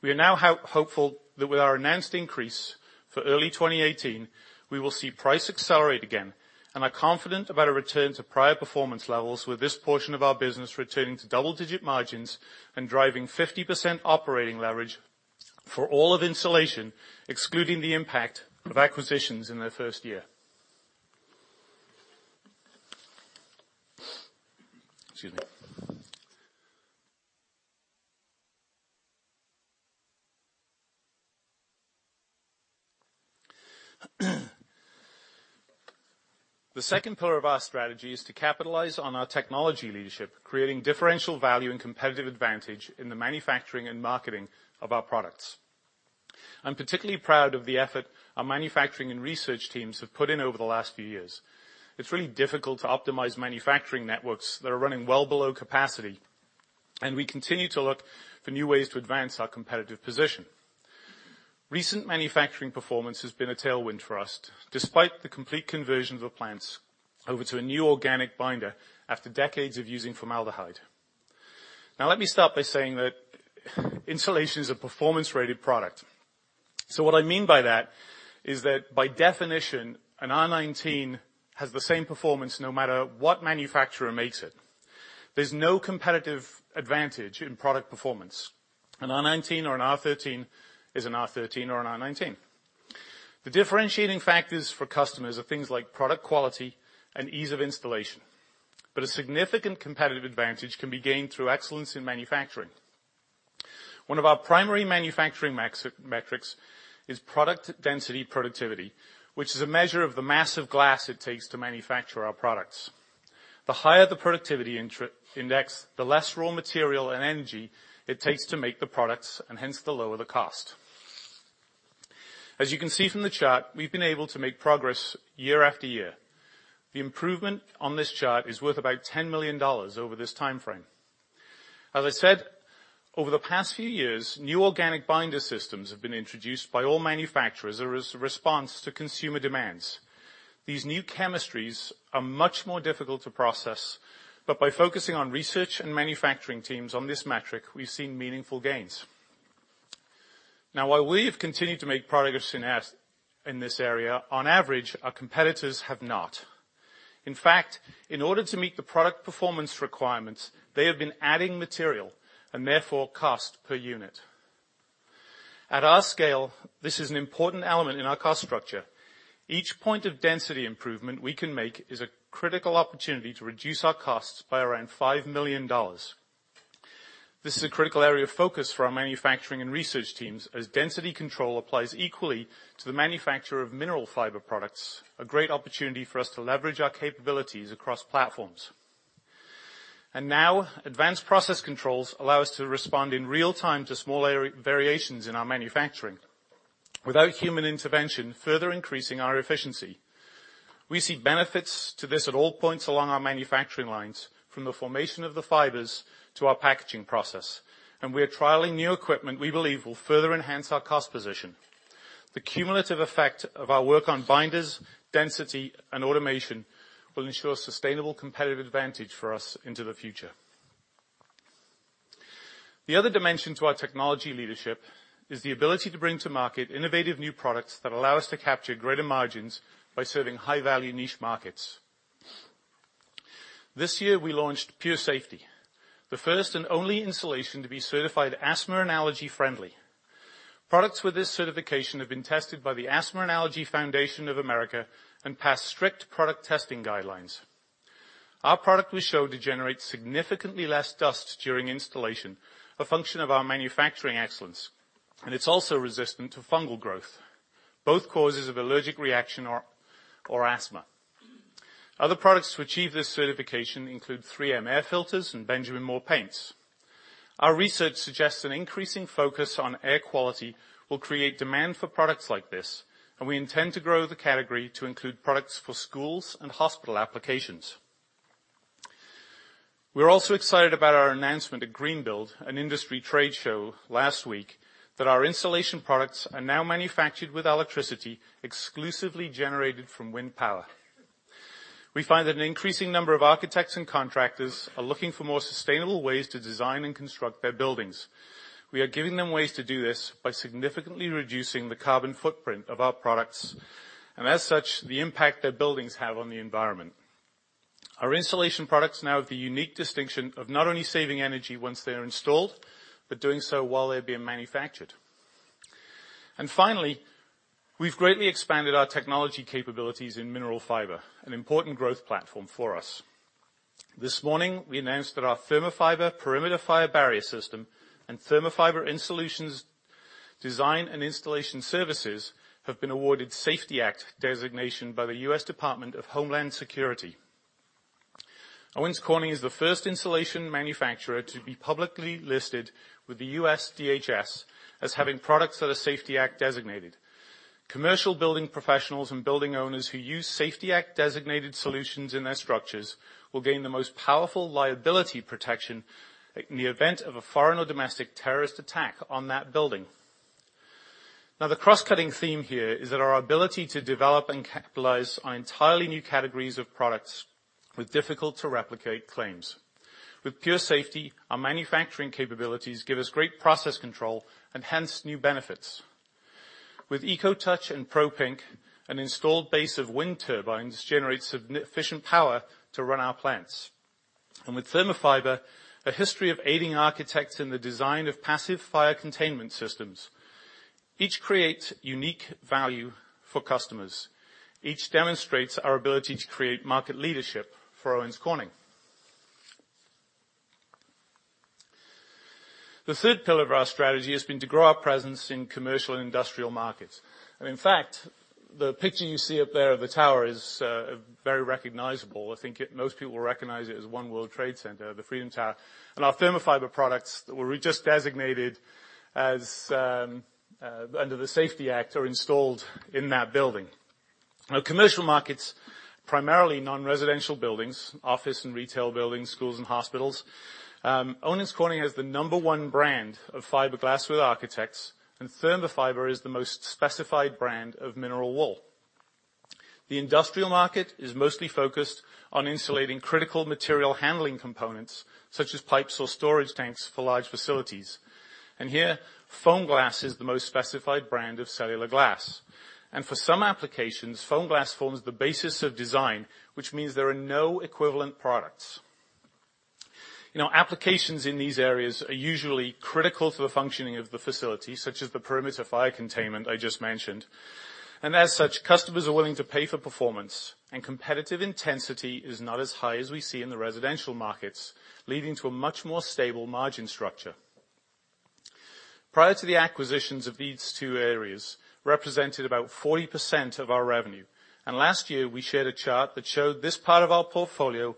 We are now hopeful that with our announced increase for early 2018, we will see price accelerate again and are confident about a return to prior performance levels with this portion of our business returning to double digit margins and driving 50% operating leverage for all of insulation, excluding the impact of acquisitions in their first year. Excuse me. The second pillar of our strategy is to capitalize on our technology leadership, creating differential value and competitive advantage in the manufacturing and marketing of our products. I'm particularly proud of the effort our manufacturing and research teams have put in over the last few years. It's really difficult to optimize manufacturing networks that are running well below capacity, and we continue to look for new ways to advance our competitive position. Recent manufacturing performance has been a tailwind for us despite the complete conversion of the plants over to a new organic binder after decades of using formaldehyde. Now, let me start by saying that insulation is a performance rated product, so what I mean by that is that by definition an R19 has the same performance no matter what manufacturer makes it. There's no competitive advantage in product performance. An R19 or an R13 is an R13 or an R19. The differentiating factors for customers are things like product quality and ease of installation. But a significant competitive advantage can be gained through excellence in manufacturing. One of our primary manufacturing metrics is product density productivity, which is a measure of the mass of glass it takes to manufacture our products. The higher the productivity index, the less raw material and energy it takes to make the products, and hence the lower the cost. As you can see from the chart, we've been able to make progress year after year. The improvement on this chart is worth about $10 million over this time frame. As I said, over the past few years, new organic binder systems have been introduced by all manufacturers as a response to consumer demands. These new chemistries are much more difficult to process, but by focusing on research and manufacturing teams on this metric, we've seen meaningful gains. Now, while we have continued to make progress in this area, on average, our competitors have not. In fact, in order to meet the product performance requirements, they have been adding material and therefore cost per unit at our scale. This is an important element in our cost structure. Each point of density improvement we can make is a critical opportunity to reduce our costs by around $5 million. This is a critical area of focus for our manufacturing and research teams as density control applies equally to the manufacture of mineral fiber products. A great opportunity for us to leverage our capabilities across platforms. And now, advanced process controls allow us to respond in real time to small variations in our manufacturing without human intervention, further increasing our efficiency. We see benefits to this at all points along our manufacturing lines, from the formation of the fibers to our packaging process. And we are trialing new equipment we believe will further enhance our cost position. The cumulative effect of our work on binders, density and automation will ensure sustainable competitive advantage for us into the future. The other dimension to our technology leadership is the ability to bring to market innovative new products that allow us to capture greater margins by serving high value niche markets. This year we launched Pure Safety, the first and only insulation to be certified. Asthma and allergy friendly products with this certification have been tested by the Asthma and Allergy Foundation of America and pass strict product testing guidelines. Our product was shown to generate significantly less dust during installation, a function of our manufacturing excellence, and it's also resistant to fungal growth, both causes of allergic reaction or asthma. Other products to achieve this certification include 3M air filters and Benjamin Moore paints. Our research suggests an increasing focus on air quality will create demand for products like this, and we intend to grow the category to include products for schools and hospital applications. We're also excited about our announcement at Greenbuild, an industry trade show last week that our insulation products are now manufactured with electricity exclusively generated from wind power. We find that an increasing number of architects and contractors are looking for more sustainable ways to design and construct their buildings. We are giving them ways to do this by significantly reducing the carbon footprint of our products and as such the impact their buildings have on the environment. Our installation products now have the unique distinction of not only saving energy once they are installed, but doing so while they are being manufactured. And finally, we've greatly expanded our technology capabilities in mineral fiber, an important growth platform for us. This morning we announced that our Thermafiber perimeter fire barrier system and Thermafiber in solutions design and installation services have been awarded Safety Act designation by the US Department of Homeland Security. Owens Corning is the first insulation manufacturer to be publicly listed with the US DHS as having products that are Safety Act designated. Commercial building professionals and building owners who use Safety Act designated solutions in their structures will gain the most powerful liability protection in the event of a foreign or domestic terrorist attack on that building. Now, the cross-cutting theme here is that our ability to develop and capitalize on entirely new categories of products with difficult-to-replicate claims. With Pure Safety, our manufacturing capabilities give us great process control and hence new benefits. With EcoTouch and ProPink, an installed base of wind turbines generates sufficient power to run our plants. And with Thermafiber, a history of aiding architects in the design of passive fire containment systems. Each creates unique value for customers. Each demonstrates our ability to create market leadership. For Owens Corning, the third pillar of our strategy has been to grow our presence in commercial and industrial markets. In fact, the picture you see up there of the tower is very recognizable. I think most people recognize it as One World Trade Center. The Freedom Tower and our Thermafiber products that were just designated under the Safety Act are installed in that building. Commercial markets, primarily non-residential buildings, office and retail buildings, schools and hospitals. Owens Corning, as the number one brand of fiberglass with architects, and Thermafiber is the most specified brand of mineral wool. The industrial market is mostly focused on insulating critical material handling components such as pipes or storage tanks for large facilities. Here, Foamglas is the most specified brand of cellular glass. For some applications, Foamglas forms the basis of design, which means there are no equivalent products. Applications in these areas are usually critical to the functioning of the facility, such as the perimeter fire containment I just mentioned. As such, customers are willing to pay for performance and competitive intensity is not as high as we see in the residential markets, leading to a much more stable margin structure. Prior to the acquisitions, these two areas represented about 40% of our revenue. Last year we shared a chart that showed this part of our portfolio was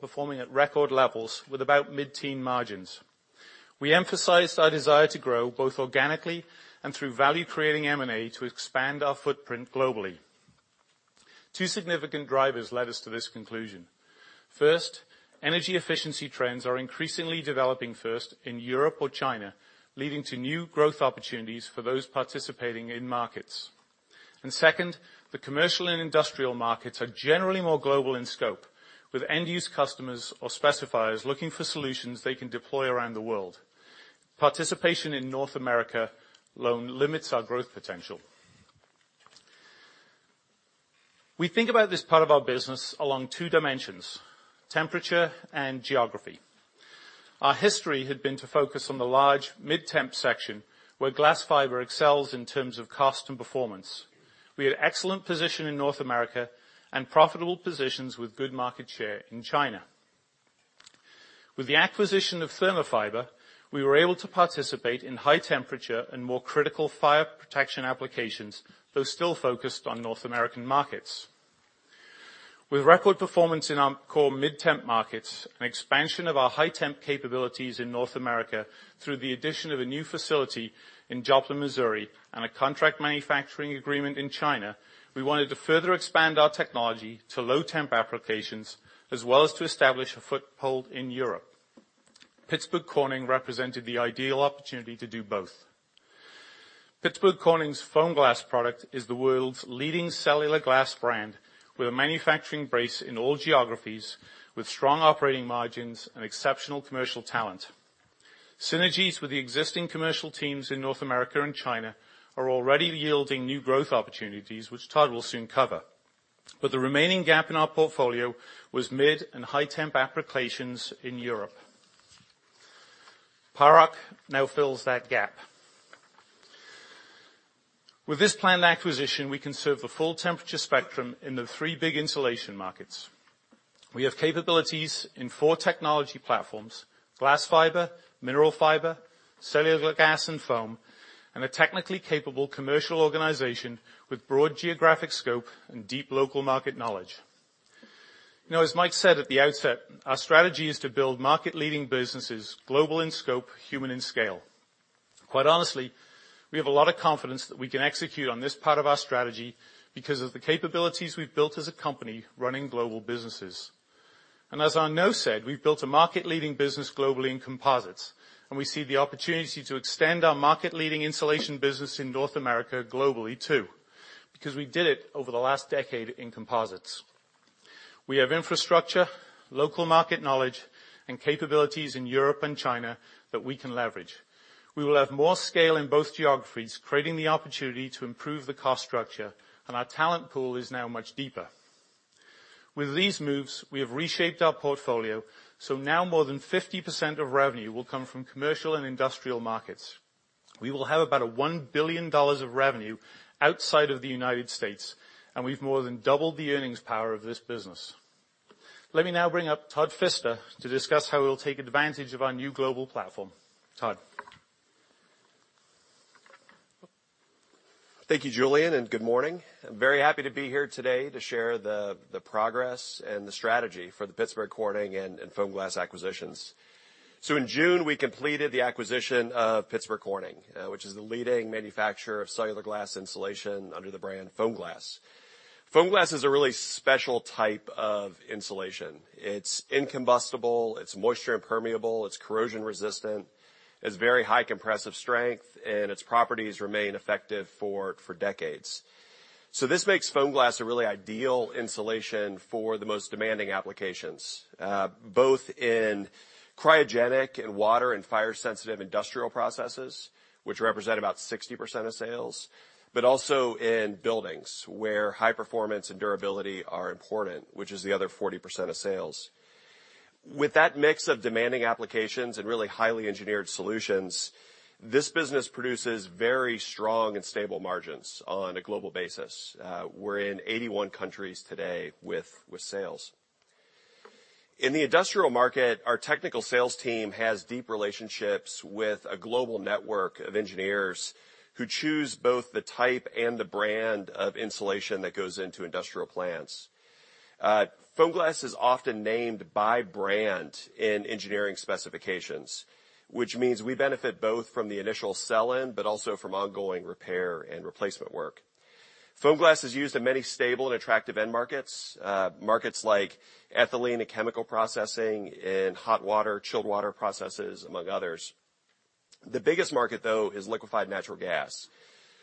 performing at record levels with about mid-teen margins. We emphasized our desire to grow both organically and through value-creating M&A to expand our footprint globally. Two significant drivers led us to this conclusion. First, energy efficiency trends are increasingly developing first in Europe and China, leading to new growth opportunities for those participating in markets. Second, the commercial and industrial markets are generally more global in scope with end use customers or specifiers looking for solutions they can deploy around the world. Participation in North America alone limits our growth potential. We think about this part of our business along two dimensions, temperature and geography. Our history had been to focus on the large mid-temp section where glass fiber excels in terms of cost and performance. We had excellent position in North America and profitable positions with good market share in China. With the acquisition of Thermafiber, we were able to participate in high temperature and more critical fire protection applications. Though still focused on North American markets with record performance in our core mid temp markets, an expansion of our high temp capabilities in North America through the addition of a new facility in Joplin, Missouri and a contract manufacturing agreement in China, we wanted to further expand our technology to low temp applications as well as to establish a foothold in Europe. Pittsburgh Corning represented the ideal opportunity to do both. Pittsburgh Corning's Foamglas product is the world's leading cellular glass brand with a manufacturing base in all geographies with strong operating margins and exceptional commercial talent. Synergies with the existing commercial teams in North America and China are already yielding new growth opportunities which Todd will soon cover. But the remaining gap in our portfolio was mid and high temp applications in Europe. Paroc now fills that gap. With this planned acquisition, we can serve the full temperature spectrum in the three big insulation markets. We have capabilities in four technology platforms, glass fiber, mineral fiber, cellular glass and foam, and a technically capable commercial organization with broad geographic scope and deep local market knowledge. Now as Mike said at the outset, our strategy is to build market-leading businesses global in scope, human in scale. Quite honestly, we have a lot of confidence that we can execute on this part of our strategy because of the capabilities we've built as a company running global businesses. And as Arnaud said, we've built a market-leading business globally in composites. And we see the opportunity to extend our market-leading insulation business in North America globally too because we did it over the last decade in composites. We have infrastructure, local market knowledge and capabilities in Europe and China that we can leverage. We will have more scale in both geographies, creating the opportunity to improve the cost structure and our talent pool is now much deeper. With these moves, we have reshaped our portfolio. So now more than 50% of revenue will come from commercial and industrial markets. We will have about $1 billion of revenue outside of the United States, and we've more than doubled the earnings power of this business. Let me now bring up Todd Fister to discuss how he'll take advantage of our new global platform. Todd? Thank you, Julian, and good morning. I'm very happy to be here today to share the progress and the strategy for the Pittsburgh Corning and Foamglas acquisitions. So in June, we completed the acquisition of Pittsburgh Corning, which is the leading manufacturer of cellular glass insulation under the brand Foamglas. Foamglas is a really special type of insulation. It's incombustible, it's moisture impermeable, it's corrosion resistant, has very high compressive strength, and its properties remain effective for decades. So this makes Foamglas a really ideal insulation for the most demanding applications, both in cryogenic and water and fire sensitive industrial processes, which represent about 60% of sales, but also in buildings where high performance and durability are important, which is the other 40% of sales. With that mix of demanding applications and really highly engineered solutions, this business produces very strong and stable margins on a global basis. We're in 81 countries today with sales in the industrial market. Our technical sales team has deep relationships with a global network of engineers who choose both the type and the brand of insulation that goes into industrial plants. Foamglas is often named by brand in engineering specifications, which means we benefit both from the initial sell in, but also from ongoing repair and replacement work. Foamglas is used in many stable and attractive end markets. Markets like ethylene and chemical processing in hot water, chilled water processes, among others. The biggest market though, is liquefied natural gas,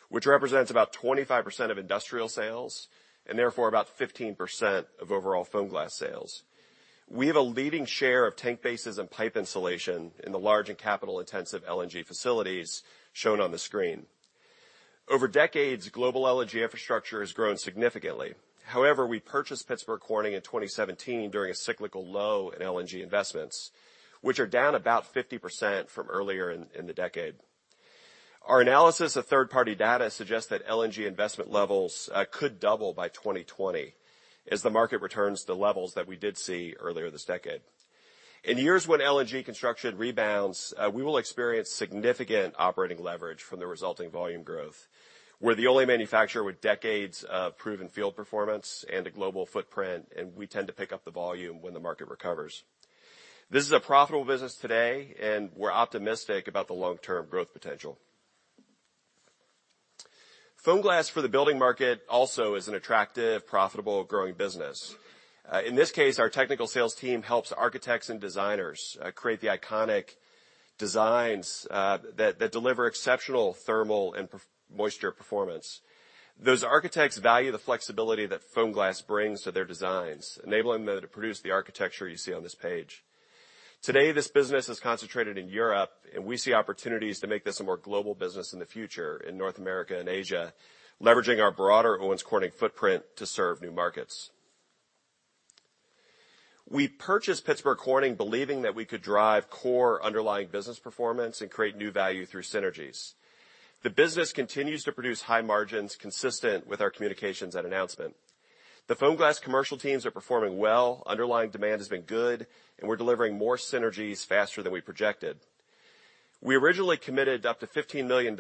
which represents about 25% of industrial sales and therefore about 15% of overall Foamglas sales. We have a leading share of tank bases and pipe insulation in the large and capital intensive LNG facilities shown on the screen. Over decades, global LNG infrastructure has grown significantly. However, we purchased Pittsburgh Corning in 2017 during a cyclical low in LNG investments, which are down about 50% from earlier in the decade. Our analysis of third party data suggests that LNG investment levels could double by 2020 as the market returns the levels that we did see earlier this decade. In years when LNG construction rebounds, we will experience significant operating leverage from the resulting volume growth. We're the only manufacturer with decades of proven field performance and a global footprint and we tend to pick up the volume when the market recovers. This is a profitable business today and we're optimistic about the long term growth potential. Foamglas for the building market also is an attractive, profitable growing business. In this case, our technical sales team helps architects and designers create the iconic designs that deliver exceptional thermal and moisture performance. Those architects value the flexibility that Foamglas brings to their designs, enabling them to produce the architecture you see on this page today. This business is concentrated in Europe and we see opportunities to make this a more global business in the future in North America and Asia, leveraging our broader Owens Corning footprint to serve new markets. We purchased Pittsburgh Corning believing that we could drive core underlying business performance and create new value through synergies. The business continues to produce high margins consistent with our communications and announcement. The Foamglas commercial teams are performing well, underlying demand has been good and we're delivering more synergies faster than we projected. We originally committed up to $15 million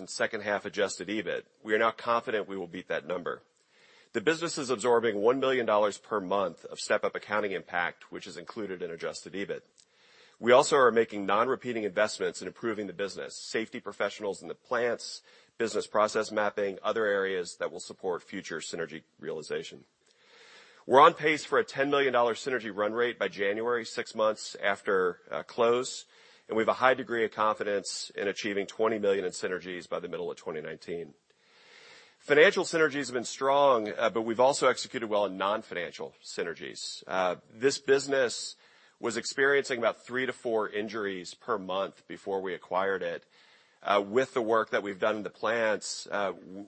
in second half adjusted EBIT. We are now confident we will beat that number. The business is absorbing $1 million per month of step-up accounting impact, which is included in adjusted EBIT. We also are making non-repeating investments in improving the business safety, professionals in the plants, business process mapping, other areas that will support future synergy realization. We're on pace for a $10 million synergy run rate by January, six months after close, and we have a high degree of confidence in achieving $20 million in synergies by the middle of 2019. Financial synergies have been strong, but we've also executed well in non-financial synergies. This business was experiencing about three to four injuries per month before we acquired it. With the work that we've done in the plants,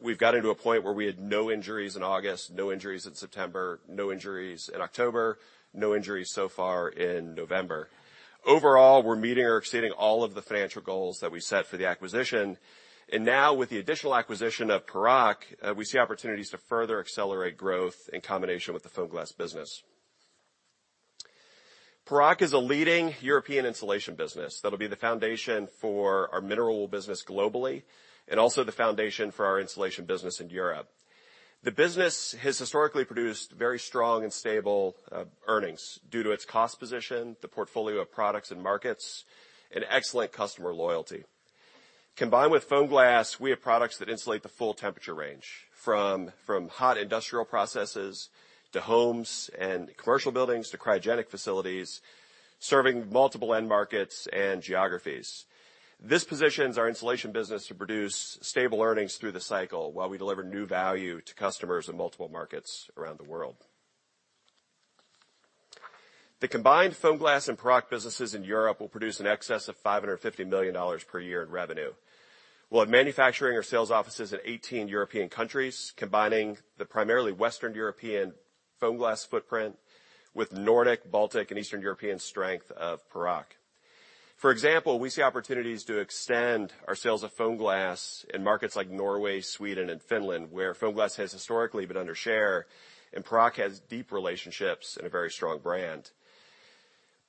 we've gotten to a point where we had no injuries in August, no injuries in September, no injuries in October, no injuries so far in November. Overall, we're meeting or exceeding all of the financial goals that we set for the acquisition, and now with the additional acquisition of Paroc, we see opportunities to further accelerate growth in combination with the Foamglas business. Paroc is a leading European insulation business that will be the foundation for our mineral wool business globally and also the foundation for our insulation business in Europe. The business has historically produced very strong and stable earnings due to its cost position, the portfolio of products and markets and excellent customer loyalty. Combined with Foamglas, we have products that insulate the full temperature range from hot industrial processes to homes and commercial buildings to cryogenic facilities serving multiple end markets and geographies. This positions our insulation business to produce stable earnings through the cycle while we deliver new value to customers in multiple markets around the world. The combined Foamglas and Paroc businesses in Europe will produce in excess of $550 million per year in revenue. We'll have manufacturing or sales offices in 18 European countries combining the primarily Western European Foamglas footprint with Nordic, Baltic and Eastern European strength of Paroc. For example, we see opportunities to extend our sales of Foamglas in markets like Norway, Sweden and Finland where Foamglas has historically been under share and Paroc has deep relationships and a very strong brand.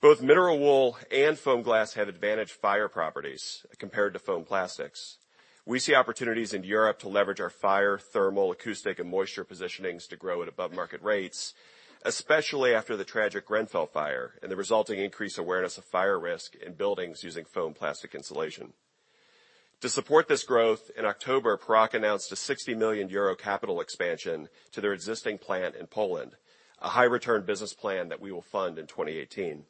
Both mineral wool and Foamglas have advantaged fire properties compared to foam plastics. We see opportunities in Europe to leverage our fire, thermal, acoustic and moisture positionings to grow at above market rates, especially after the tragic Grenfell fire and the resulting increased awareness of fire risk in buildings using foam plastic insulation. To support this growth, in October Paroc announced a 60 million euro capital expansion to their existing plant in Poland. A high return business plan that we will fund in 2018.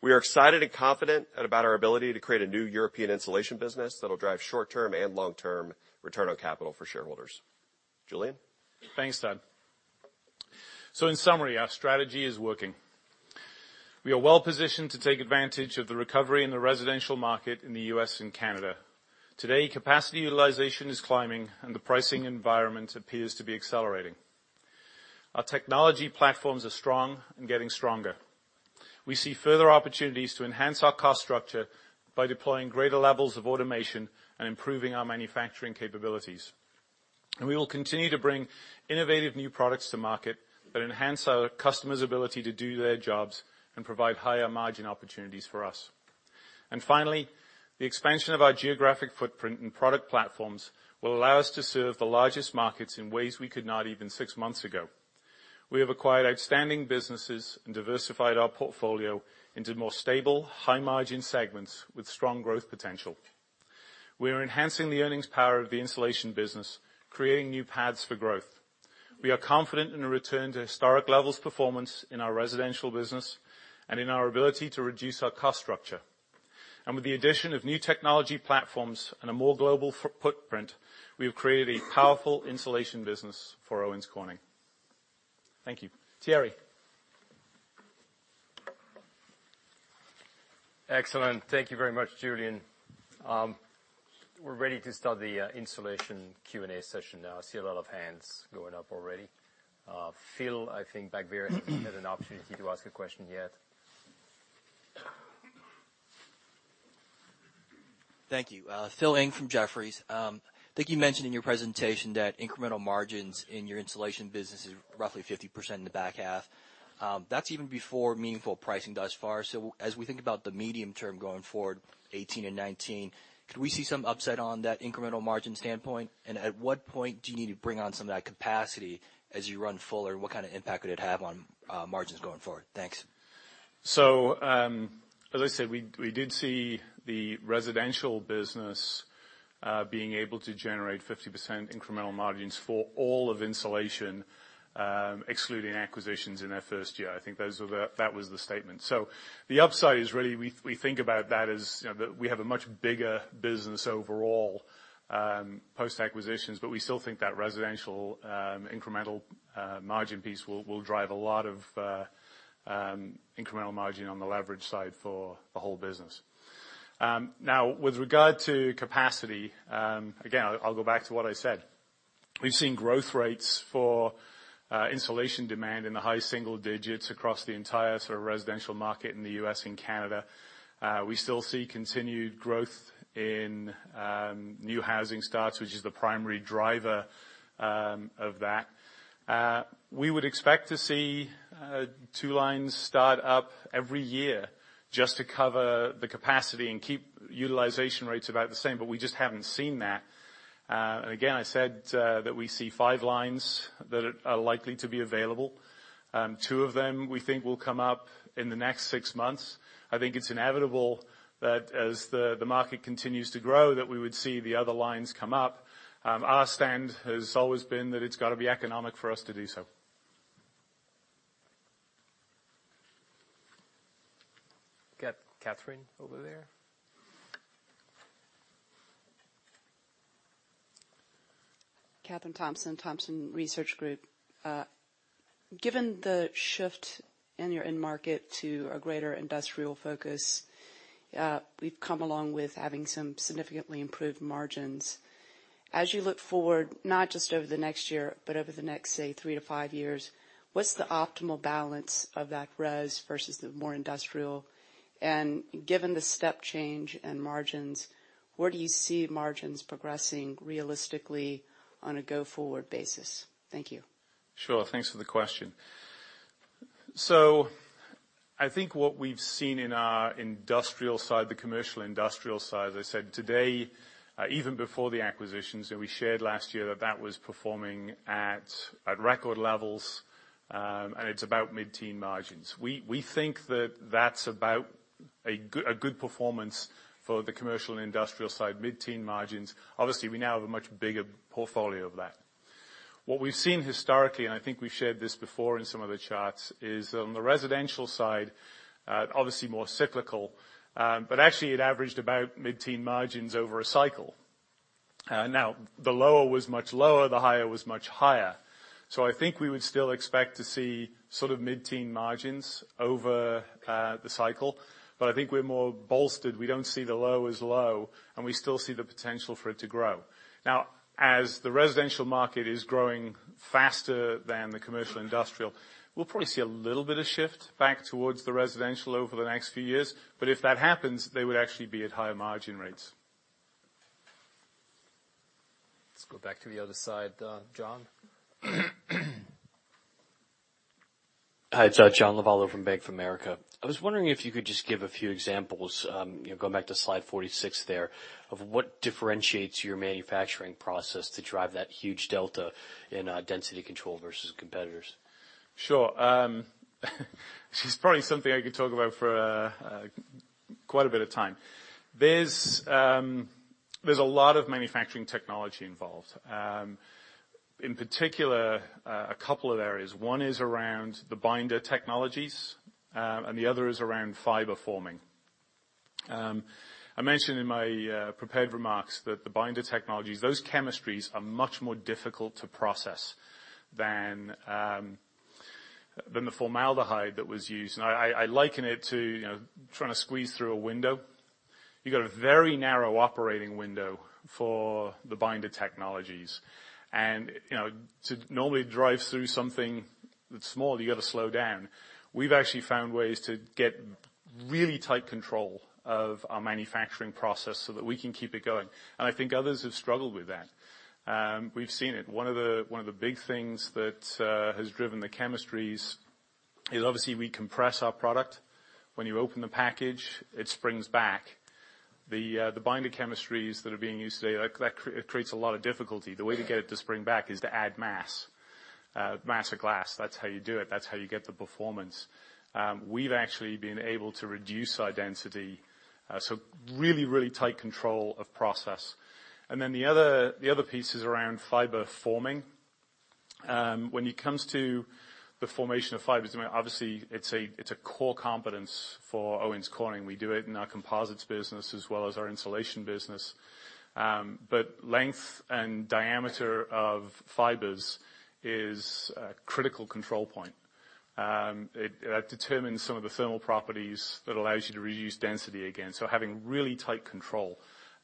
We are excited and confident about our ability to create a new European insulation business that will drive short term and long term return on capital for shareholders. Julian thanks Todd. So in summary, our strategy is working. We are well positioned to take advantage of the recovery in the residential market in the US and Canada today. Capacity utilization is climbing and the pricing environment appears to be accelerating. Our technology platforms are strong and getting stronger. We see further opportunities to enhance our cost structure by deploying greater levels of automation and improving our manufacturing capabilities. And we will continue to bring innovative new products to market that enhance our customer's ability to do their jobs and provide higher margin opportunities for us. And finally, the expansion of our geographic footprint and product platforms will allow us to serve the largest markets in ways we could not even six months ago. We have acquired outstanding businesses and diversified our portfolio into more stable high margin segments with strong growth potential. We are enhancing the earnings power of the insulation business, creating new paths for growth. We are confident in a return to historic levels performance in our residential business and in our ability to reduce our cost structure, and with the addition of new technology platforms and a more global footprint, we have created a powerful insulation business for Owens Corning. Thank you Thierry. Excellent. Thank you very much Julian. We're ready to start the insulation Q and A session now. I see a lot of hands going up already. Phil, I think back there had an opportunity to ask a question yet? Thank you Phil Ng from Jefferies. I think you mentioned in your presentation that incremental margins in your Insulation business. Is roughly 50% in the back half. That's even before meaningful pricing thus far. So as we think about the medium. Turn going forward 2018 and 2019, could we see some upside on that incremental margin standpoint? And at what point do you need. To bring on some of that capacity. As you run fuller and what kind of impact could it have on margins going forward? Thanks. So as I said, we did see the residential business being able to generate 50% incremental margins for all of insulation, excluding acquisitions in their first year. I think those are the, that was the statement. So the upside is really, we think about that as we have a much bigger business overall post acquisitions. But we still think that residential incremental margin piece will drive a lot of incremental margin on the leverage side for the whole business. Now, with regard to capacity, again, I'll go back to what I said. We've seen growth rates for insulation demand in the high single digits across the entire sort of residential market in the US and Canada. We still see continued growth in new housing starts, which is the primary driver of that. We would expect to see two lines start up every year just to cover the capacity and keep utilization rates about the same, but we just haven't seen that, and again, I said that we see five lines that are likely to be available. Two of them we think will come up in the next six months. I think it's inevitable that as the market continues to grow that we would see the other lines come up. Our stand has always been that it's got to be economic for us to do so. Got Kathryn over there. Kathryn Thompson, Thompson Research Group. Given the shift in your end market. To a greater industrial focus, we've come a long way with having some significantly improved margins. As you look forward, not just over. The next year, but over the next. Six, say three to five years, what's. The optimal balance of that residential versus the more industrial? Given the step change and margins, where do you see margins progressing realistically on a go forward basis? Thank you. Sure. Thanks for the question. So I think what we've seen in our industrial side, the commercial industrial side, as I said today, even before the acquisitions, and we shared last year that was performing at record levels and it's about mid-teen margins. We think that that's about a good performance for the commercial and industrial side. Mid-teen margins, obviously we now have a much bigger portfolio of that. What we've seen historically, and I think we've shared this before in some of the charts, is on the residential side, obviously more cyclical, but actually it averaged about mid-teen margins over a cycle. Now the lower was much lower, the higher was much higher. So I think we would still expect to see sort of mid-teen margins over the cycle. But I think we're more bolstered. We don't see the low as low and we still see the potential for it to grow. Now as the residential market is growing faster than the commercial industrial, we'll probably see a little bit of shift back towards the residential over the next few years. But if that happens, they would actually be at higher margin rates. Let's go back to the other side. John. Hi, it's John Lovallo from Bank of America. I was wondering if you could just give a few examples going back to. Slide 46 there of what differentiates your. Manufacturing process to drive that huge delta. In density control versus competitors. Sure, sure. She's probably something I could talk about for quite a bit of time. There's a lot of manufacturing technology involved, in particular a couple of areas. One is around the binder technologies and the other is around fiber forming. I mentioned in my prepared remarks that the binder technologies, those chemistries are much more difficult to process than the formaldehyde that was used. And I liken it to trying to squeeze through a window. You've got a very narrow operating window for the binder technologies. And to normally drive through something that's small, you got to slow down. We've actually found ways to get really tight control of our manufacturing process so that we can keep it going. And I think others have struggled with that. We've seen it. One of the big things that has driven the chemistries is obviously we compress our product. When you open the package, it springs back. The binder chemistries that are being used today, that creates a lot of difficulty. The way to get it to spring back is to add mass, mass of glass. That's how you do it. That's how you get the performance. We've actually been able to reduce our density. So really, really tight control of process. And then the other piece is around fiber forming. When it comes to the formation of fibers, obviously it's a core competence for Owens Corning. We do it in our composites business as well as our insulation business. But length and diameter of fibers is a critical control point that determines some of the thermal properties that allows you to reduce density. Again.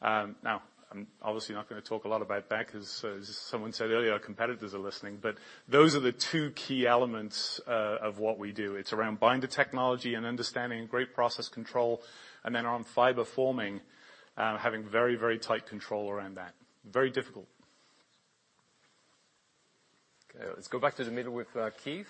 Now, I'm obviously not going to talk a lot about that because as someone said earlier, our competitors are listening. But those are the two key elements of what we do. It's around binder technology and understanding great process control. And then, on fiber forming, having very, very tight control around that. Very difficult. Okay, let's go back to the middle with Ken.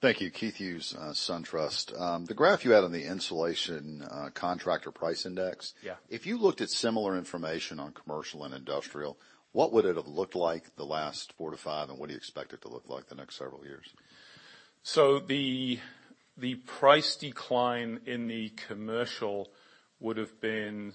Thank you. Keith Hughes, SunTrust, the graph you had on the insulation contractor price index, if. You looked at similar information on commercial. And industrial, what would it have looked? Like the last four to five and what do you expect it to look like the next several years? So the price decline in the commercial would have been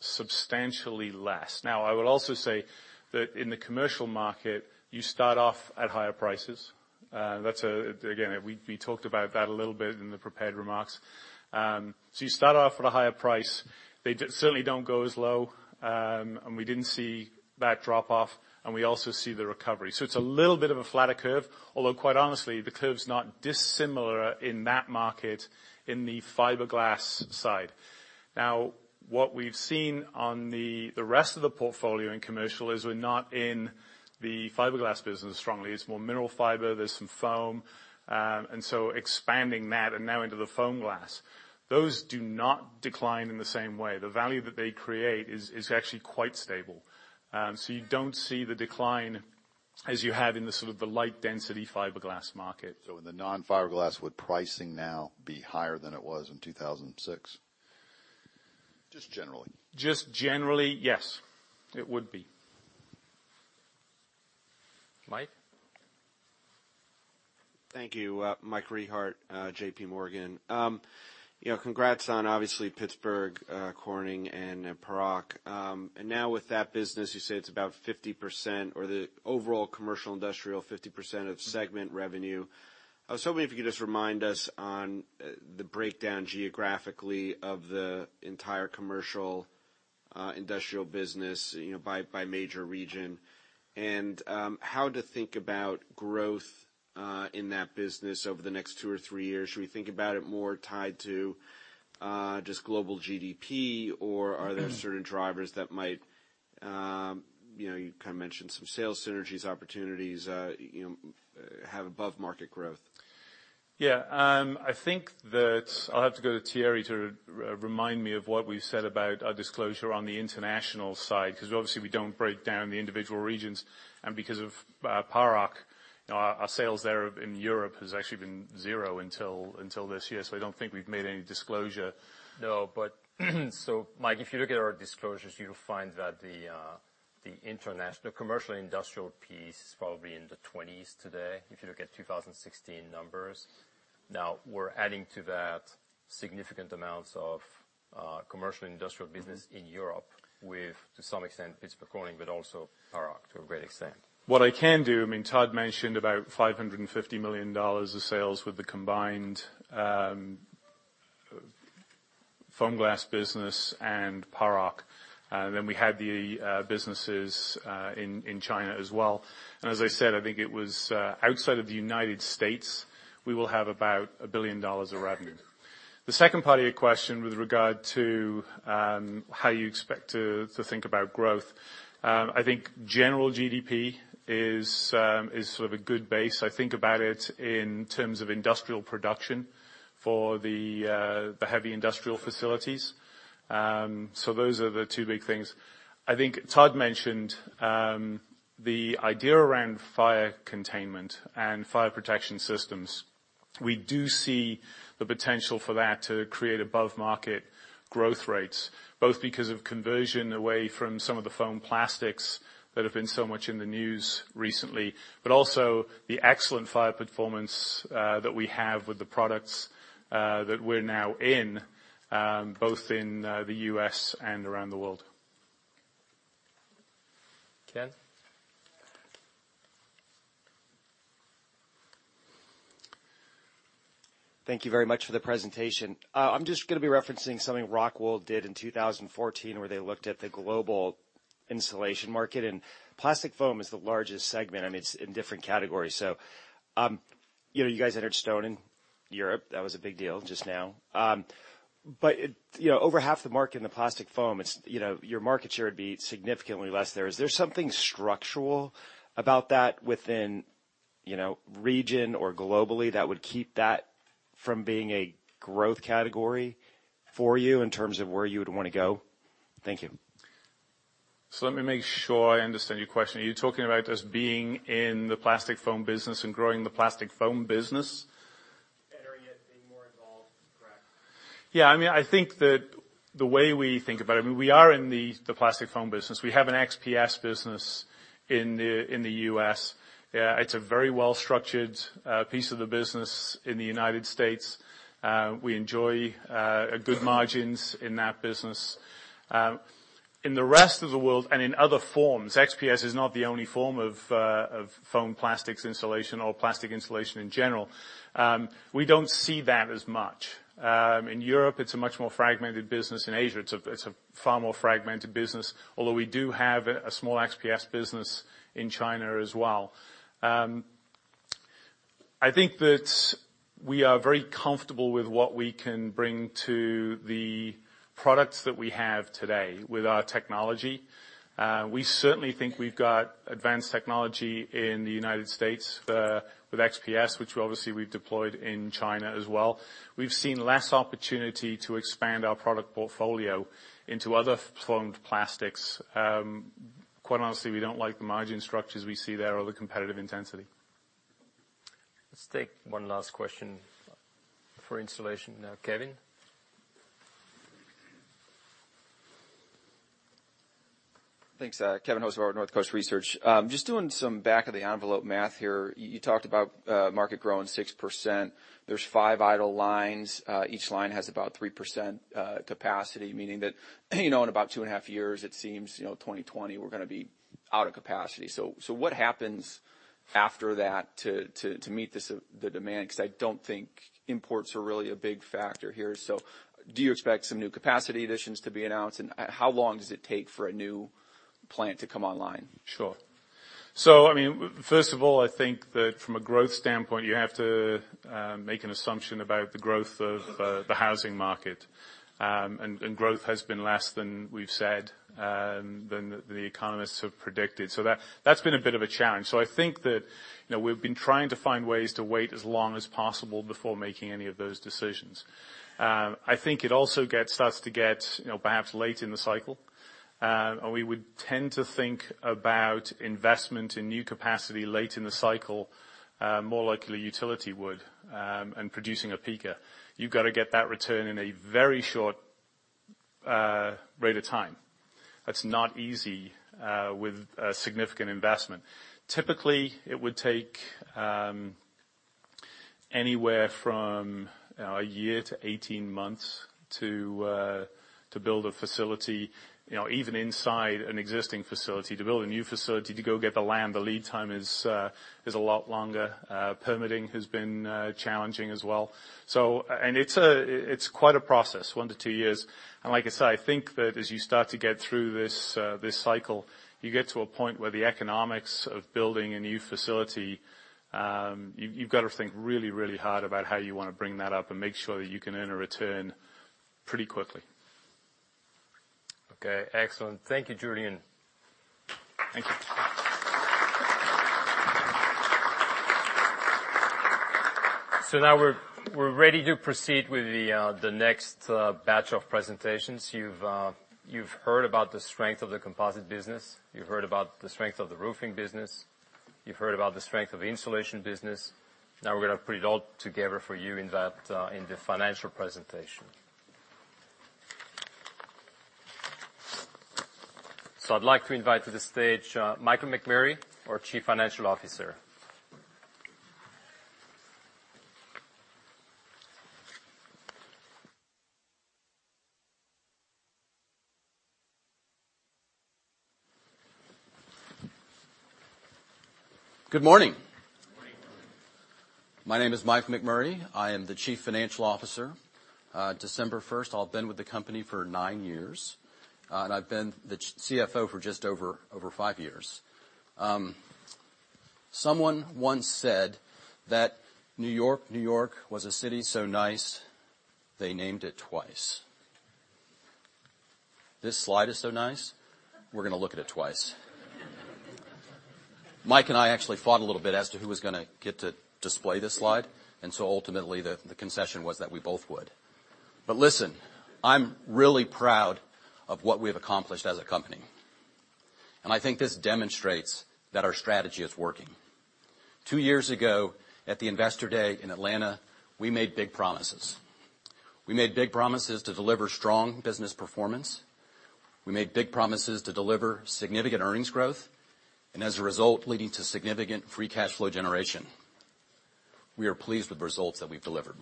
substantially less. Now, I will also say that in the commercial market you start off at higher prices. That's again, we talked about that a little bit in the prepared remarks. So you start off with a higher price, they certainly don't go as low and we didn't see that drop off and we also see the recovery. So it's a little bit of a flatter curve. Although quite honestly the curve's not dissimilar in that market in the fiberglass side. Now what we've seen on the rest of the portfolio in commercial is we're not in the fiberglass business strongly. It's more mineral fiber, there's some foam and so expanding that and now into the Foamglas. Those do not decline in the same way. The value that they create is actually quite stable. So you don't see the decline as you have in the sort of light density fiberglass market. So, in the non-fiberglass, would pricing. Now, be higher than it was in 2010? 6. Just generally. Just generally, yes, it would be. Mike. Thank you, Mike. Rehaut, J.P. Morgan. You know, congrats on obviously Pittsburgh Corning and Paroc. And now with that business, you say it's about 50% of the overall commercial industrial 50% of segment revenue. I was hoping if you could just remind us on the breakdown geographically of the entire commercial industrial business by major region and how to think about growth in that business over the next two or three years. Should we think about it more tied to just global GDP or are there certain drivers that might, you know, you kind of mentioned some sales synergies opportunities have above market growth. Yes, I think that I'll have to go to Thierry to remind me of what we've said about our disclosure on the international side because obviously we don't break down the individual regions and because of Paroc, our sales there in Europe has actually been zero until this year. So I don't think we've made any disclosure. No, but so Mike, if you look at our disclosures, you'll find that the international commercial industrial piece is probably in the 20s today. If you look at 2016 numbers now, we're adding to that significant amounts of commercial industrial business in Europe with, to some extent, Pittsburgh, but also Paroc too. a great extent what I can do. I mean, Todd mentioned about $550 million of sales with the combined Foamglas business and Paroc. Then we had the businesses in China as well. And as I said, I think it was outside of the United States. We will have about $1 billion of revenue. The second part of your question, with regard to how you expect to think about growth, I think general GDP is sort of a good base. I think about it in terms of industrial production for the heavy industrial facilities. So those are the two big things. I think Todd mentioned the idea around fire containment and fire protection systems. We do see the potential for that to create above market growth rates, both because of conversion away from some of the foam plastics that have been so much in the news recently, but also the excellent fire performance that we have with the products that we're now in, both in the US and around the world. Ken. Thank you very much for the presentation. I'm just going to be referencing something Rockwool did in 2014 where they looked at the global insulation market and plastic foam is the largest segment. I mean, it's in different categories. So, you know, you guys entered stone in Europe. That was a big deal just now. But, you know, over half the market in the plastic foam, it's, you know, your market share would be significantly less there. Is there something structural about that within, you know, region or globally that would keep that from being a growth category for you in terms of where you. Would want to go? Thank you. So let me make sure I understand your question. Are you talking about us being in the plastic foam business and growing the plastic foam business? Yeah, I mean, I think that the way we think about it, we are in the plastic foam business. We have an XPS business in the US It's a very well structured piece of the business in the United States. We enjoy good margins in that business in the rest of the world and in other forms. XPS is not the only form of foam plastics insulation or plastic insulation in general. We don't see that as much. In Europe, it's a much more fragmented business. In Asia, it's a far more fragmented business. Although we do have a small XPS business in China as well. I think that we are very comfortable with what we can bring to the products that we have today with our technology. We certainly think we've got advanced technology in the United States with XPS, which obviously we've deployed in China as well. We've seen less opportunity to expand our product portfolio into other formed plastics. Quite honestly, we don't like the margin structures we see there or the competitive intensity. Let's take one last question for insulation, Kevin. Thanks. Kevin. Hocevar, North Coast Research. Just doing some back of the envelope math here. You talked about market growing 6%. There's five idle lines. Each line has about 3% capacity, meaning. That, you know, in about two and. In half a year, it seems, you know, 2020, we're going to be out of capacity. So what happens after that to meet the demand? Because I don't think imports are really. A big factor here. So do you expect some new capacity additions to be announced? And how long does it take for? A new plant to come online? Sure. So, I mean, first of all, I think that from a growth standpoint, you have to make an assumption about the growth of the housing market. And growth has been less than we've said, than the economists have predicted. So that's been a bit of a challenge. So I think that we've been trying to find ways to wait as long as possible before making any of those decisions. I think it also starts to get perhaps late in the cycle. We would tend to think about investment in new capacity late in the cycle. More likely, we would. And producing capacity. You've got to get that return in a very short period of time. That's not easy with a significant investment. Typically it would take anywhere from a year to 18 months to build a facility, even inside an existing facility to build a new facility to go get the land. The lead time is a lot longer. Permitting has been challenging as well, and it's quite a process, one to two years, and like I said, I think that as you start to get through this cycle, you get to a point where the economics of building a new facility, you've got to think really, really hard about how you want to bring that up and make sure that you can earn a return pretty quickly. Okay, excellent. Thank you, Julian. Thank you. So now we're ready to proceed with the next batch of presentations. You've heard about the strength of the composite business. You've heard about the strength of the roofing business, you've heard about the strength of the insulation business. Now we're going to put it all together for you in the financial presentation. So I'd like to invite to the stage Michael McMurray, our Chief Financial Officer. Good morning. My name is Mike McMurray. I am the Chief Financial Officer December 1st. I've been with the company for nine years and I've been the CFO for just over five years. Someone once said that New York, New York was a city so nice they named it twice. This slide is so nice, we're going to look at it twice. Mike and I actually fought a little bit as to who was going to get to display this slide, and so ultimately the concession was that we both would, but listen, I'm really proud of what we've accomplished as a company and I think this demonstrates that our strategy is working. Two years ago at the Investor Day in Atlanta, we made big promises. We made big promises to deliver strong business performance. We made big promises to deliver significant earnings growth, and as a result, leading to significant free cash flow generation. We are pleased with the results that we've delivered.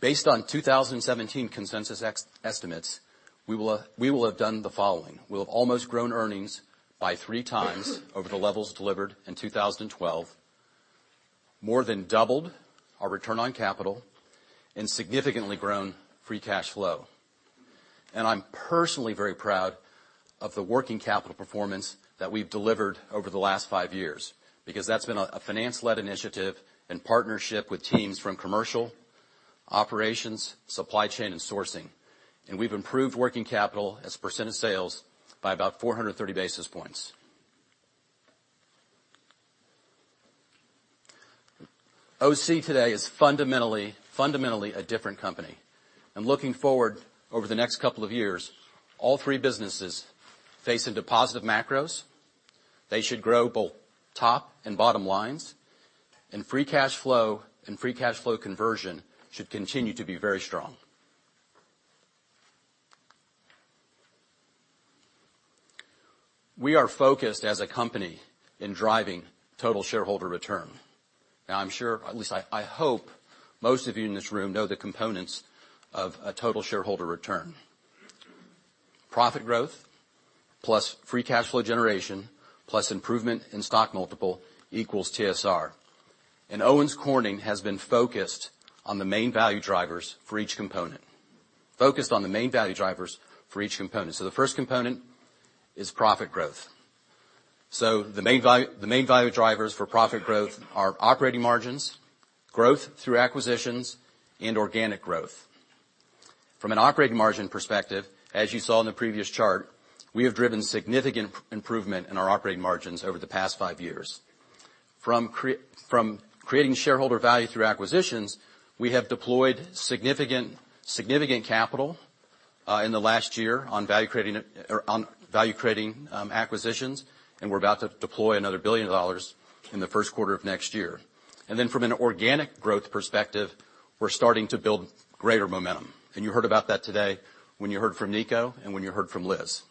Based on 2017 consensus estimates, we will have done the following. We'll have almost grown earnings by three times over the levels delivered in 2012, more than doubled our return on capital, and significantly grown free cash flow, and I'm personally very proud of the working capital performance that we've delivered over the last five years because that's been a finance-led initiative in partnership with teams from commercial operations, supply chain, and sourcing, and we've improved working capital as a % of sales by about 430 basis points. OC today is fundamentally, fundamentally a different company. Looking forward over the next couple of years, all three businesses, despite macros, they should grow both top and bottom lines and free cash flow, and free cash flow conversion should continue to be very. We are focused as a company in driving total shareholder return. Now I'm sure, at least I hope most of you in this room know the components of a total shareholder return. Profit growth plus free cash flow generation plus improvement in stock multiple equals TSR, and Owens Corning has been focused on the main value drivers for each component. So the first component is profit growth. So the main value drivers for profit growth are operating margins, growth through acquisitions and organic growth. From an operating margin perspective. As you saw in the previous chart, we have driven significant improvement in our operating margins over the past five years from creating shareholder value through acquisitions. We have deployed significant capital in the last year on value creating acquisitions and we're about to deploy another $1 billion in the first quarter of next year. And then from an organic growth perspective, we're starting to build greater momentum. And you heard about that today when you heard from Nico and when you heard from Liz.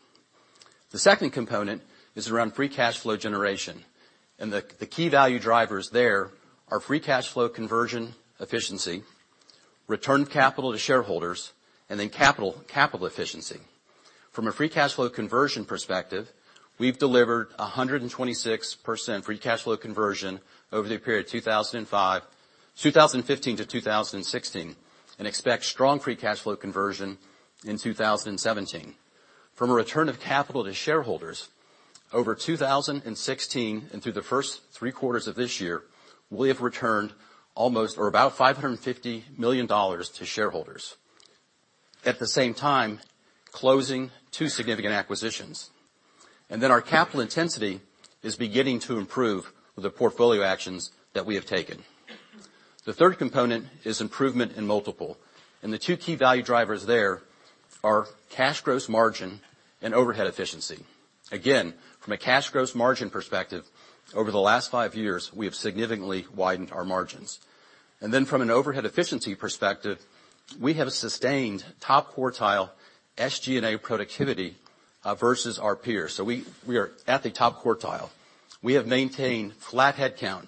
The second component is around free cash flow generation and the key value drivers there are free cash flow conversion efficiency, return of capital to shareholders and then capital efficiency. From a free cash flow conversion perspective, we've delivered 126% free cash flow conversion over the period 2005-2015 to 2016 and expect strong free cash flow conversion in 2017. From a return of capital to shareholders over 2016 and through the first three quarters of this year, we have returned almost or about $550 million to shareholders at the same time closing two significant acquisitions, and then our capital intensity is beginning to improve with the portfolio actions that we have taken. The third component is improvement in multiple and the two key value drivers there are cash gross margin and overhead efficiency. Again, from a cash gross margin perspective over the last five years we have significantly widened our margins, and then from an overhead efficiency perspective, we have sustained top quartile SGA productivity versus our peers. So we are at the top quartile. We have maintained flat headcount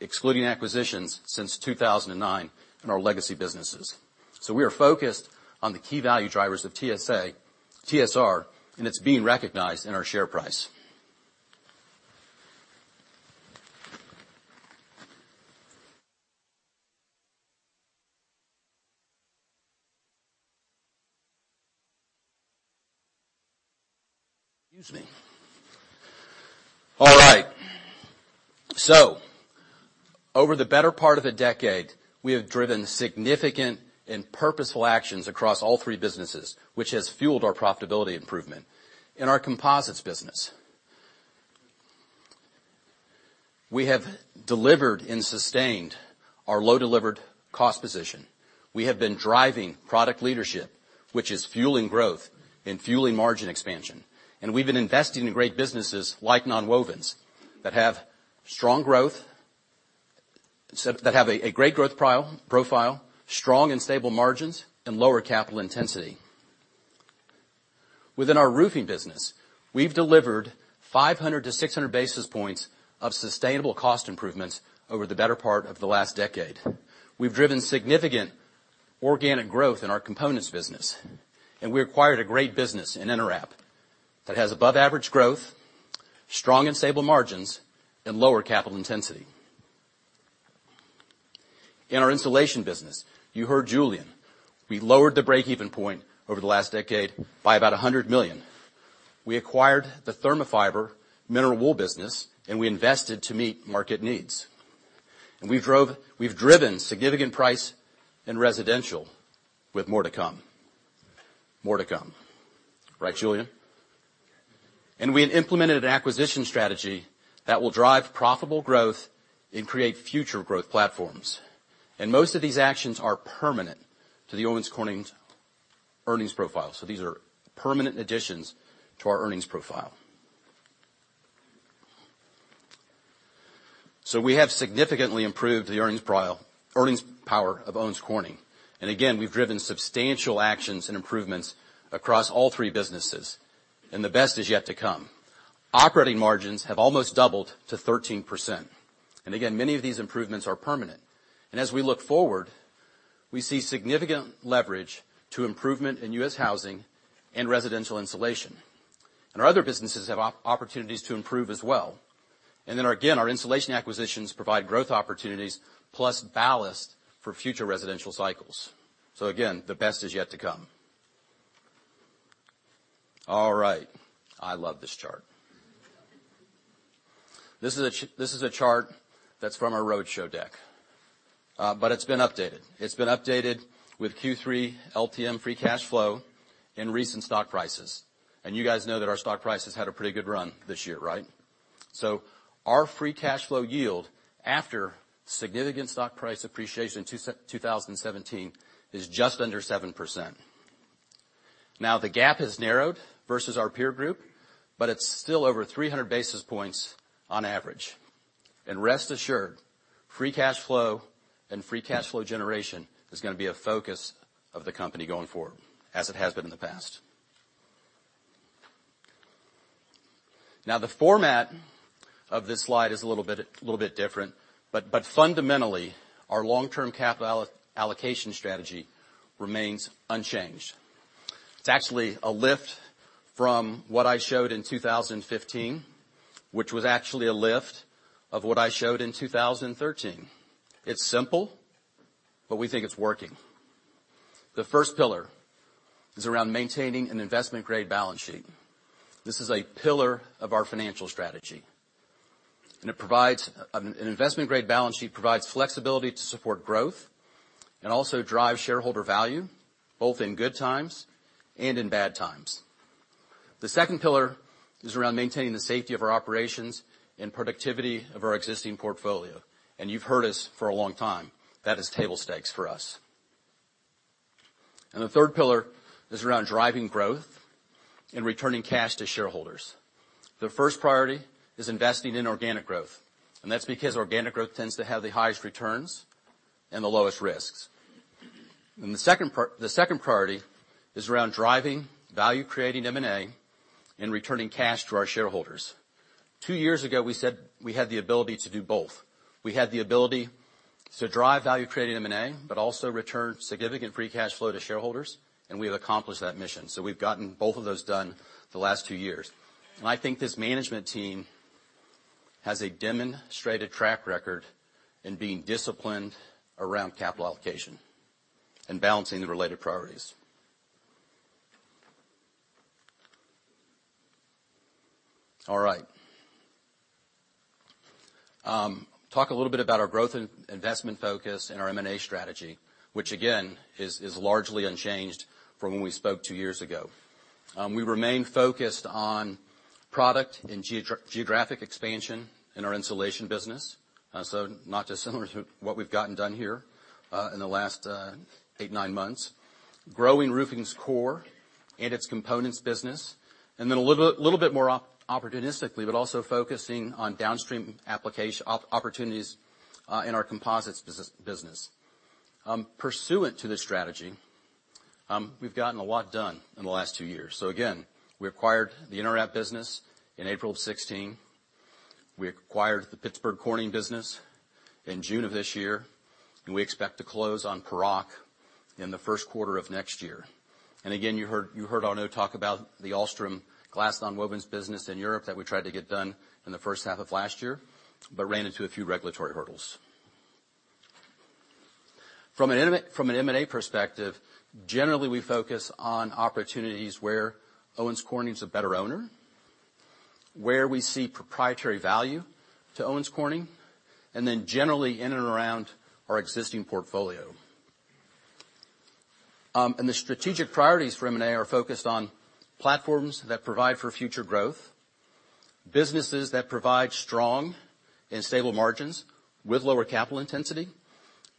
excluding acquisitions since 2009 in our legacy businesses. So we are focused on the key value drivers of TSA TSR and it's being recognized in our share price. Excuse me. All right. So over the better part of a decade, we have driven significant and purposeful actions across all three businesses which has fueled our profitability improvement. In our composites business, we have delivered and sustained our low delivered cost position. We have been driving product leadership which is fueling growth and fueling margin expansion. And we've been investing in great businesses like Nonwovens that have strong growth, that have a great growth profile, strong and stable margins and lower capital intensity. Within our roofing business, we've delivered 500 to 600 basis points of sustainable cost improvements over the better part of the last decade. We've driven significant organic growth in our components business and we acquired a great business in InterWrap that has above average growth, strong and stable margins and lower capital intensity in our insulation business. You heard Julian. We lowered the breakeven point over the last decade by about $100 million. We acquired the Thermafiber mineral wool business and we invested to meet market needs. And we've driven significant price residential with more to come. More to come. Right, Julian? And we implemented an acquisition strategy that will drive profitable growth and create future growth platforms. And most of these actions are permanent to the Owens Corning earnings profile. So these are permanent additions to our earnings profile. So we have significantly improved the earnings power of Owens Corning and again, we've driven substantial actions and improvements across all three businesses. And the best is yet to come. Operating margins have almost doubled to 13%. And again, many of these improvements are permanent. And as we look forward, we see significant leverage to improvement in US housing and residential insulation. Our other businesses have opportunities to improve as well. And then again, our insulation acquisitions provide growth opportunities plus ballast for future residential cycles. So again, the best is yet to come. All right, I love this chart. This is a chart that's from our roadshow deck, but it's been updated. It's been updated with Q3LTM free cash flow in recent stock prices. And you guys know that our stock prices had a pretty good run this year, right? So our free cash flow yield after significant stock price appreciation 2017 is just under 7% now. The gap has narrowed versus our peer group, but it's still over 300 basis points on average. And rest assured, free cash flow and free cash flow generation is going to be a focus of the company going forward as it has been in the past. Now, the format of this slide is a little bit different, but fundamentally our long-term capital allocation strategy remains unchanged. It's actually a lift from what I showed in 2015, which was actually a lift from what I showed in 2013. It's simple, but we think it's working. The first pillar is around maintaining an investment-grade balance sheet. This is a pillar of our financial strategy and it provides an investment-grade balance sheet, provides flexibility to support growth, and also drive shareholder value both in good times and in bad times. The second pillar is around maintaining the safety of our operations and productivity of our existing portfolio. You've heard us for a long time, that is table stakes for us. The third pillar is around driving growth and returning cash to shareholders. The first priority is investing in organic growth, and that's because organic growth tends to have the highest returns and the lowest risks. And the second priority is around driving value, creating M&A and returning cash to our shareholders. Two years ago we said we had the ability to do both. We had the ability to drive value creating M&A, but also return significant free cash flow to shareholders. And we have accomplished that mission. So we've gotten both of those done the last two years. And I think this management team has a demonstrated track record in being disciplined around capital allocation and balancing the related priorities. All right, talk a little bit about our growth investment focus and our M&A strategy, which again is largely unchanged from when we spoke two years ago. We remain focused on product and geographic expansion in our insulation business. So not dissimilar to what we've gotten done here in the last eight, nine months, growing roofing's core and its components business and then a little bit more opportunistically, but also focusing on downstream application opportunities in our composites business. Pursuant to this strategy, we've gotten a lot done in the last two years. So again, we acquired the InterWrap business in April of 2016. We acquired the Pittsburgh Corning business in June of this year, and we expect to close on Paroc in the first quarter of next year, and again, you heard Arnaud talk about the Ahlstrom glass nonwovens business in Europe that we tried to get done in the first half of last year, but ran into a few regulatory hurdles. From an M&A perspective, generally, we focus on opportunities where Owens Corning is a better owner, where we see proprietary value to Owens Corning, and then generally in and around our existing portfolio. The strategic priorities for M&A are focused on platforms that provide for future growth, businesses that provide strong and stable margins with lower capital intensity,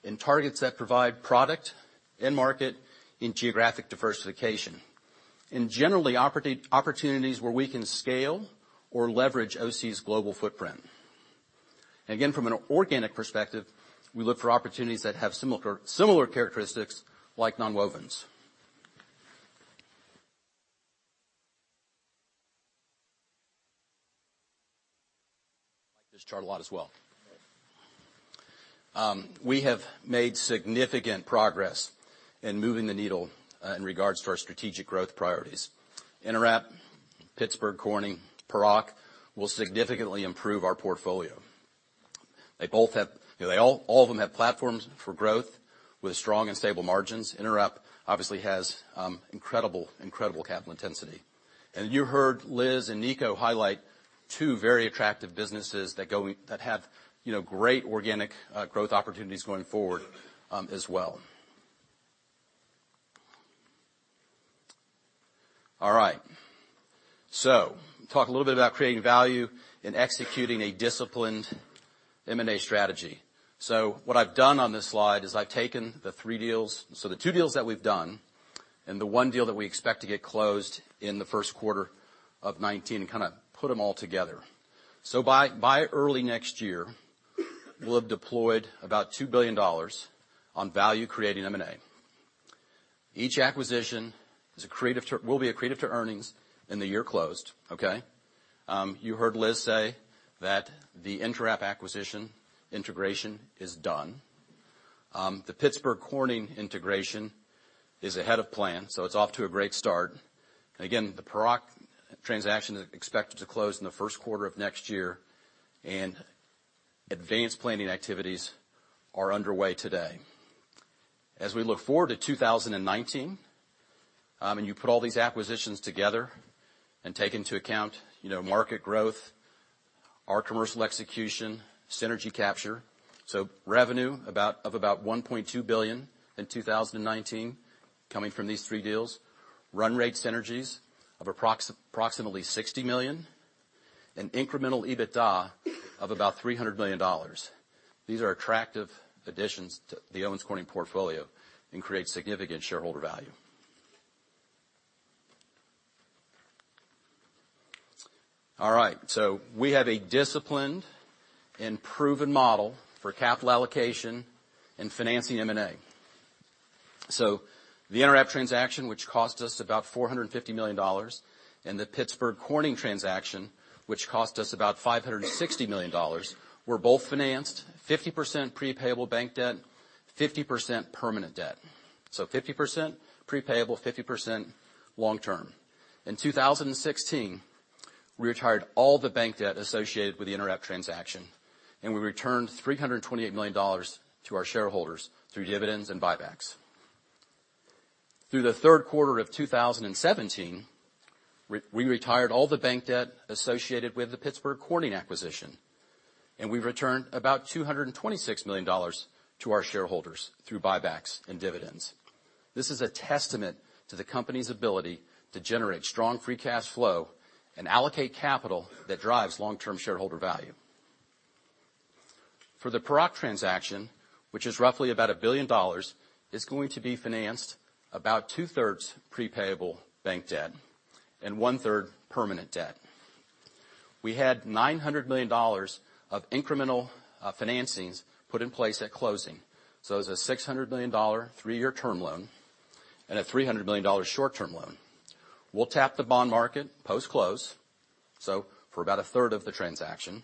and targets that provide product end market and geographic diversification. Generally opportunities where we can scale or leverage OC's global footprint. Again, from an organic perspective, we look for opportunities that have similar characteristics, like nonwovens. Like this chart a lot as well. We have made significant progress in moving the needle in regards to our strategic growth priorities. InterWrap, Pittsburgh Corning, Paroc will significantly improve our portfolio. They both have, they all, all of them have platforms for growth with strong and stable margins. InterWrap obviously has incredible, incredible capital intensity. You heard Liz and Nico highlight two very attractive businesses that have great organic growth opportunities going forward as well. All right, talk a little bit about creating value in executing a disciplined M&A strategy. What I've done on this slide is I've taken the three deals, the two deals that we've done and the one deal that we expect to get closed in 1Q 2019 and kind of put them all together. By early next year, we'll have deployed about $2 billion on value creating M&A. Each acquisition will be accretive to earnings in the year closed. Okay, you heard Liz say that the InterWrap acquisition integration is done. Done. The Pittsburgh Corning integration is ahead of plan. So it's off to a great start. Again, the Paroc transaction is expected to close in the first quarter of next year. And advanced planning activities are underway today as we look forward to 2019. And you put all these acquisitions together and take into account market growth. Our commercial execution, synergy capture. So revenue of about $1.2 billion in 2019 coming from these three deals, run rate synergies of approximately $60 million and incremental EBITDA of about $300 million. These are attractive additions to the Owens Corning portfolio and create significant shareholder value. All right, so we have a disciplined and proven model for capital allocation and financing. The InterWrap transaction, which cost us about $450 million, and the Pittsburgh Corning transaction, which cost us about $560 million, were both financed 50% prepayable bank debt, 50% permanent debt. So 50% prepayable, 50% long-term. In 2016, we retired all the bank debt associated with the InterWrap transaction, and we returned $328 million to our shareholders through dividends and buybacks. Through the third quarter of 2017, we retired all the bank debt associated with the Pittsburgh Corning acquisition, and we returned about $226 million to our shareholders through buybacks and dividends. This is a testament to the company's ability to generate strong free cash flow and allocate capital that drives long-term shareholder value. For the Paroc transaction, which is roughly about $1 billion, it is going to be financed about two-thirds prepayable bank debt and one-third permanent debt. We had $900 million of incremental financings put in place at closing. So it was a $600 million three-year term loan and a $300 million short-term loan. We'll tap the bond market post-close. So for about a third of the transaction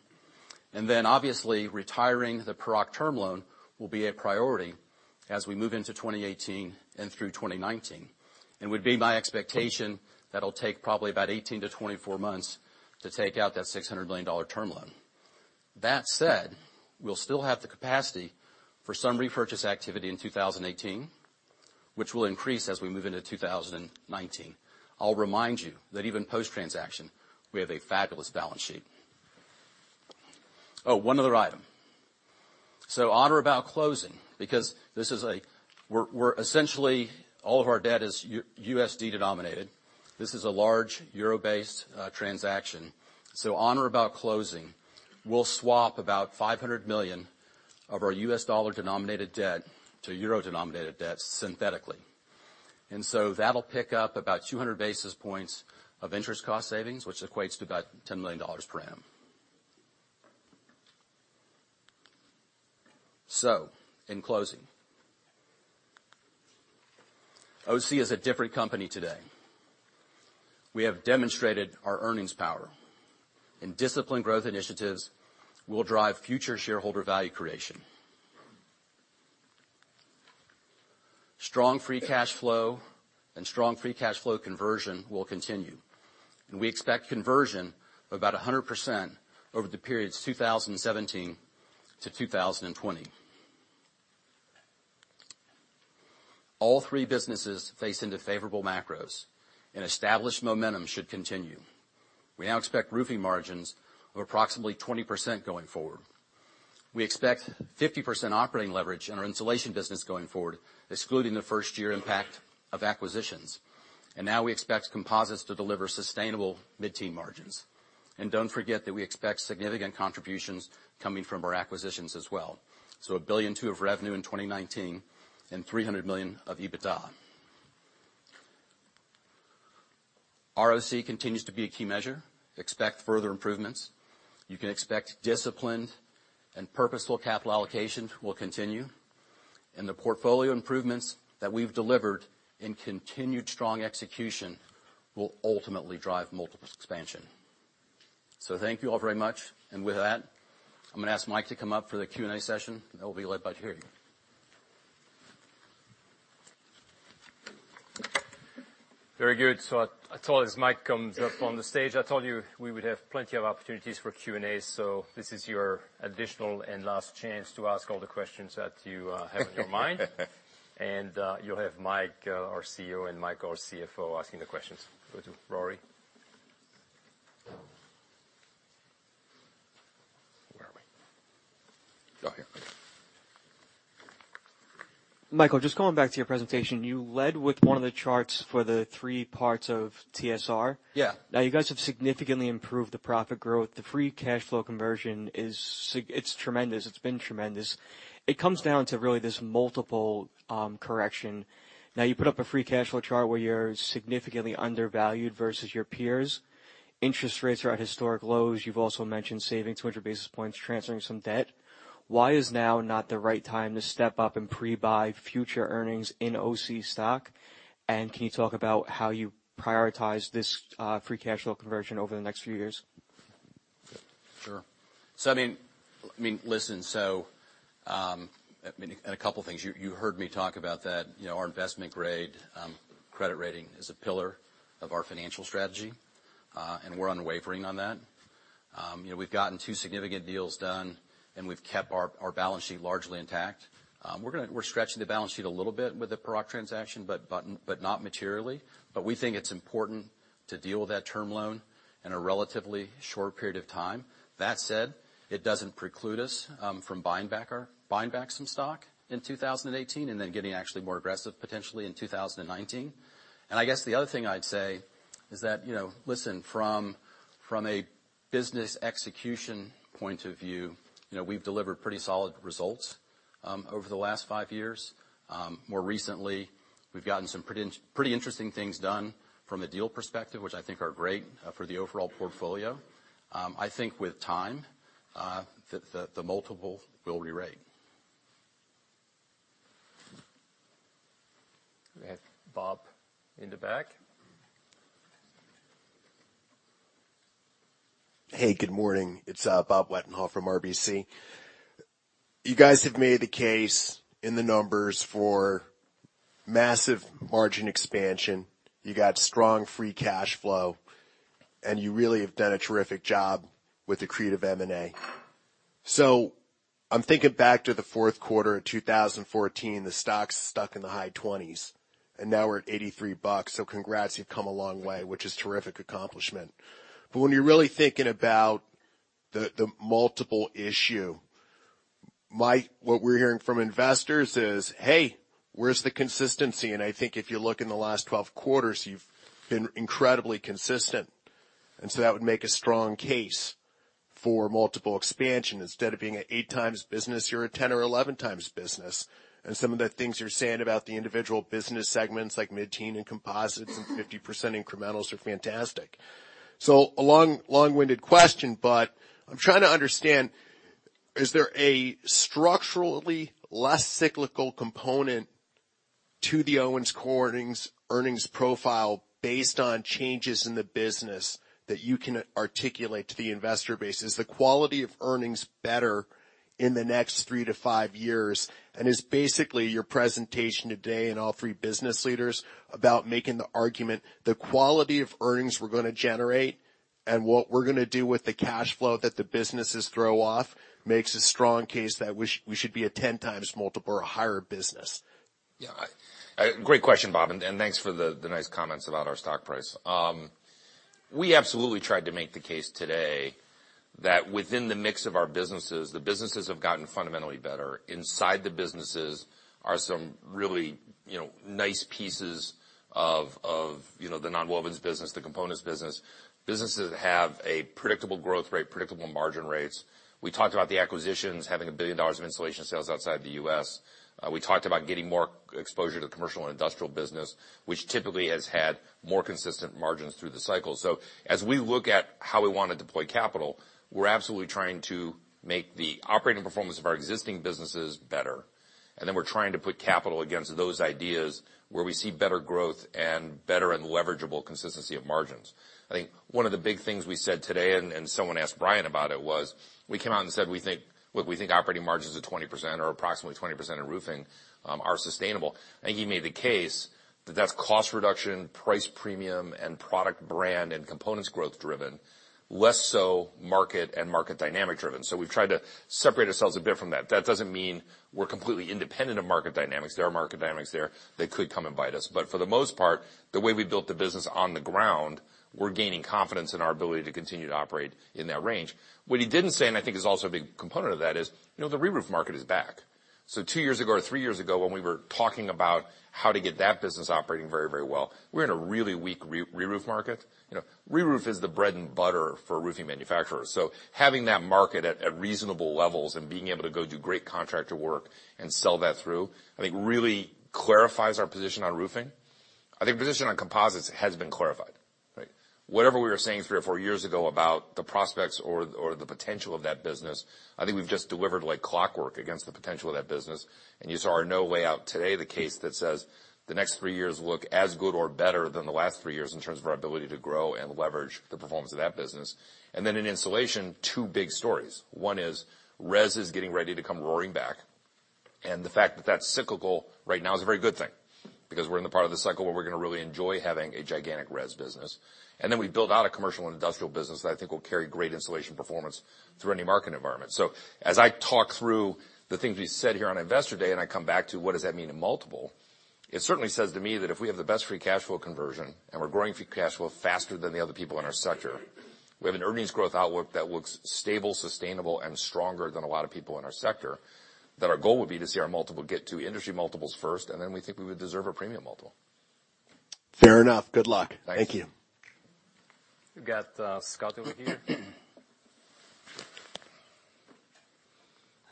and then obviously retiring the Paroc term loan will be a priority as we move into 2018 and through 2019 and would be my expectation that'll take probably about 18-24 months to take out that $600 million term loan. That said, we'll still have the capacity for some repurchase activity in 2018, which will increase as we move into 2019. I'll remind you that even post-transaction we have a fabulous balance sheet. Oh, one other item. So one more about closing because this is a, we're essentially all of our debt is USD denominated. This is a large euro-based transaction. So on or about closing, we'll swap about $500 million of our USD-denominated debt to EUR-denominated debt synthetically. And so that'll pick up about 200 basis points of interest cost savings which equates to about $10 million per annum. So in closing, OC is a different company. Today we have demonstrated our earnings power and disciplined growth initiatives will drive future shareholder value creation. Strong free cash flow and strong free cash flow conversion will continue. And we expect conversion about 100% over the periods 2017 to 2020. All three businesses face into favorable macros and established momentum should continue. We now expect roofing margins of approximately 20% going forward. We expect 50% operating leverage in our insulation business going forward, excluding the first year impact of acquisitions. And now we expect composites to deliver sustainable mid-teen margins. And don't forget that we expect significant contributions coming from our acquisitions as well. So $1.2 billion of revenue in 2019 and $300 million of EBITDA. ROC continues to be a key measure. Expect further improvements. You can expect disciplined and purposeful capital allocation will continue and the portfolio improvements that we've delivered in continued strong execution will ultimately drive multiple expansion. So thank you all very much. And with that, I'm going to ask Mike to come up for the Q&A session that will be led by Thierry. Very good. So, I told Mike comes up on the stage. I told you we would have plenty of opportunities for Q and A. So, this is your additional and last chance to ask all the questions that you have in your mind. And, you'll have Mike, our CEO, and Michael, our CFO, asking the questions. Rory. Where are we? Michael, just going back to your presentation. You led with one of the charts for the three parts of TSR. Yeah. Now you guys have significantly improved the profit growth. The free cash flow conversion is. It's tremendous. It's been tremendous. It comes down to really this multiple correction. Now you put up a free cash flow chart where you're significantly undervalued versus your peers. Interest rates are at historic lows. You've also mentioned saving 200 basis points, transferring some debt. Why is now not the right time to step up and pre buy future earnings in OC stock? And can you talk about how you prioritize this free cash flow conversion over the next few years? Sure. So, I mean, listen, and a couple of things. You heard me talk about that, you know, our investment grade credit rating is a pillar of our financial strategy and we're unwavering on that. You know, we've gotten two significant deals done and we've kept our balance sheet largely intact. We're going to, we're stretching the balance sheet a little bit with the Paroc transaction, but not materially. But we think it's important to deal with that term loan in a relatively short period of time. That said, it doesn't preclude us from buying back some stock in 2018 and then getting actually more aggressive potentially in 2019. And I guess the other thing I'd say is that, you know, listen, from a business execution point of view, you know, we've delivered pretty solid results over the last five years. More recently, we've gotten some pretty interesting things done from a deal perspective, which I think are great for the overall portfolio. I think with time, the multiple will rewrite. Bob in the back. Hey, good morning, it's Bob Wetenhall from RBC. You guys have made the case in. The numbers for massive margin expansion. You got strong free cash flow and you really have done a terrific job with accretive MA. I'm thinking back to the fourth quarter of 2014. The stock's stuck in the high 20s and now we're at $83. Congrats, you've come a long way, which is terrific accomplishment. But when you're really thinking about the multiple issue, what we're hearing from investors is, hey, where's the consistency? And I think if you look in the last 12 quarters, you've been incredibly consistent. And so that would make a strong case for multiple expansion. Instead of being an eight times business, you're a 10 or 11 times business. And some of the things you're saying about the individual business segments like mid teen and composites and 50% incrementals or 50. Fantastic. So a long, long-winded question, but I'm trying to understand, is there a structurally less cyclical component to the Owens Corning's earnings profile based on changes in the business that you can articulate to the investor base? Is the quality of earnings better in the next three to five years? And is basically your presentation today and all three business leaders about making the argument the quality of earnings we're going to generate and what we're going to. Do with the cash flow that the. Businesses' throw-off makes a strong case that we should be a 10 times multiple or a higher business. Yeah, great question, Bob, and thanks for the nice comments about our stock price. We absolutely tried to make the case today that within the mix of our businesses, the businesses have gotten fundamentally better. Inside the businesses are some really nice pieces of the nonwovens business, the components business businesses have a predictable growth rate, predictable margin rates. We talked about the acquisitions, having $1 billion of insulation sales outside the US We talked about getting more exposure to commercial and industrial business which typically has had more consistent margins through the cycle. So as we look at how we want to deploy capital, we're absolutely trying to make the operating performance of our existing businesses better. And then we're trying to put capital against those ideas where we see better growth and better and leverageable consistency of margins. I think one of the big things we said today, and someone asked Brian about it, was we came out and said we think, look, we think operating margins of 20% or approximately 20% in roofing are sustainable. And he made the case that that's cost reduction, price premium and product brand and components growth drop driven, less so market and market dynamic driven. So we've tried to separate ourselves a bit from that. That doesn't mean we're completely independent of market dynamics. There are market dynamics there that could come and bite us, but for the most part, the way we built the business on the ground, we're gaining confidence in our ability to continue to operate in that range. What he didn't say, and I think is also a big component of that is, you know, the reroof market is back. So two years ago or three years ago, when we were talking about how to get that business operating very, very well. So we're in a really weak reroof market. You know, reroof is the bread and butter for roofing manufacturers. So having that market at reasonable levels and being able to go do great contractor work and sell that through, I think really clarifies our position on roofing. I think position on composites has been clarified. Whatever we were saying three or four years ago about the prospects or the potential of that business, I think we've just delivered like clockwork against the potential of that business. And you saw, no doubt, today the case that says the next three years look as good or better than the last three years in terms of our ability to grow and leverage the performance of that business. And then in insulation, two big stories. One is Res is getting ready to come roaring back. And the fact that that's cyclical right now is a very good thing because we're in the part of the cycle where we're going to really enjoy having a gigantic Res business. And then we build out a commercial industrial business that I think will carry great insulation performance through any market environment. So as I talk through the things we said here on Investor Day and I come back to what does that mean in multiple. It certainly says to me that if we have the best free cash flow conversion and we're growing free cash flow faster than the other people in our sector, we have an earnings growth outlook that looks stable, sustainable and stronger than a lot of people in our sector. That our goal would be to see our multiple get to industry multiples first and then we think we would deserve a premium multiple. Fair enough. Good luck. Thank you. Got Scott over here.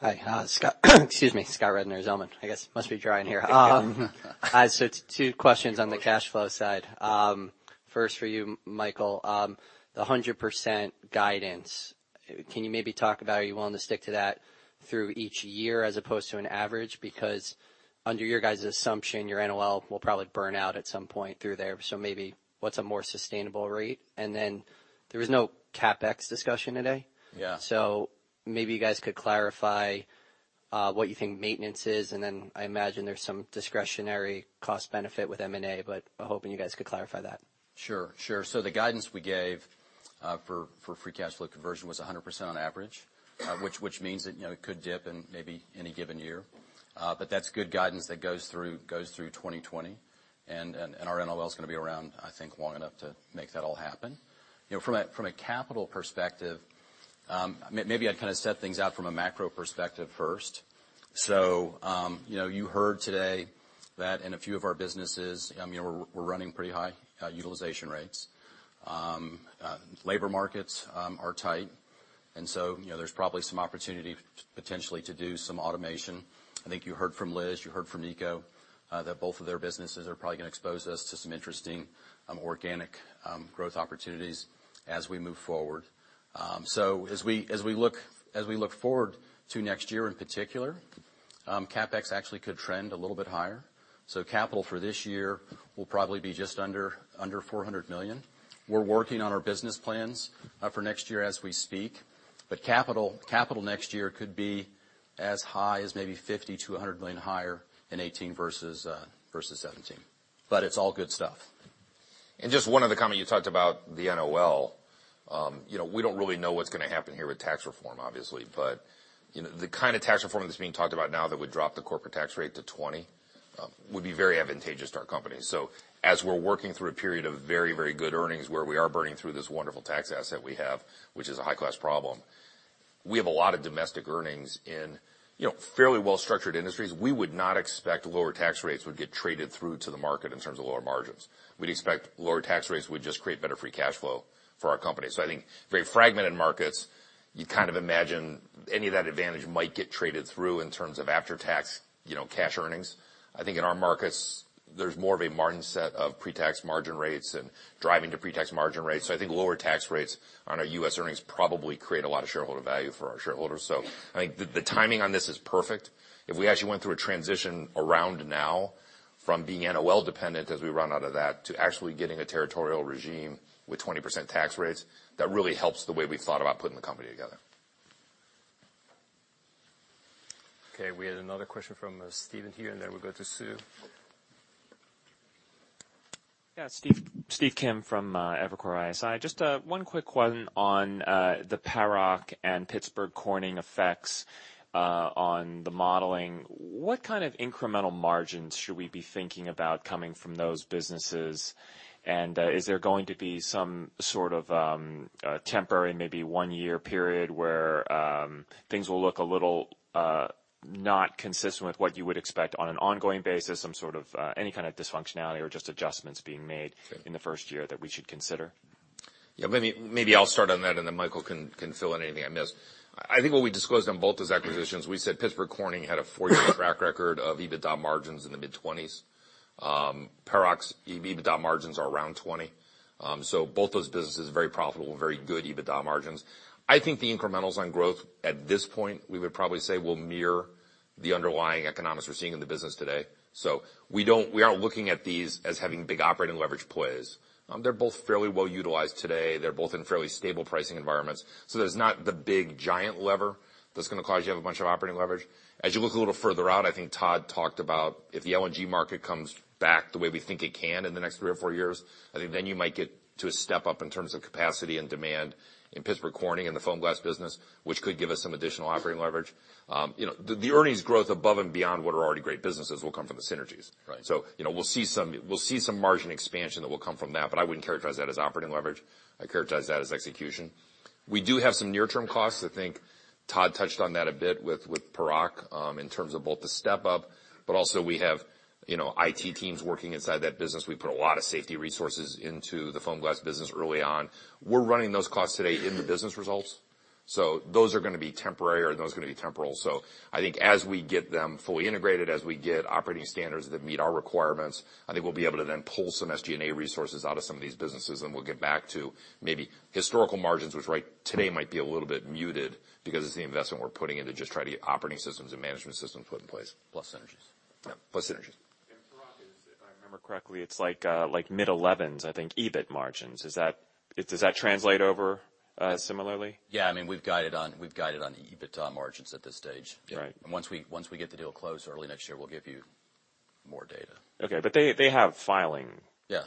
Hi Scott. Excuse me. Scott Rednor. Zelman, I guess. Must be dry in here. So two questions on the cash flow side. First for you, Michael, the 100% guidance. Can you maybe talk about, are you willing to stick to that through each. Year as opposed to an average? Because under your guys' assumption your NOL. Will probably burn out at some point through there. So maybe what's a more sustainable rate? And then there is no CapEx discussion today. Yes. So maybe you guys could clarify what you think maintenance is and then I. Imagine there's some discretionary cost benefit with M&A, but hoping you guys could clarify that. Sure, sure. So the guidance we gave for free cash flow conversion was 100% on average which means that it could dip in maybe any given year. But that's good guidance that goes through, goes through 2020 and our NOL is going to be around I think long enough to make that all happen. You know, from a capital perspective maybe I'd kind of set things out from a macro perspective first. So you know, you heard today that in a few of our businesses we're running pretty high utilization rates, labor markets are tight and so you know there's probably some opportunity potentially to do some automation. I think you heard from Liz, you heard from Nico that both of their businesses are probably going to expose us to some interesting organic growth opportunities as we move forward. So as we look forward to next year in particular, CapEx actually could trend a little bit higher. So capital for this year will probably be just under $400 million. We're working on our business plans for next year as we speak but CapEx next year could be as high as maybe $50 million to $100 million. Higher in 2018 versus 2017. But it's all good stuff. Just one other comment. You talked about the NOL. You know we don't really know what's going to happen here with tax reform obviously but the kind of tax reform that's being talked about now that would drop the corporate tax rate to 20% would be very advantageous to our company. So as we're working through a period of very, very good earnings where we are burning through this wonderful tax asset we have which is a high class problem, we have a lot of domestic earnings in fairly well structured industries. We would not expect lower tax rates would get traded through to the market in terms of lower margins. We'd expect lower tax rates would just create better free cash flow for our company. So I think very fragmented markets, you kind of imagine any of that advantage might get traded through in terms of after-tax, you know, cash earnings. I think in our markets there's more of a margin set of pre-tax margin rates and driving to pre-tax margin rates. So I think lower tax rates on our US earnings probably create a lot of shareholder value for our shareholders. So I think the timing on this is perfect. If we actually went through a transition around now from being NOL dependent as we run out of that to actually getting a territorial regime with 20% tax rates, that really helps the way we thought about putting the company together. Okay, we had another question from Stephen here and then we'll go to Sue. Stephen Kim from Evercore ISI. Just one quick one on the Paroc and Pittsburgh Corning effects on the modeling. What kind of incremental margins should we be thinking about coming from those businesses? And is there going to be some sort of a temporary maybe one year. Period where things will look a little. Not consistent with what you would expect. On an ongoing basis? Some sort of any kind of dysfunctionality. Or just adjustments being made in the. First year that we should consider? Yeah, maybe. Maybe. I'll start on that and then Michael can fill in anything I missed. I think what we disclosed on both those acquisitions, we said Pittsburgh Corning had a four-year track record of EBITDA margins in the mid-20s%. Paroc. Yeah, EBITDA margins are around 20%. So both those businesses, very profitable, very good EBITDA margins. I think the incrementals on growth at this point we would probably say will mirror the underlying economics we're seeing in the business today. So we don't. We are looking at these as having big operating leverage plays. They're both fairly well utilized today. They're both in fairly stable pricing environments. So there's not the big giant lever that's going to cause you have a bunch of operating leverage as you look a little further out. I think Todd talked about if the LNG market comes back the way we think it can in the next three or four years. I think then you might get to a step up in terms of capacity and demand in Pittsburgh Corning in the Foamglas business, which could give us some additional operating leverage. You know, the earnings growth above and beyond what are already great businesses will come from the synergies. Right. So you know, we'll see some margin expansion that will come from that. But I wouldn't characterize that as operating leverage. I characterize that as execution. We do have some near-term costs. I think Todd touched on that a bit with perhaps Paroc in terms of both the step up. But also we have, you know, IT teams working inside that business. We put a lot of safety resources into the Foamglas business early on. We're running those costs today in the business results. So those are going to be temporary or those are going to be temporary. So I think as we get them fully integrated, as we get operating standards that meet our requirements, I think we'll be able to then pull some SG&A resources out of some of these businesses and we'll get back to maybe historical margins, which, right. Today might be a little bit muted because it's the investment we're putting in to just try to get operating systems and management systems put in place. Plus synergies. Plus synergies. Remember correctly, it's like mid-elevens, I think. EBIT margins is that it? Does that translate over similarly? Yeah, I mean we've guided on EBITDA margins at this stage. Right. Once we get the deal closed early next year, we'll give you more data. Okay. But they have filing. Yeah.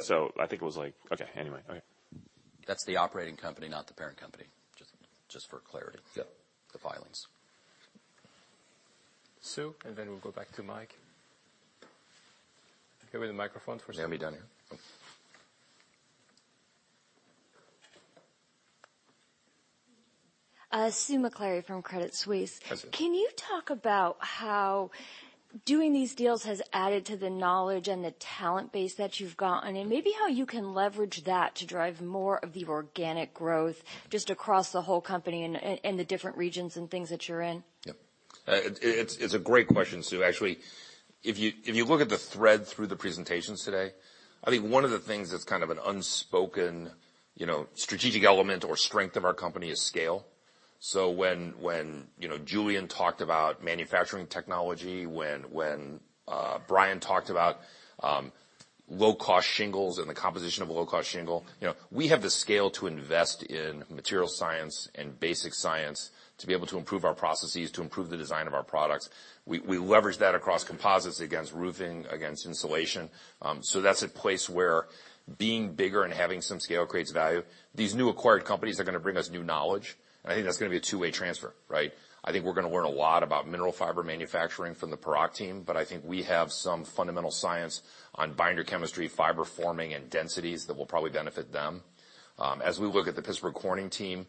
So I think it was like, okay. Anyway, okay, that's the operating company, not the parent company. Just, just for clarity, the filings. Sue. And then we'll go back to. Mike. Give me the microphone for me down here. Susan Maklari from Credit Suisse. Can you talk about how doing these? Deals has added to the knowledge and the talent base that you've gotten and maybe how you can leverage that to drive more of the organic growth just across the whole company and the different regions and things that you're in. It's a great question, Sue. Actually, if you look at the thread through the presentations today, I think one of the things that's kind of an unspoken strategic element or strength of our company is scale. So when Julian talked about manufacturing technology, when Brian talked about low cost shingles and the composition of a low cost shingle, you know, we have the scale to invest in material science and basic science to be able to improve our processes, to improve the design of our products. We leverage that across composites, against roofing, against insulation. So that's a place where being bigger and having some scale creates value. These new acquired companies are going to bring us new knowledge and I think that's going to be a two way transfer. Right. I think we're going to learn a lot about mineral fiber manufacturing from the Paroc team. But I think we have some fundamental science on binder chemistry, fiber forming and densities that will probably benefit them. As we look at the Pittsburgh Corning team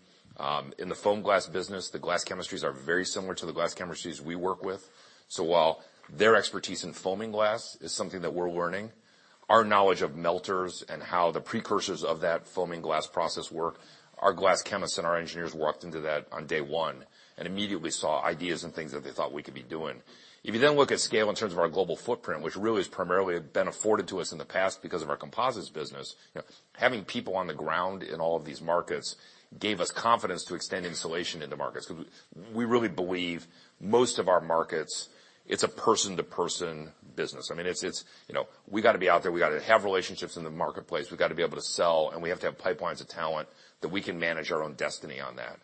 in the Foamglas business, the glass chemistries are very similar to the glass chemistries we work with. So while their expertise in foaming glass is something that we're learning, our knowledge of melters and how the precursors of that foaming glass process work, our glass chemists and our engineers walked into that on day one and immediately saw ideas and things that they thought we could be doing. If you then look at scale in terms of our global footprint, which really is primarily been afforded to us in the past because of our composites business, having people on the ground in all of these markets gave us confidence to extend insulation into markets because we really believe most of our markets, it's a person to person business. I mean, it's, you know, we got to be out there, we got to have relationships in the marketplace, we've got to be able to sell, and we have to have pipelines of talent that we can manage our own destiny on that.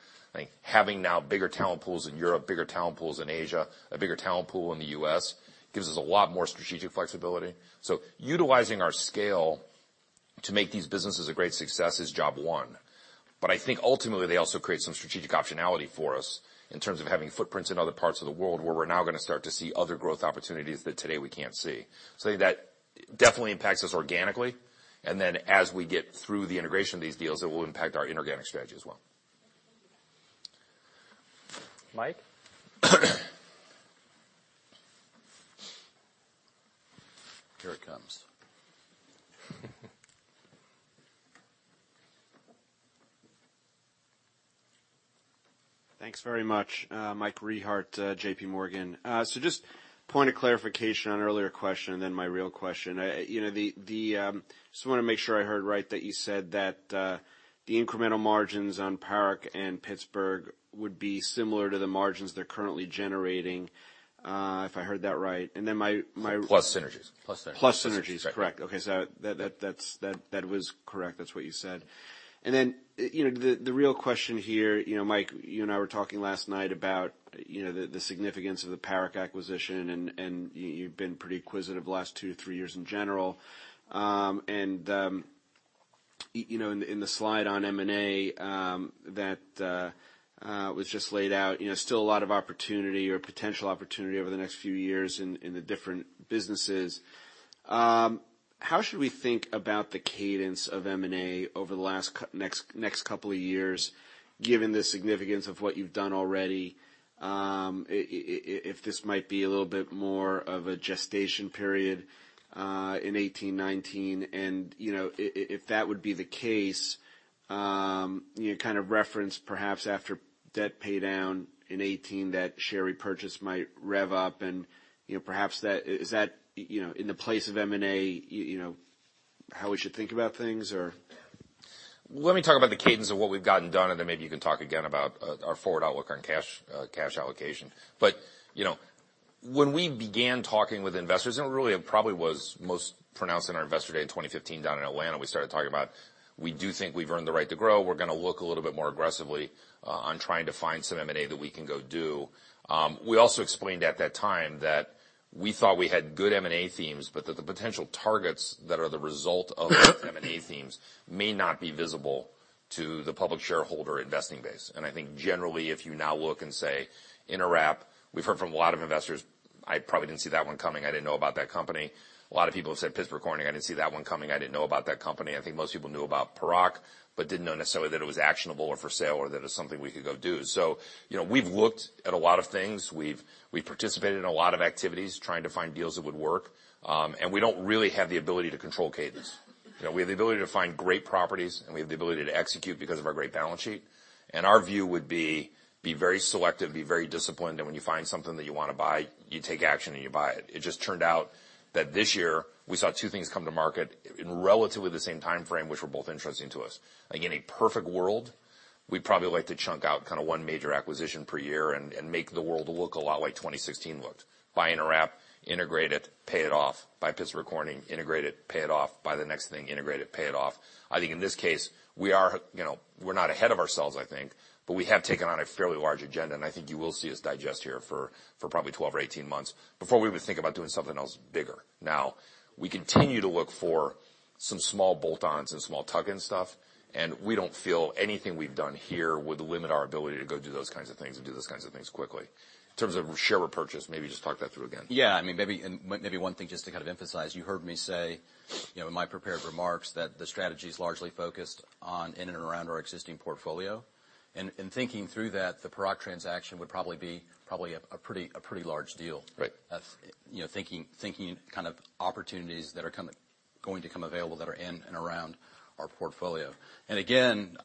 Having now bigger talent pools in Europe, bigger talent pools in Asia, a bigger talent pool in the US gives us a lot more strategic flexibility. So utilizing our scale to make these businesses a great success is job one. But I think ultimately they also create some strategic optionality for us in terms of having footprints in other parts of the world where we're now going to start to see other growth opportunities that today we can't see. So that definitely impacts us organically. And then as we get through the integration of these deals, it will impact our inorganic strategy as well. Mike, here it comes. Thanks very much. Mike Rehaut, J.P. Morgan, so just point of clarification on earlier question and then my real question, you know. Just want to make sure I heard right that you said that the incremental margins on Paroc and Pittsburgh Corning would be similar to the margins they're currently generating. If I heard that right. And then my. Plus synergies. Plus plus synergies. Correct. Okay, so that was correct. That's what you said. And then, you know, the real question here, you know, Mike, you and I were talking last night about, you know, the significance of the Paroc acquisition, and you've been pretty acquisitive the last two, three years in general. And you know, in the slide on M&A that was just laid out, you know, still a lot of opportunity or potential opportunity over the next few years in the different businesses. How should we think about the cadence of M&A over the last couple of years, given the significance of what you've done. Already. If this might be a little bit more of a gestation period in 2018 and 2019, and, you know, if that would be the case, you kind of reference perhaps after debt paydown in 2018, that share repurchase might rev up, and, you know, perhaps that is that, you know, in the place of M&A, you know, how we should think about things, or let me talk. About the cadence of what we've gotten done, and then maybe you can talk again about our forward outlook on cash, cash allocation. But you know, when we began talking with investors and really probably was most pronounced in our Investor Day in 2015 down in Atlanta, we started talking about we do think we've earned the right to grow. We're going to look a little bit more aggressively on trying to find some M&A that we can go do. We also explained at that time that we thought we had good M&A themes, but that the potential targets that are the result of M&A themes may not be visible to the public shareholder investing base. And I think generally, if you now look and say InterWrap, we've heard from a lot of investors, I probably didn't see that one coming. I didn't know about that company. A lot of people have said, Pittsburgh Corning, I didn't see that one coming. I didn't know about that company. I think most people knew about Paroc, but didn't know necessarily that it was actionable or for sale or that it's something we could go do. So, you know, we've looked at a lot of things. We participated in a lot of activities trying to find deals that would work, and we don't really have the ability to control cadence. We have the ability to find great properties, and we have the ability to execute because of our great balance sheet, and our view would be, be very selective, be very disciplined, and when you find something that you want to buy, you take action and you buy it. It just turned out that this year we saw two things come to market in relatively the same time frame, which were both interesting to us. Again, a perfect world. We probably like to chunk out kind of one major acquisition per year and make the world look a lot like 2016 looked. Buy InterWrap, integrate it, pay it off. Buy Pittsburgh Corning, integrate it, pay it off, buy the next thing, integrate it, pay it off. I think in this case, we are, you know, we're not ahead of ourselves, I think, but we have taken on a fairly large agenda and I think you will see us digest here for probably 12 or 18 months before we even think about doing something else bigger. Now, we continue to look for some small bolt-ons and small tuck-in stuff, and we don't feel anything we've done here would limit our ability to go do those kinds of things and do those kinds of things quickly in terms of share repurchase. Maybe just talk that through again. Yes. I mean, maybe one thing just to kind of emphasize. You heard me say in my prepared remarks that the strategy is largely focused on in and around our existing portfolio, and thinking through that the Paroc transaction would probably be a pretty large deal. Right. You know, thinking kind of opportunities that are going to come available that are in and around our portfolio. Again,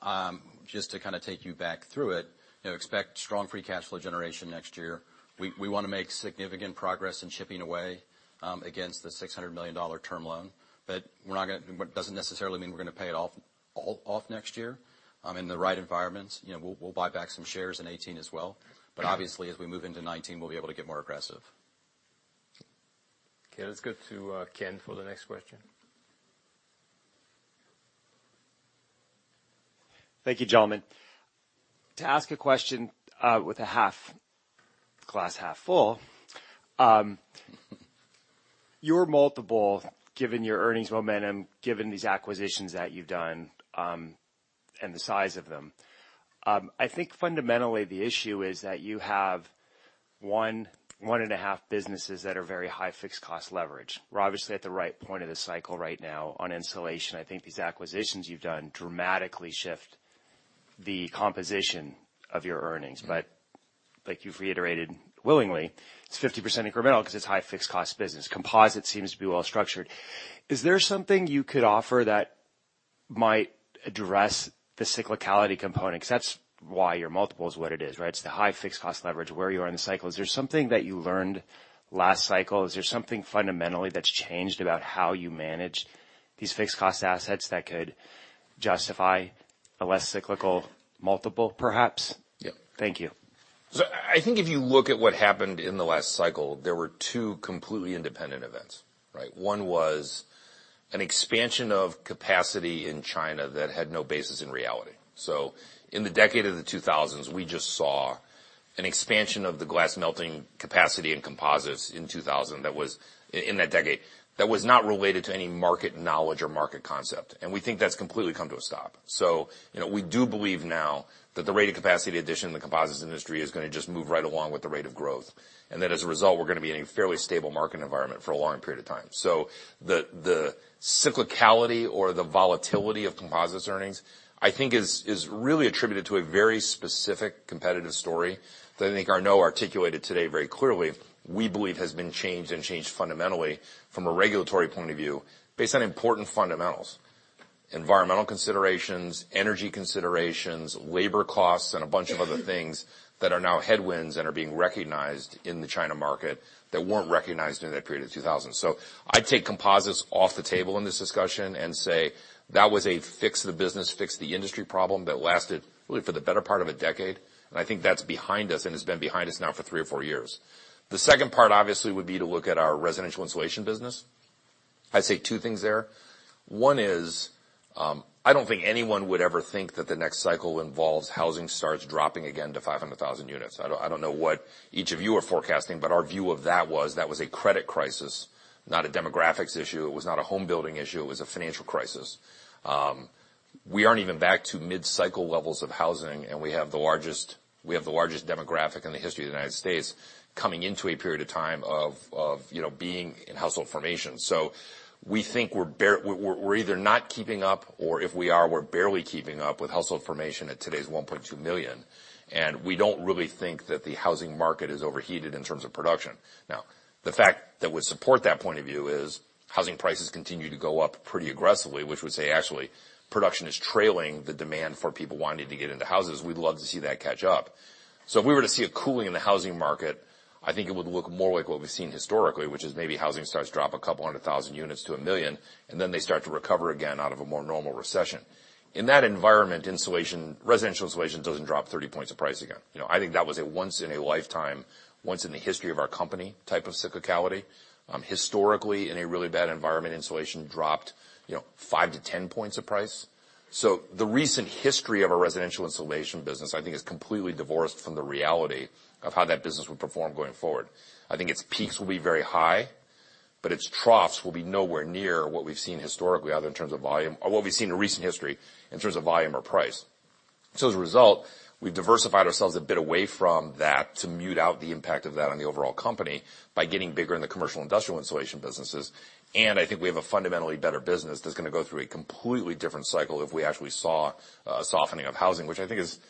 just to kind of take you back through it, you know, expect strong free cash flow generation next year. We want to make significant progress in chipping away against the $600 million term loan. But we're not going to. Doesn't necessarily mean we're going to pay it off off next year in the right environments. You know, we'll buy back some shares in 2018 as well, but obviously as we move into 2019, we'll be able to get more aggressive. Okay, let's go to Ken for the next question. Thank you, gentlemen. To ask a question with a half glass, half full, your multiple, given your earnings momentum, given these acquisitions that you've done and the size of them, I think fundamentally the issue is that you have one and a half businesses that are very high fixed-cost leverage. We're obviously at the right point of the cycle right now on insulation. I think these acquisitions you've done dramatically shift the composition of your earnings. But like you've reiterated willingly, it's 50% incremental because it's high fixed cost. Business Composites seems to be well structured. Is there something you could offer that might address the cyclicality components? That's why your multiple is what it is. Right. It's the high fixed cost leverage where you are in the cycle. Is there something that you learned last cycle? Is there something fundamentally that's changed about how you manage these fixed cost assets that could justify a less cyclical multiple? Perhaps? Yep. Thank you. I think if you look at what happened in the last cycle, there were two completely independent events. Right. One was an expansion of capacity in China that had no basis in reality. So in the decade of the 2000s, we just saw an expansion of the glass melting capacity and composites in 2000. That was in that decade that was not related to any market knowledge or market concept. And we think that's completely come to a stop. So, you know, we do believe now that the rate of capacity addition, the composites industry is going to just move right along with the rate of growth, and that as a result, we're going to be in a fairly stable market environment for a long period of time. So the cyclicality or the volatility of composites earnings, I think is really attributed to a very specific competitive story that I think Arnaud articulated today very clearly. We believe has been changed and changed fundamentally from a regulatory point of view based on important fundamentals, environmental considerations, energy considerations, labor costs, and a bunch of other things that are now headwinds and are being recognized in the China market that weren't recognized in that period of 2000. So I take composites off the table in this discussion and say that was a fix the business, fix the industry problem that lasted really for the better part of a decade. And I think that's behind us and has been behind us now for three or four years. The second part, obviously would be to look at our residential insulation business. I say two things there. One is, I don't think anyone would ever think that the next cycle involves housing starts dropping again to 500,000 units. I don't know what each of you are forecasting, but our view of that was that was a credit crisis, not a demographics issue. It was not a home building issue. It was a financial crisis. We aren't even back to mid-cycle levels of housing. And we have the largest, we have the largest demographic in the history of the United States coming into a period of time of, you know, being in household formation. So we think we're either not keeping up or if we are, we're barely keeping up with household formation at today's 1.2 million. And we don't really think that the housing market is overheated in terms of production. Now the fact that would support that point of view is housing prices continue to go up pretty aggressively, which would say actually production is trailing the demand for people wanting to get into houses. We'd love to see that catch up. So if we were to see a cooling in the housing market, I think it would look more like what we've seen historically, which is maybe housing starts drop a couple hundred thousand units to a million, and then they start to recover again out of a more normal recession. In that environment, insulation, residential insulation doesn't drop 30 points of price again. You know, I think that was a once in a lifetime, once in the history of our company type of cyclicality. Historically, in a really bad environment, insulation dropped, you know, five to ten points of price. So the recent history of our residential insulation business, I think is completely divorced from the reality of how that business would perform going forward. I think its peaks will be very high, but its troughs will be nowhere near what we've seen historically, either in terms of volume or what we've seen in recent history in terms of volume or price. So as a result, we've diversified ourselves a bit away from that to mute out the impact of that on the overall company by getting bigger in the commercial industrial insulation business. And I think we have a fundamentally better business that's going to go through a completely different cycle. If we actually saw a softening of housing, which I think is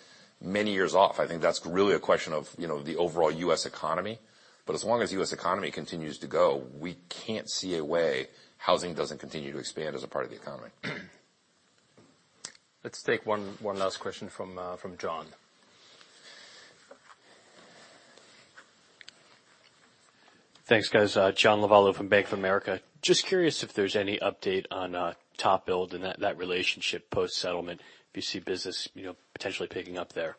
many years off, I think that's really a question of, you know, the overall US economy. But as long as the US economy continues to go, we can't see a way housing doesn't continue to expand as a part of the economy. Let's take one. One last question from. From John. Thanks, guys. John Lovallo from Bank of America. Just curious if there's any update on? TopBuild and that relationship post settlement if you see business potentially picking up there.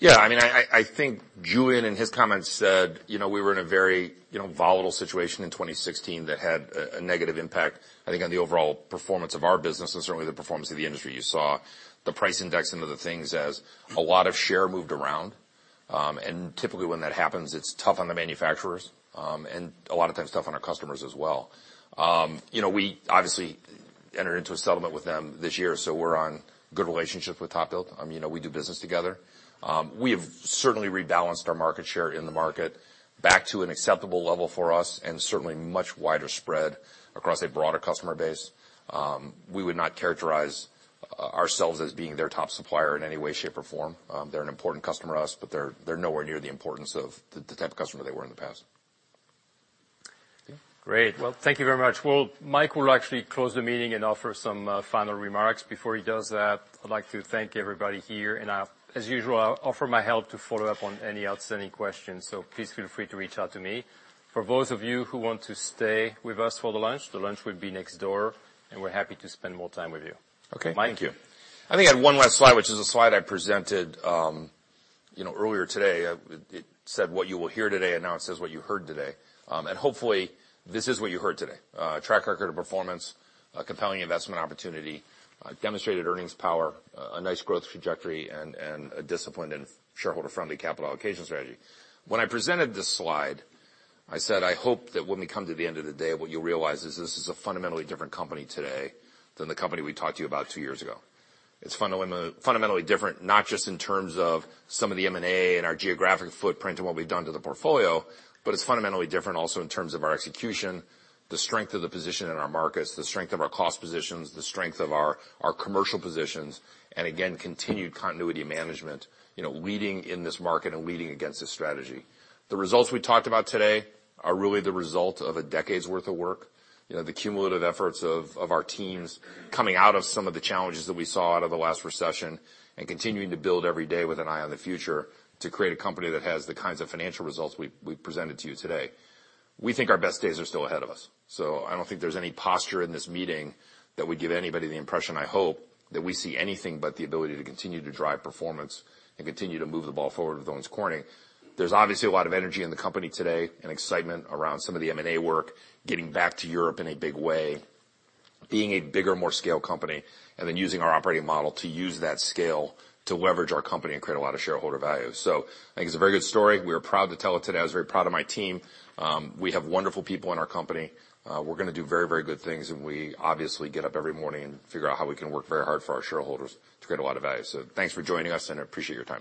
Yes, I mean, I think Julian in his comments said we were in a very volatile situation in 2016. That had a negative impact, I think, on the overall performance of our business and certainly the performance of the industry. You saw the price index and other things as a lot of share moved around and typically when that happens, it's tough on the manufacturers and a lot of times tough on our customers as well. You know, we obviously entered into a settlement with them this year. So we're on good relationships with TopBuild. You know, we do business together. We have certainly rebalanced our market share in the market back to an acceptable level for us and certainly much wider spread across a broader customer base. We would not characterize ourselves as being their top supplier in any way, shape or form. They're an important customer to us, but they're nowhere near the importance of the type of customer they were in the past. Great. Well, thank you very much. Well, Mike will actually close the meeting and offer some final remarks. Before he does that, I'd like to thank everybody here and, as usual, offer my help to follow up on any outstanding questions. So please feel free to reach out to me. For those of you who want to speak, stay with us for the lunch. The lunch would be next door, and we're happy to spend more time with you. Okay, thank you. I think I had one last slide, which is a slide I presented, you know, earlier today. It said what you will hear today and now it says what you heard today and hopefully this is what you heard today. Track record of performance, compelling investment opportunity, demonstrated earnings power, a nice growth trajectory and a disciplined and shareholder friendly capital allocation strategy. When I presented this slide, I said, I hope that when we come to the end of the day, what you'll realize is this is a fundamentally different company today than the company we talked to you about two years ago. It's fundamentally different, not just in terms of some of the M&A and our geographic footprint and what we've done to the portfolio, but it's fundamentally different also in terms of our execution, the strength of the position in our markets, the strength of our cost positions, the strength of our commercial positions, and again, continued continuity management, you know, leading in this market and leading against this strategy. The results we talked about today are really the result of a decade's worth of work. You know, the cumulative efforts of our teams coming out of some of the challenges that we saw out of the last recession and continuing to build every day with an eye on the future to create a company that has the kinds of financial results we presented to you today. We think our best days are still ahead of us. So I don't think there's any posture in this meeting that would give anybody the impression, I hope that we see anything but the ability to continue to drive performance and continue to move the ball forward with Owens Corning. There's obviously a lot of energy in the company today and excitement around some of the M&A work, getting back to Europe in a big way, being a bigger, more scale company and then using our operating model to use that scale to leverage our company and create a lot of shareholder value. So I think it's a very good story. We are proud to tell it today. I was very proud of my team. We have wonderful people in our company. We're going to do very, very good things and we obviously get up every morning and figure out how we can work very hard for our shareholders to create a lot of value. So thanks for joining us and I appreciate your.